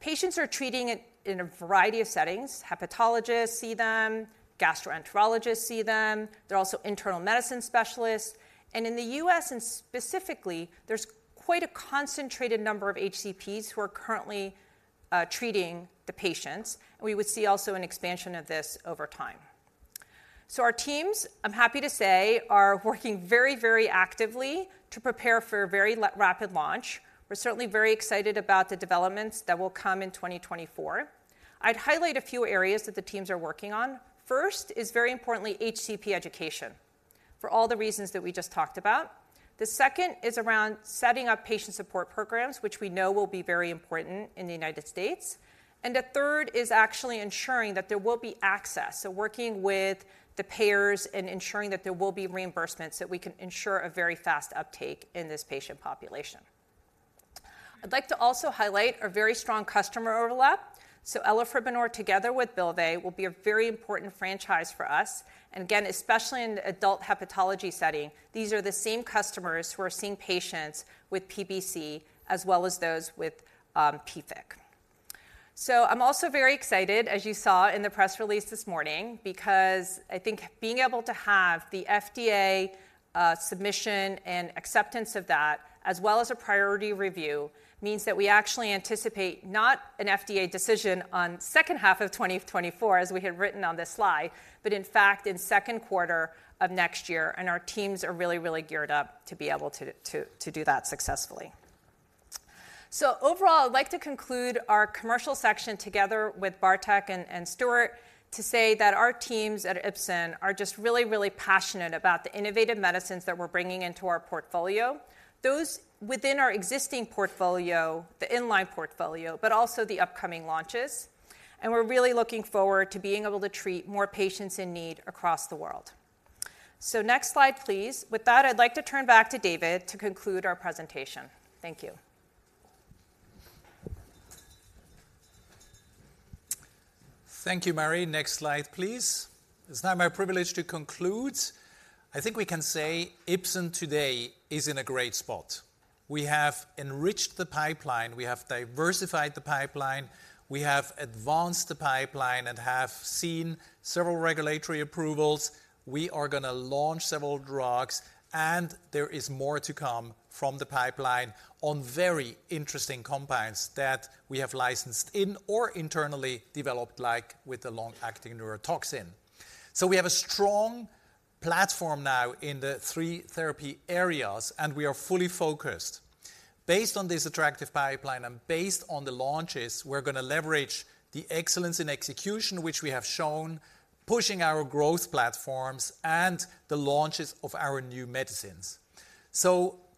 L: Patients are treating it in a variety of settings. Hepatologists see them, gastroenterologists see them, there are also internal medicine specialists. In the U.S. specifically, there's quite a concentrated number of HCPs who are currently treating the patients, and we would see also an expansion of this over time. Our teams, I'm happy to say, are working very, very actively to prepare for a very rapid launch. We're certainly very excited about the developments that will come in 2024. I'd highlight a few areas that the teams are working on. First is, very importantly, HCP education, for all the reasons that we just talked about. The second is around setting up patient support programs, which we know will be very important in the United States. And the third is actually ensuring that there will be access, so working with the payers and ensuring that there will be reimbursements, that we can ensure a very fast uptake in this patient population. I'd like to also highlight our very strong customer overlap. So elafibranor, together with Bylvay, will be a very important franchise for us, and again, especially in the adult hepatology setting. These are the same customers who are seeing patients with PBC as well as those with PFIC. So I'm also very excited, as you saw in the press release this morning, because I think being able to have the FDA submission and acceptance of that, as well as a priority review, means that we actually anticipate not an FDA decision on second half of 2024, as we had written on this slide, but in fact, in second quarter of next year. And our teams are really, really geared up to be able to do that successfully. So overall, I'd like to conclude our commercial section together with Bartek and Stewart to say that our teams at Ipsen are just really, really passionate about the innovative medicines that we're bringing into our portfolio. Those within our existing portfolio, the in-line portfolio, but also the upcoming launches, and we're really looking forward to being able to treat more patients in need across the world. Next slide, please. With that, I'd like to turn back to David to conclude our presentation. Thank you.
A: Thank you, Mari. Next slide, please. It's now my privilege to conclude. I think we can say Ipsen today is in a great spot. We have enriched the pipeline, we have diversified the pipeline, we have advanced the pipeline and have seen several regulatory approvals. We are gonna launch several drugs, and there is more to come from the pipeline on very interesting compounds that we have licensed in or internally developed, like with the long-acting neurotoxin. So we have a strong platform now in the three therapy areas, and we are fully focused. Based on this attractive pipeline and based on the launches, we're gonna leverage the excellence in execution, which we have shown, pushing our growth platforms and the launches of our new medicines.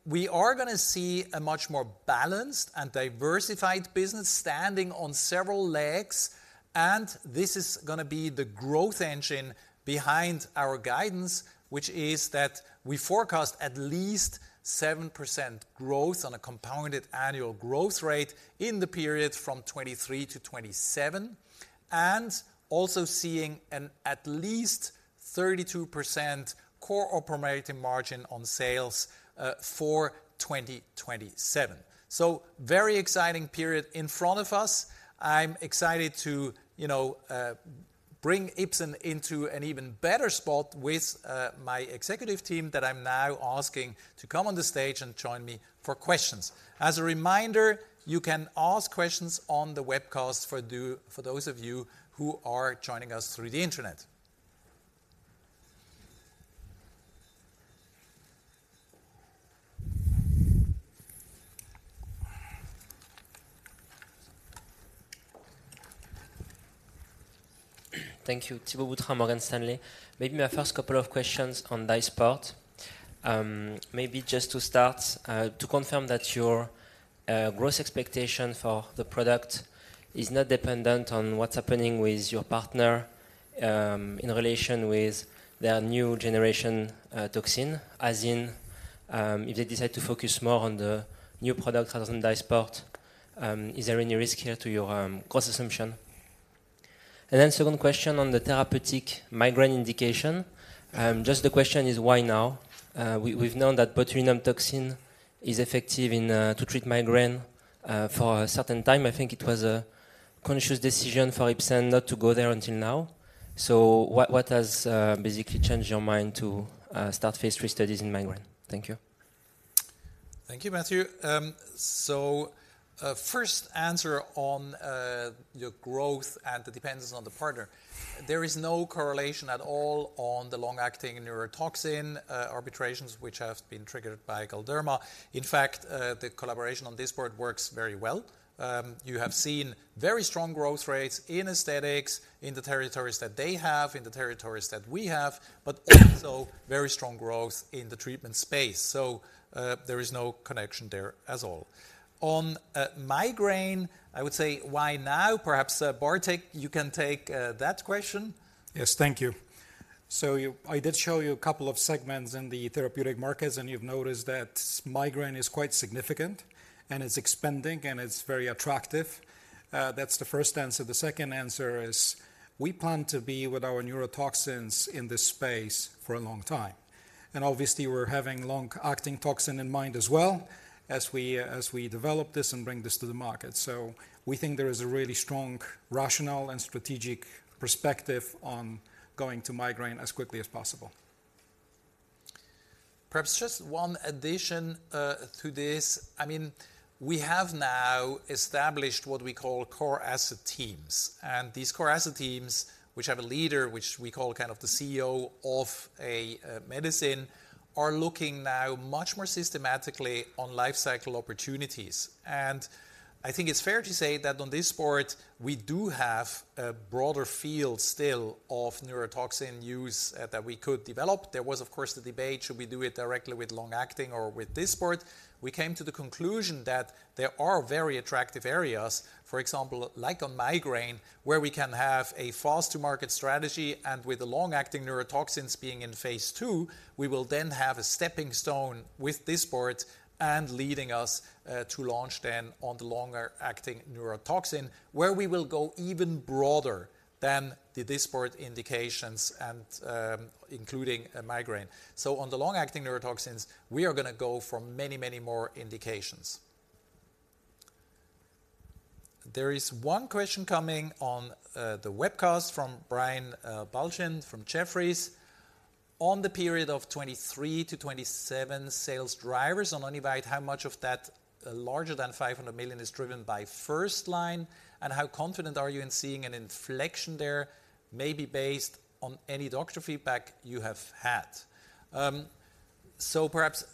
A: We are gonna see a much more balanced and diversified business standing on several legs, and this is gonna be the growth engine behind our guidance, which is that we forecast at least 7% growth on a compounded annual growth rate in the period from 2023 to 2027, and also seeing an at least 32% core operating margin on sales for 2027. Very exciting period in front of us. I'm excited to, you know, bring Ipsen into an even better spot with my executive team that I'm now asking to come on the stage and join me for questions. As a reminder, you can ask questions on the webcast for those of you who are joining us through the internet.
M: Thank you. Thibault Boutherin, Morgan Stanley. Maybe my first couple of questions on Dysport. Maybe just to start, to confirm that your, growth expectation for the product is not dependent on what's happening with your partner, in relation with their new generation, toxin, as in, if they decide to focus more on the new product rather than Dysport, is there any risk here to your, growth assumption? And then second question on the therapeutic migraine indication. Just the question is, why now? We've known that botulinum toxin is effective in, to treat migraine, for a certain time. I think it was a conscious decision for Ipsen not to go there until now. So what, what has, basically changed your mind to, start phase three studies in migraine? Thank you.
A: Thank you, Thibault. So, first answer on your growth and the dependence on the partner. There is no correlation at all on the long-acting neurotoxin arbitrations, which have been triggered by Galderma. In fact, the collaboration on Dysport works very well. You have seen very strong growth rates in aesthetics, in the territories that they have, in the territories that we have, but also very strong growth in the treatment space. So, there is no connection there at all. On migraine, I would say why now? Perhaps, Bartek, you can take that question.
I: Yes. Thank you. So you- I did show you a couple of segments in the therapeutic markets, and you've noticed that migraine is quite significant, and it's expanding, and it's very attractive. That's the first answer. The second answer is we plan to be with our neurotoxins in this space for a long time, and obviously, we're having long-acting toxin in mind as we develop this and bring this to the market. So we think there is a really strong, rational, and strategic perspective on going to migraine as quickly as possible.
A: Perhaps just one addition to this. I mean, we have now established what we call core asset teams, and these core asset teams, which have a leader, which we call kind of the CEO of a medicine, are looking now much more systematically on life cycle opportunities. And I think it's fair to say that on this part, we do have a broader field still of neurotoxin use that we could develop. There was, of course, the debate: Should we do it directly with long-acting or with Dysport? We came to the conclusion that there are very attractive areas, for example, like on migraine, where we can have a fast-to-market strategy, and with the long-acting neurotoxins being in phase II, we will then have a stepping stone with Dysport and leading us to launch then on the longer-acting neurotoxin, where we will go even broader than the Dysport indications and, including, migraine. So on the long-acting neurotoxins, we are gonna go for many, many more indications. There is one question coming on the webcast from Brian Balchin from Jefferies. On the period of 2023-2027 sales drivers on Onivyde, how much of that larger than $500 million is driven by first line, and how confident are you in seeing an inflection there, maybe based on any doctor feedback you have had? Perhaps,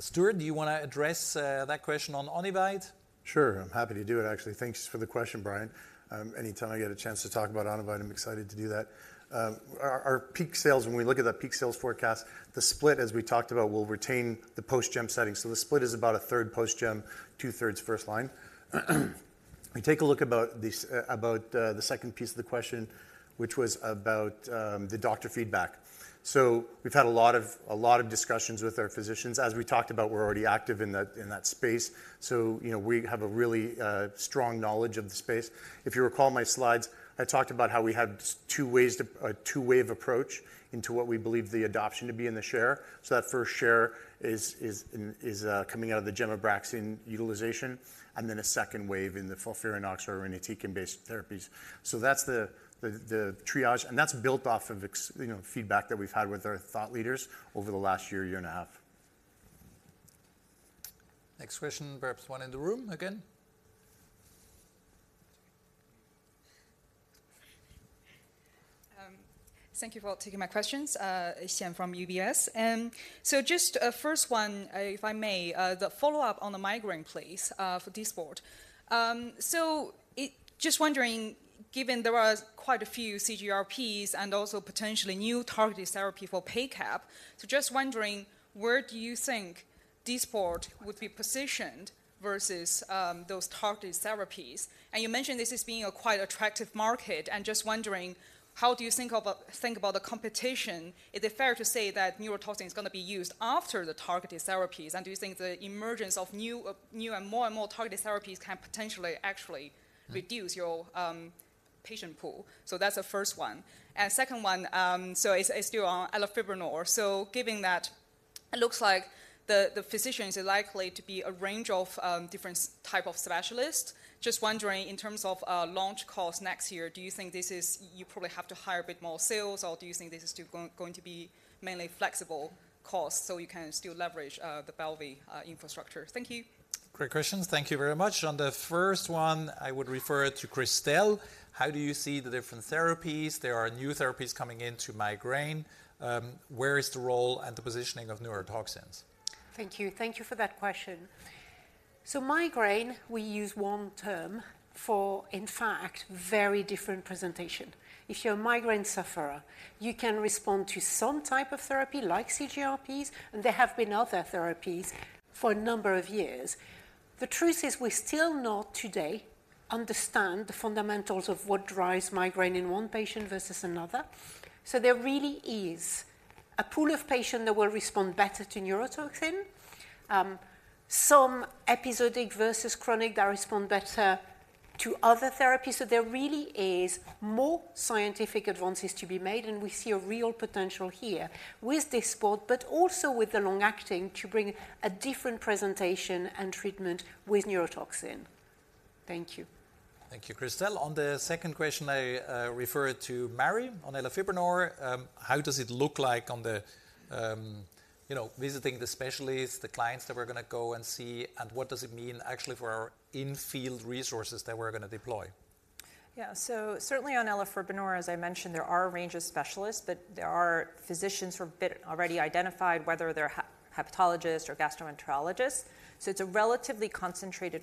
A: Stewart, do you want to address that question on Onivyde?
K: Sure, I'm happy to do it, actually. Thanks for the question, Brian. Anytime I get a chance to talk about Onivyde, I'm excited to do that. Our peak sales, when we look at that peak sales forecast, the split, as we talked about, will retain the post-GEM setting. So the split is about a third post-GEM, two-thirds first line. We take a look about this, the second piece of the question, which was about the doctor feedback. So we've had a lot of discussions with our physicians. As we talked about, we're already active in that space, so you know, we have a really strong knowledge of the space. If you recall my slides, I talked about how we had two ways to a two-wave approach into what we believe the adoption to be in the share. So that first share is coming out of the gemcitabine utilization, and then a second wave in the FOLFIRINOX or irinotecan-based therapies. So that's the triage, and that's built off of ex- you know, feedback that we've had with our thought leaders over the last year and a half.
A: Next question, perhaps one in the room again.
G: Thank you for taking my questions. Xian from UBS. So just a first one, if I may, the follow-up on the migraine, please, for Dysport. So just wondering, given there are quite a few CGRPs and also potentially new targeted therapy for PACAP, so just wondering, where do you think Dysport would be positioned versus those targeted therapies? And you mentioned this as being a quite attractive market, and just wondering, how do you think about the competition? Is it fair to say that neurotoxin is going to be used after the targeted therapies? And do you think the emergence of new and more and more targeted therapies can potentially actually reduce your patient pool? So that's the first one. Second one, so it's still on elafibranor. So given that it looks like the physicians are likely to be a range of different type of specialists, just wondering, in terms of launch costs next year, do you think this is you probably have to hire a bit more sales, or do you think this is still going to be mainly flexible costs so you can still leverage the Bylvay infrastructure? Thank you.
A: Great questions. Thank you very much. On the first one, I would refer to Christelle. How do you see the different therapies? There are new therapies coming into migraine. Where is the role and the positioning of neurotoxins?
C: Thank you. Thank you for that question. So migraine, we use one term for, in fact, very different presentation. If you're a migraine sufferer, you can respond to some type of therapy, like CGRPs, and there have been other therapies for a number of years. The truth is, we still not today understand the fundamentals of what drives migraine in one patient versus another. So there really is a pool of patient that will respond better to neurotoxin. Some episodic versus chronic that respond better to other therapies. So there really is more scientific advances to be made, and we see a real potential here with Dysport, but also with the long-acting, to bring a different presentation and treatment with neurotoxin. Thank you.
A: Thank you, Christelle. On the second question, I refer to Mari on elafibranor. How does it look like on the, you know, visiting the specialists, the clients that we're going to go and see, and what does it mean actually for our in-field resources that we're going to deploy?
L: Yeah. So certainly on elafibranor, as I mentioned, there are a range of specialists, but there are physicians who have been already identified, whether they're hepatologist or gastroenterologist. So it's a relatively concentrated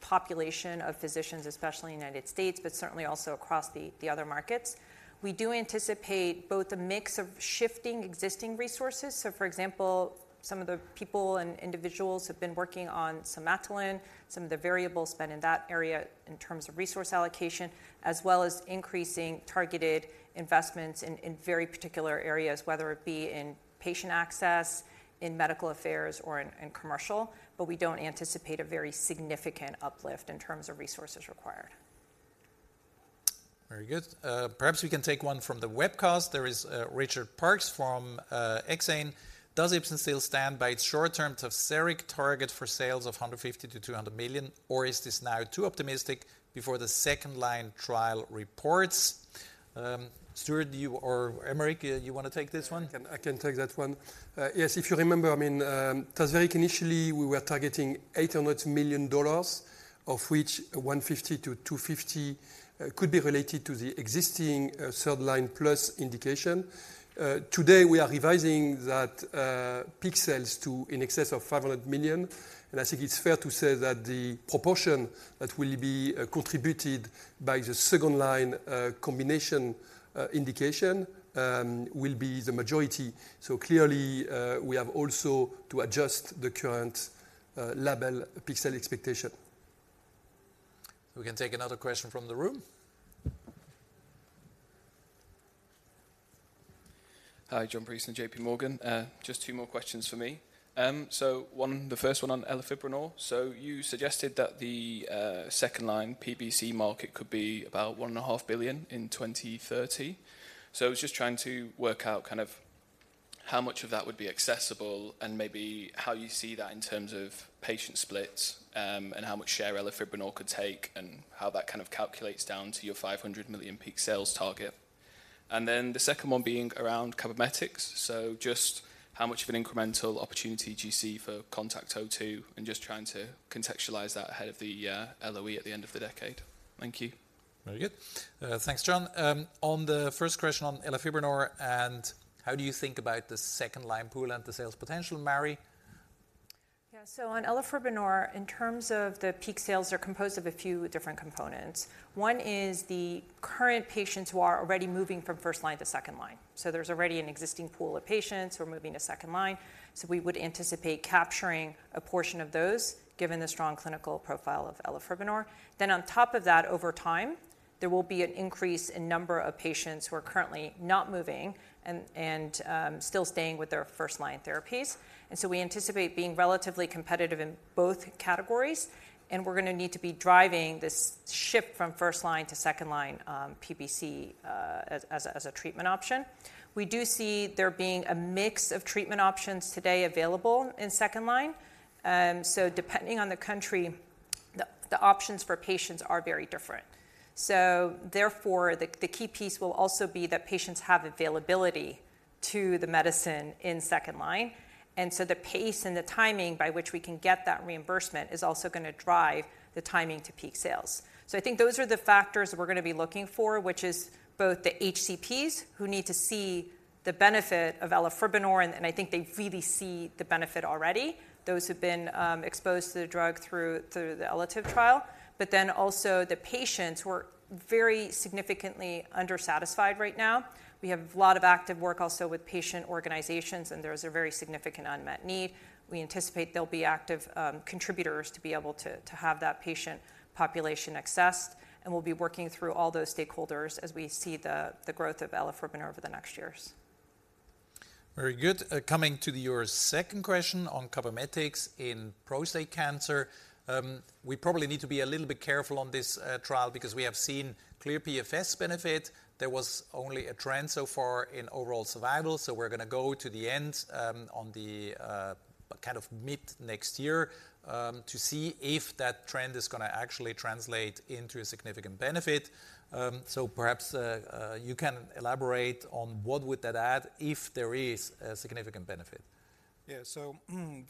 L: population of physicians, especially in the United States, but certainly also across the other markets. We do anticipate both a mix of shifting existing resources. So for example, some of the people and individuals who have been working on Somatuline, some of the variables spent in that area in terms of resource allocation, as well as increasing targeted investments in very particular areas, whether it be in patient access, in medical affairs, or in commercial, but we don't anticipate a very significant uplift in terms of resources required.
A: Very good. Perhaps we can take one from the webcast. There is Richard Parkes from Exane. Does Ipsen still stand by its short-term Tazverik target for sales of 150 million-200 million, or is this now too optimistic before the second-line trial reports? Stewart, do you or Aymeric you want to take this one?
B: I can, I can take that one. Yes, if you remember, I mean, Tazverik initially, we were targeting $800 million, of which $150 million-$250 million could be related to the existing, third-line plus indication. Today, we are revising that, peak sales to in excess of $500 million, and I think it's fair to say that the proportion that will be, contributed by the second-line, combination, indication, will be the majority. So clearly, we have also to adjust the current, label peak sale expectation.
A: We can take another question from the room.
D: Hi, John Preece from JPMorgan. Just two more questions for me. So one, the first one on elafibranor. So you suggested that the second-line PBC market could be about 1.5 billion in 2030. So I was just trying to work out kind of how much of that would be accessible, and maybe how you see that in terms of patient splits, and how much share elafibranor could take, and how that kind of calculates down to your 500 million peak sales target. And then the second one being around Cabometyx. So just how much of an incremental opportunity do you see for CONTACT-02, and just trying to contextualize that ahead of the LOE at the end of the decade. Thank you.
A: Very good. Thanks, John. On the first question on elafibranor, and how do you think about the second-line pool and the sales potential, Mari?
L: Yeah. So on elafibranor, in terms of the peak sales, they're composed of a few different components. One is the current patients who are already moving from first line to second line. So there's already an existing pool of patients who are moving to second line, so we would anticipate capturing a portion of those, given the strong clinical profile of elafibranor. Then on top of that, over time, there will be an increase in number of patients who are currently not moving and still staying with their first-line therapies. And so we anticipate being relatively competitive in both categories, and we're gonna need to be driving this shift from first line to second line PBC as a treatment option. We do see there being a mix of treatment options today available in second line. So depending on the country, the options for patients are very different. So therefore, the key piece will also be that patients have availability to the medicine in second line, and so the pace and the timing by which we can get that reimbursement is also gonna drive the timing to peak sales. So I think those are the factors we're gonna be looking for, which is both the HCPs, who need to see the benefit of elafibranor, and I think they really see the benefit already, those who've been exposed to the drug through the ELATIVE trial, but then also the patients who are very significantly under-satisfied right now. We have a lot of active work also with patient organizations, and there is a very significant unmet need. We anticipate they'll be active contributors to be able to have that patient population accessed, and we'll be working through all those stakeholders as we see the growth of elafibranor over the next years.
A: Very good. Coming to your second question on Cabometyx in prostate cancer. We probably need to be a little bit careful on this trial because we have seen clear PFS benefit. There was only a trend so far in overall survival, so we're gonna go to the end, on the kind of mid next year, to see if that trend is gonna actually translate into a significant benefit. So perhaps, you can elaborate on what would that add if there is a significant benefit.
I: Yeah. So,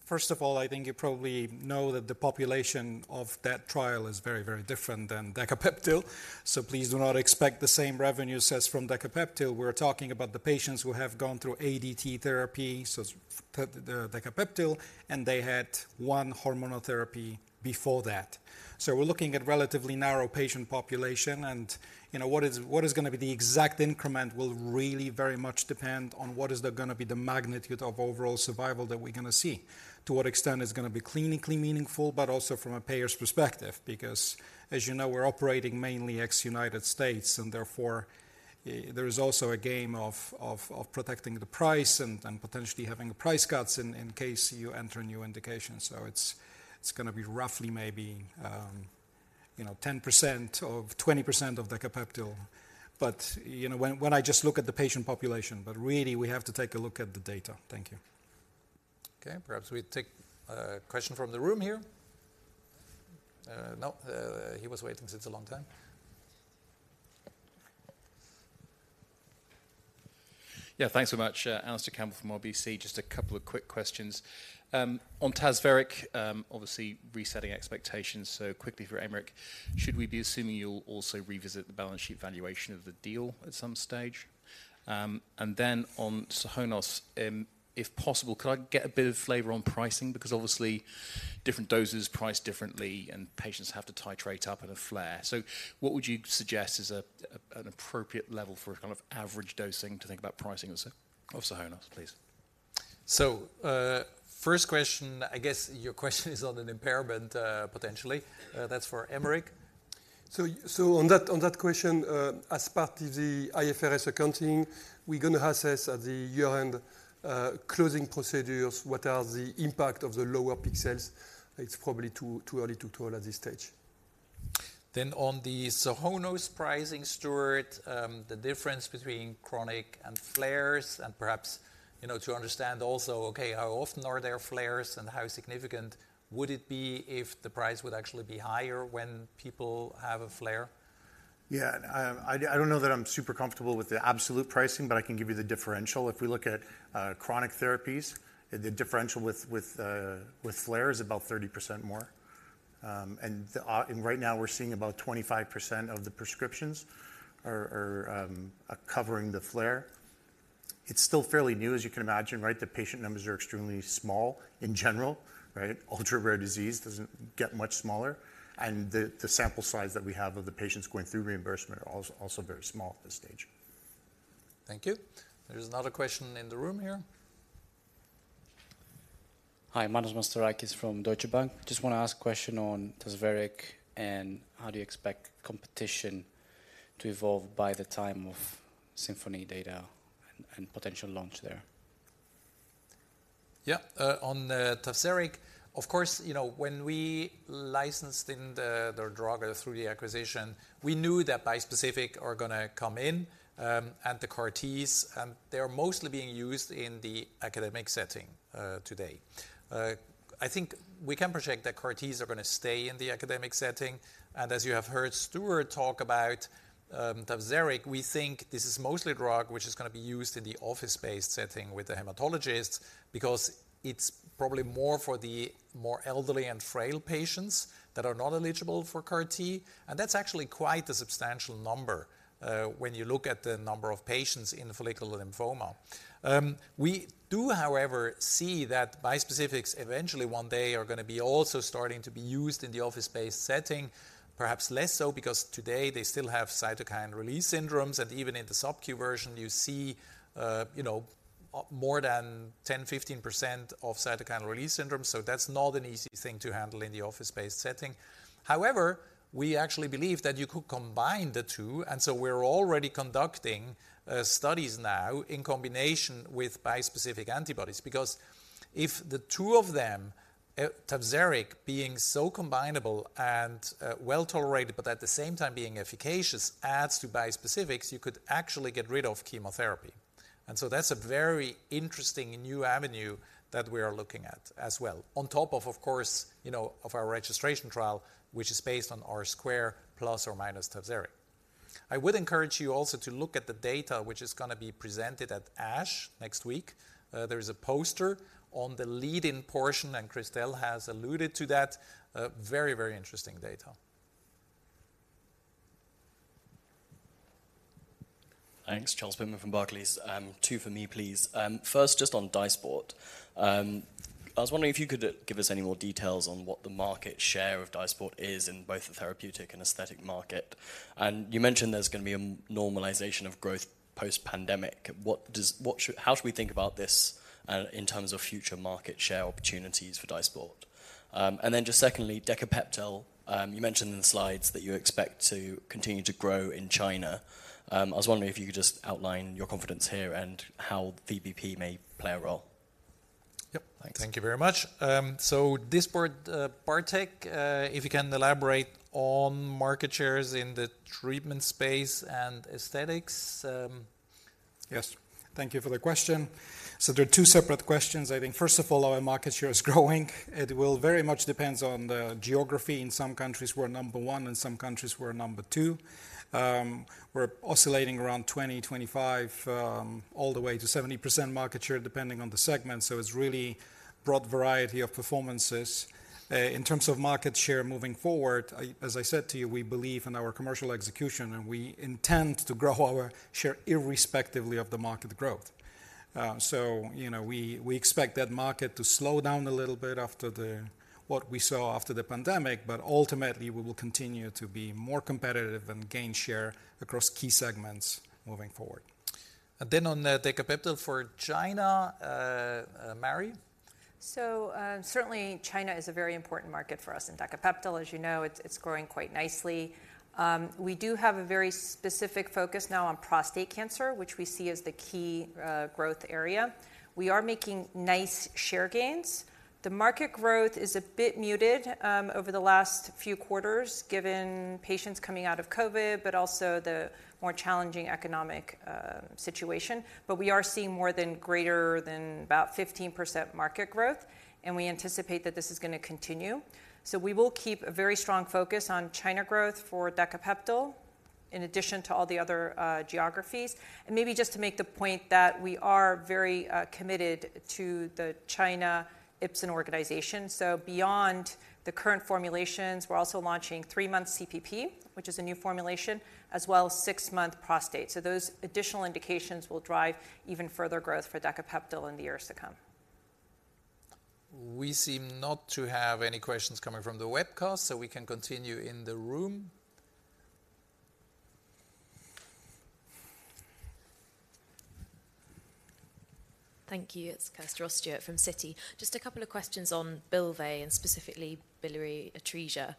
I: first of all, I think you probably know that the population of that trial is very, very different than Decapeptyl, so please do not expect the same revenues as from Decapeptyl. We're talking about the patients who have gone through ADT therapy, so the Decapeptyl, and they had one hormonal therapy before that. So we're looking at relatively narrow patient population, and, you know, what is gonna be the exact increment will really very much depend on what is gonna be the magnitude of overall survival that we're gonna see. To what extent is it gonna be clinically meaningful, but also from a payer's perspective, because, as you know, we're operating mainly ex-U.S., and therefore, there is also a game of protecting the price and potentially having price cuts in case you enter a new indication. So it's gonna be roughly maybe, you know, 10% of 20% of Decapeptyl. But, you know, when I just look at the patient population, but really, we have to take a look at the data. Thank you.
A: Okay, perhaps we take a question from the room here. He was waiting since a long time.
E: Yeah, thanks so much. Alistair Campbell from RBC. Just a couple of quick questions. On Tazverik, obviously resetting expectations so quickly for Aymeric, should we be assuming you'll also revisit the balance sheet valuation of the deal at some stage? And then on Sohonos, if possible, could I get a bit of flavor on pricing? Because obviously, different doses price differently, and patients have to titrate up in a flare. So what would you suggest is an appropriate level for a kind of average dosing to think about pricing of Sohonos, please?
A: So, first question, I guess your question is on an impairment, potentially. That's for Aymeric.
B: On that question, as part of the IFRS accounting, we're gonna assess at the year-end closing procedures, what are the impact of the lower peak sales. It's probably too early to tell at this stage.
A: Then on the Sohonos pricing, Stewart, the difference between chronic and flares and perhaps, you know, to understand also, okay, how often are there flares and how significant would it be if the price would actually be higher when people have a flare?
K: Yeah, I don't know that I'm super comfortable with the absolute pricing, but I can give you the differential. If we look at chronic therapies, the differential with flare is about 30% more. And right now, we're seeing about 25% of the prescriptions are covering the flare. It's still fairly new, as you can imagine, right? The patient numbers are extremely small in general, right? Ultra-rare disease doesn't get much smaller, and the sample size that we have of the patients going through reimbursement are also very small at this stage.
A: Thank you. There's another question in the room here.
N: Hi, Manos Mastorakis from Deutsche Bank. Just want to ask a question on Tazverik and how do you expect competition to evolve by the time of SYMPHONY data and potential launch there?
A: Yeah, on the Tazverik, of course, you know, when we licensed in the drug through the acquisition, we knew that bispecific are gonna come in, and the CAR-Ts, and they are mostly being used in the academic setting today. I think we can project that CAR-Ts are gonna stay in the academic setting, and as you have heard Stewart talk about Tazverik, we think this is mostly a drug which is going to be used in the office-based setting with the hematologist, because it's probably more for the more elderly and frail patients that are not eligible for CAR-T. And that's actually quite a substantial number, when you look at the number of patients in follicular lymphoma. We do, however, see that bispecifics eventually one day are going to be also starting to be used in the office-based setting, perhaps less so because today they still have cytokine release syndromes, and even in the subcu version, you see, you know, more than 10%-15% of cytokine release syndrome. So that's not an easy thing to handle in the office-based setting. However, we actually believe that you could combine the two, and so we're already conducting studies now in combination with bispecific antibodies, because if the two of them, Tazverik being so combinable and, well-tolerated, but at the same time being efficacious, adds to bispecifics, you could actually get rid of chemotherapy. And so that's a very interesting new avenue that we are looking at as well. On top of, of course, you know, our registration trial, which is based on R²± Tazverik. I would encourage you also to look at the data, which is going to be presented at ASH next week. There is a poster on the lead-in portion, and Christelle has alluded to that, a very, very interesting data.
F: Thanks. Charles Pitman from Barclays. Two for me, please. First, just on Dysport. I was wondering if you could give us any more details on what the market share of Dysport is in both the therapeutic and aesthetic market. And you mentioned there's going to be a normalization of growth post-pandemic. How should we think about this in terms of future market share opportunities for Dysport? And then just secondly, Decapeptyl. You mentioned in the slides that you expect to continue to grow in China. I was wondering if you could just outline your confidence here and how VBP may play a role.
A: Yep.
F: Thanks.
A: Thank you very much. So Dysport, Bartek, if you can elaborate on market shares in the treatment space and aesthetics.
I: Yes. Thank you for the question. So there are two separate questions. I think, first of all, our market share is growing. It will very much depends on the geography. In some countries, we're number one, in some countries, we're number two. We're oscillating around 20, 25, all the way to 70% market share, depending on the segment. So it's really broad variety of performances. In terms of market share moving forward, I, as I said to you, we believe in our commercial execution, and we intend to grow our share irrespectively of the market growth. So, you know, we, we expect that market to slow down a little bit after the, what we saw after the pandemic, but ultimately, we will continue to be more competitive and gain share across key segments moving forward.
A: Then on the Decapeptyl for China, Mari?
L: So, certainly, China is a very important market for us, and Decapeptyl, as you know, it's, it's growing quite nicely. We do have a very specific focus now on prostate cancer, which we see as the key, growth area. We are making nice share gains. The market growth is a bit muted, over the last few quarters, given patients coming out of COVID, but also the more challenging economic, situation. But we are seeing more than greater than about 15% market growth, and we anticipate that this is going to continue. So we will keep a very strong focus on China growth for Decapeptyl, in addition to all the other, geographies. And maybe just to make the point that we are very, committed to the China Ipsen organization. Beyond the current formulations, we're also launching three-month CPP, which is a new formulation, as well as six-month prostate. Those additional indications will drive even further growth for Decapeptyl in the years to come.
A: We seem not to have any questions coming from the webcast, so we can continue in the room.
H: Thank you. It's Kirsty Ross-Stewart from Citi. Just a couple of questions on Bylvay, and specifically biliary atresia,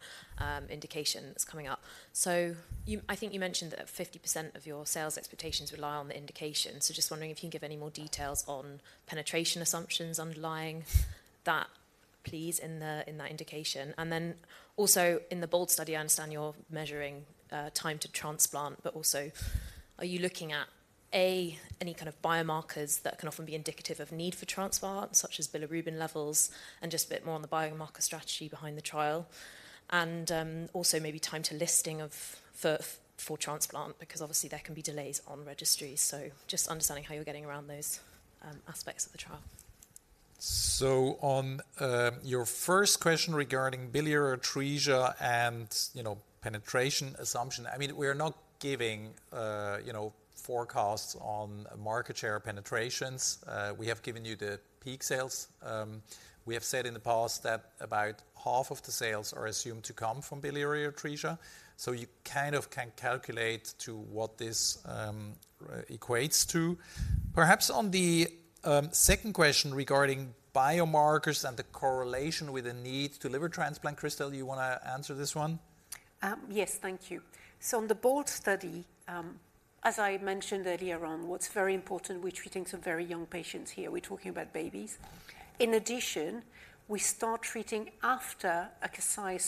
H: indications coming up. So you I think you mentioned that 50% of your sales expectations rely on the indication. So just wondering if you can give any more details on penetration assumptions underlying that, please, in the, in that indication. And then also in the BOLD study, I understand you're measuring time to transplant, but also, are you looking at any kind of biomarkers that can often be indicative of need for transplant, such as bilirubin levels, and just a bit more on the biomarker strategy behind the trial, and also maybe time to listing of for, for transplant, because obviously there can be delays on registries. So just understanding how you're getting around those aspects of the trial.
A: So on your first question regarding biliary atresia and, you know, penetration assumption, I mean, we are not giving, you know, forecasts on market share penetrations. We have given you the peak sales. We have said in the past that about half of the sales are assumed to come from biliary atresia, so you kind of can calculate to what this equates to. Perhaps on the second question regarding biomarkers and the correlation with the need to liver transplant, Christelle, you want to answer this one?
C: Yes, thank you. So on the BOLD study, as I mentioned earlier on, what's very important, we're treating some very young patients here. We're talking about babies. In addition, we start treating after a Kasai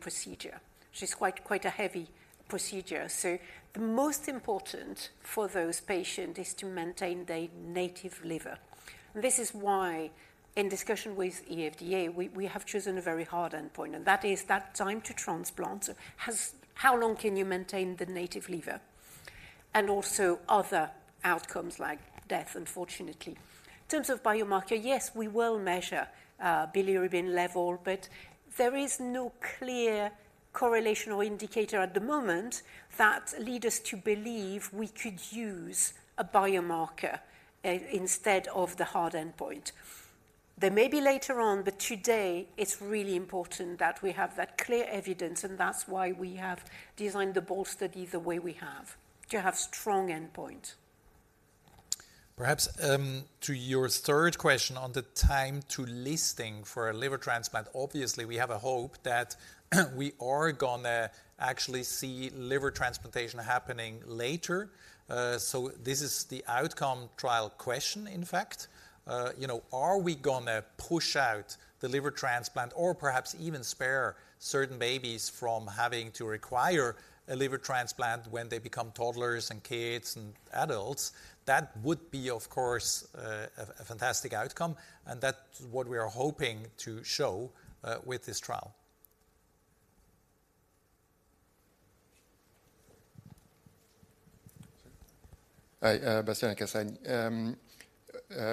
C: procedure, which is quite, quite a heavy procedure. So the most important for those patient is to maintain their native liver. This is why, in discussion with FDA, we have chosen a very hard endpoint, and that is that time to transplant. So how long can you maintain the native liver? And also other outcomes like death, unfortunately. In terms of biomarker, yes, we will measure bilirubin level, but there is no clear correlation or indicator at the moment that lead us to believe we could use a biomarker instead of the hard endpoint. There may be later on, but today it's really important that we have that clear evidence, and that's why we have designed the BOLD study the way we have, to have strong endpoint.
A: Perhaps, to your third question on the time to listing for a liver transplant. Obviously, we have a hope that we are gonna actually see liver transplantation happening later. So this is the outcome trial question, in fact. You know, are we gonna push out the liver transplant or perhaps even spare certain babies from having to require a liver transplant when they become toddlers and kids and adults? That would be, of course, a fantastic outcome, and that's what we are hoping to show with this trial.
O: Hi, Bastien Gassin.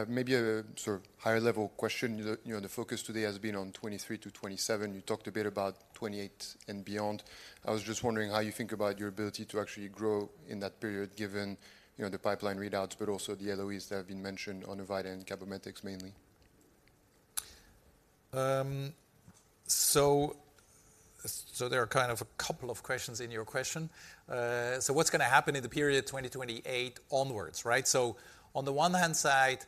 O: Maybe a sort of higher-level question. You know, the focus today has been on 2023-2027. You talked a bit about 2028 and beyond. I was just wondering how you think about your ability to actually grow in that period, given, you know, the pipeline readouts, but also the LOEs that have been mentioned on the Somatuline and Cabometyx mainly?
A: So, there are kind of a couple of questions in your question. So what's gonna happen in the period 2028 onwards, right? So on the one hand side,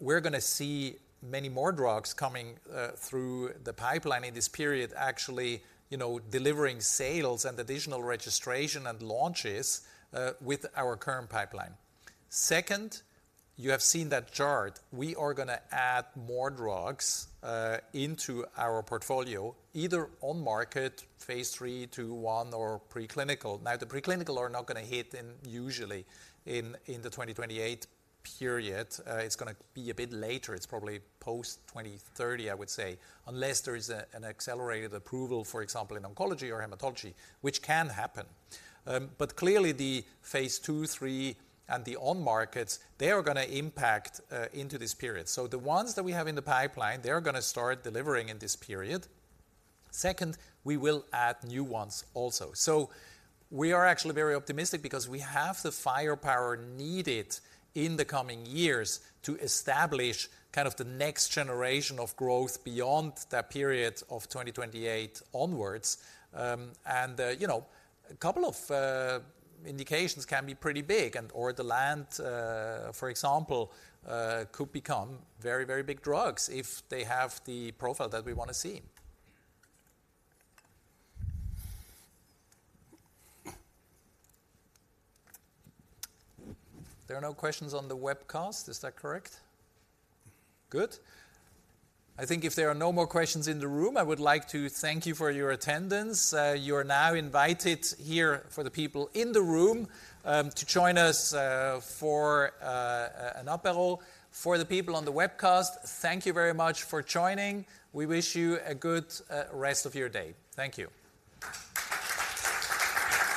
A: we're gonna see many more drugs coming through the pipeline in this period, actually, you know, delivering sales and additional registration and launches with our current pipeline. Second, you have seen that chart. We are gonna add more drugs into our portfolio, either on market, phase III to I, or preclinical. Now, the preclinical are not gonna hit usually in the 2028 period. It's gonna be a bit later. It's probably post 2030, I would say, unless there is an accelerated approval, for example, in oncology or hematology, which can happen. But clearly the phase II, III, and the on markets, they are gonna impact into this period. So the ones that we have in the pipeline, they're gonna start delivering in this period. Second, we will add new ones also. So we are actually very optimistic because we have the firepower needed in the coming years to establish kind of the next generation of growth beyond that period of 2028 onwards. And, you know, a couple of indications can be pretty big and-- or the LANT, for example, could become very, very big drugs if they have the profile that we wanna see. There are no questions on the webcast. Is that correct? Good. I think if there are no more questions in the room, I would like to thank you for your attendance. You are now invited here for the people in the room to join us for an apéro. For the people on the webcast, thank you very much for joining. We wish you a good rest of your day. Thank you.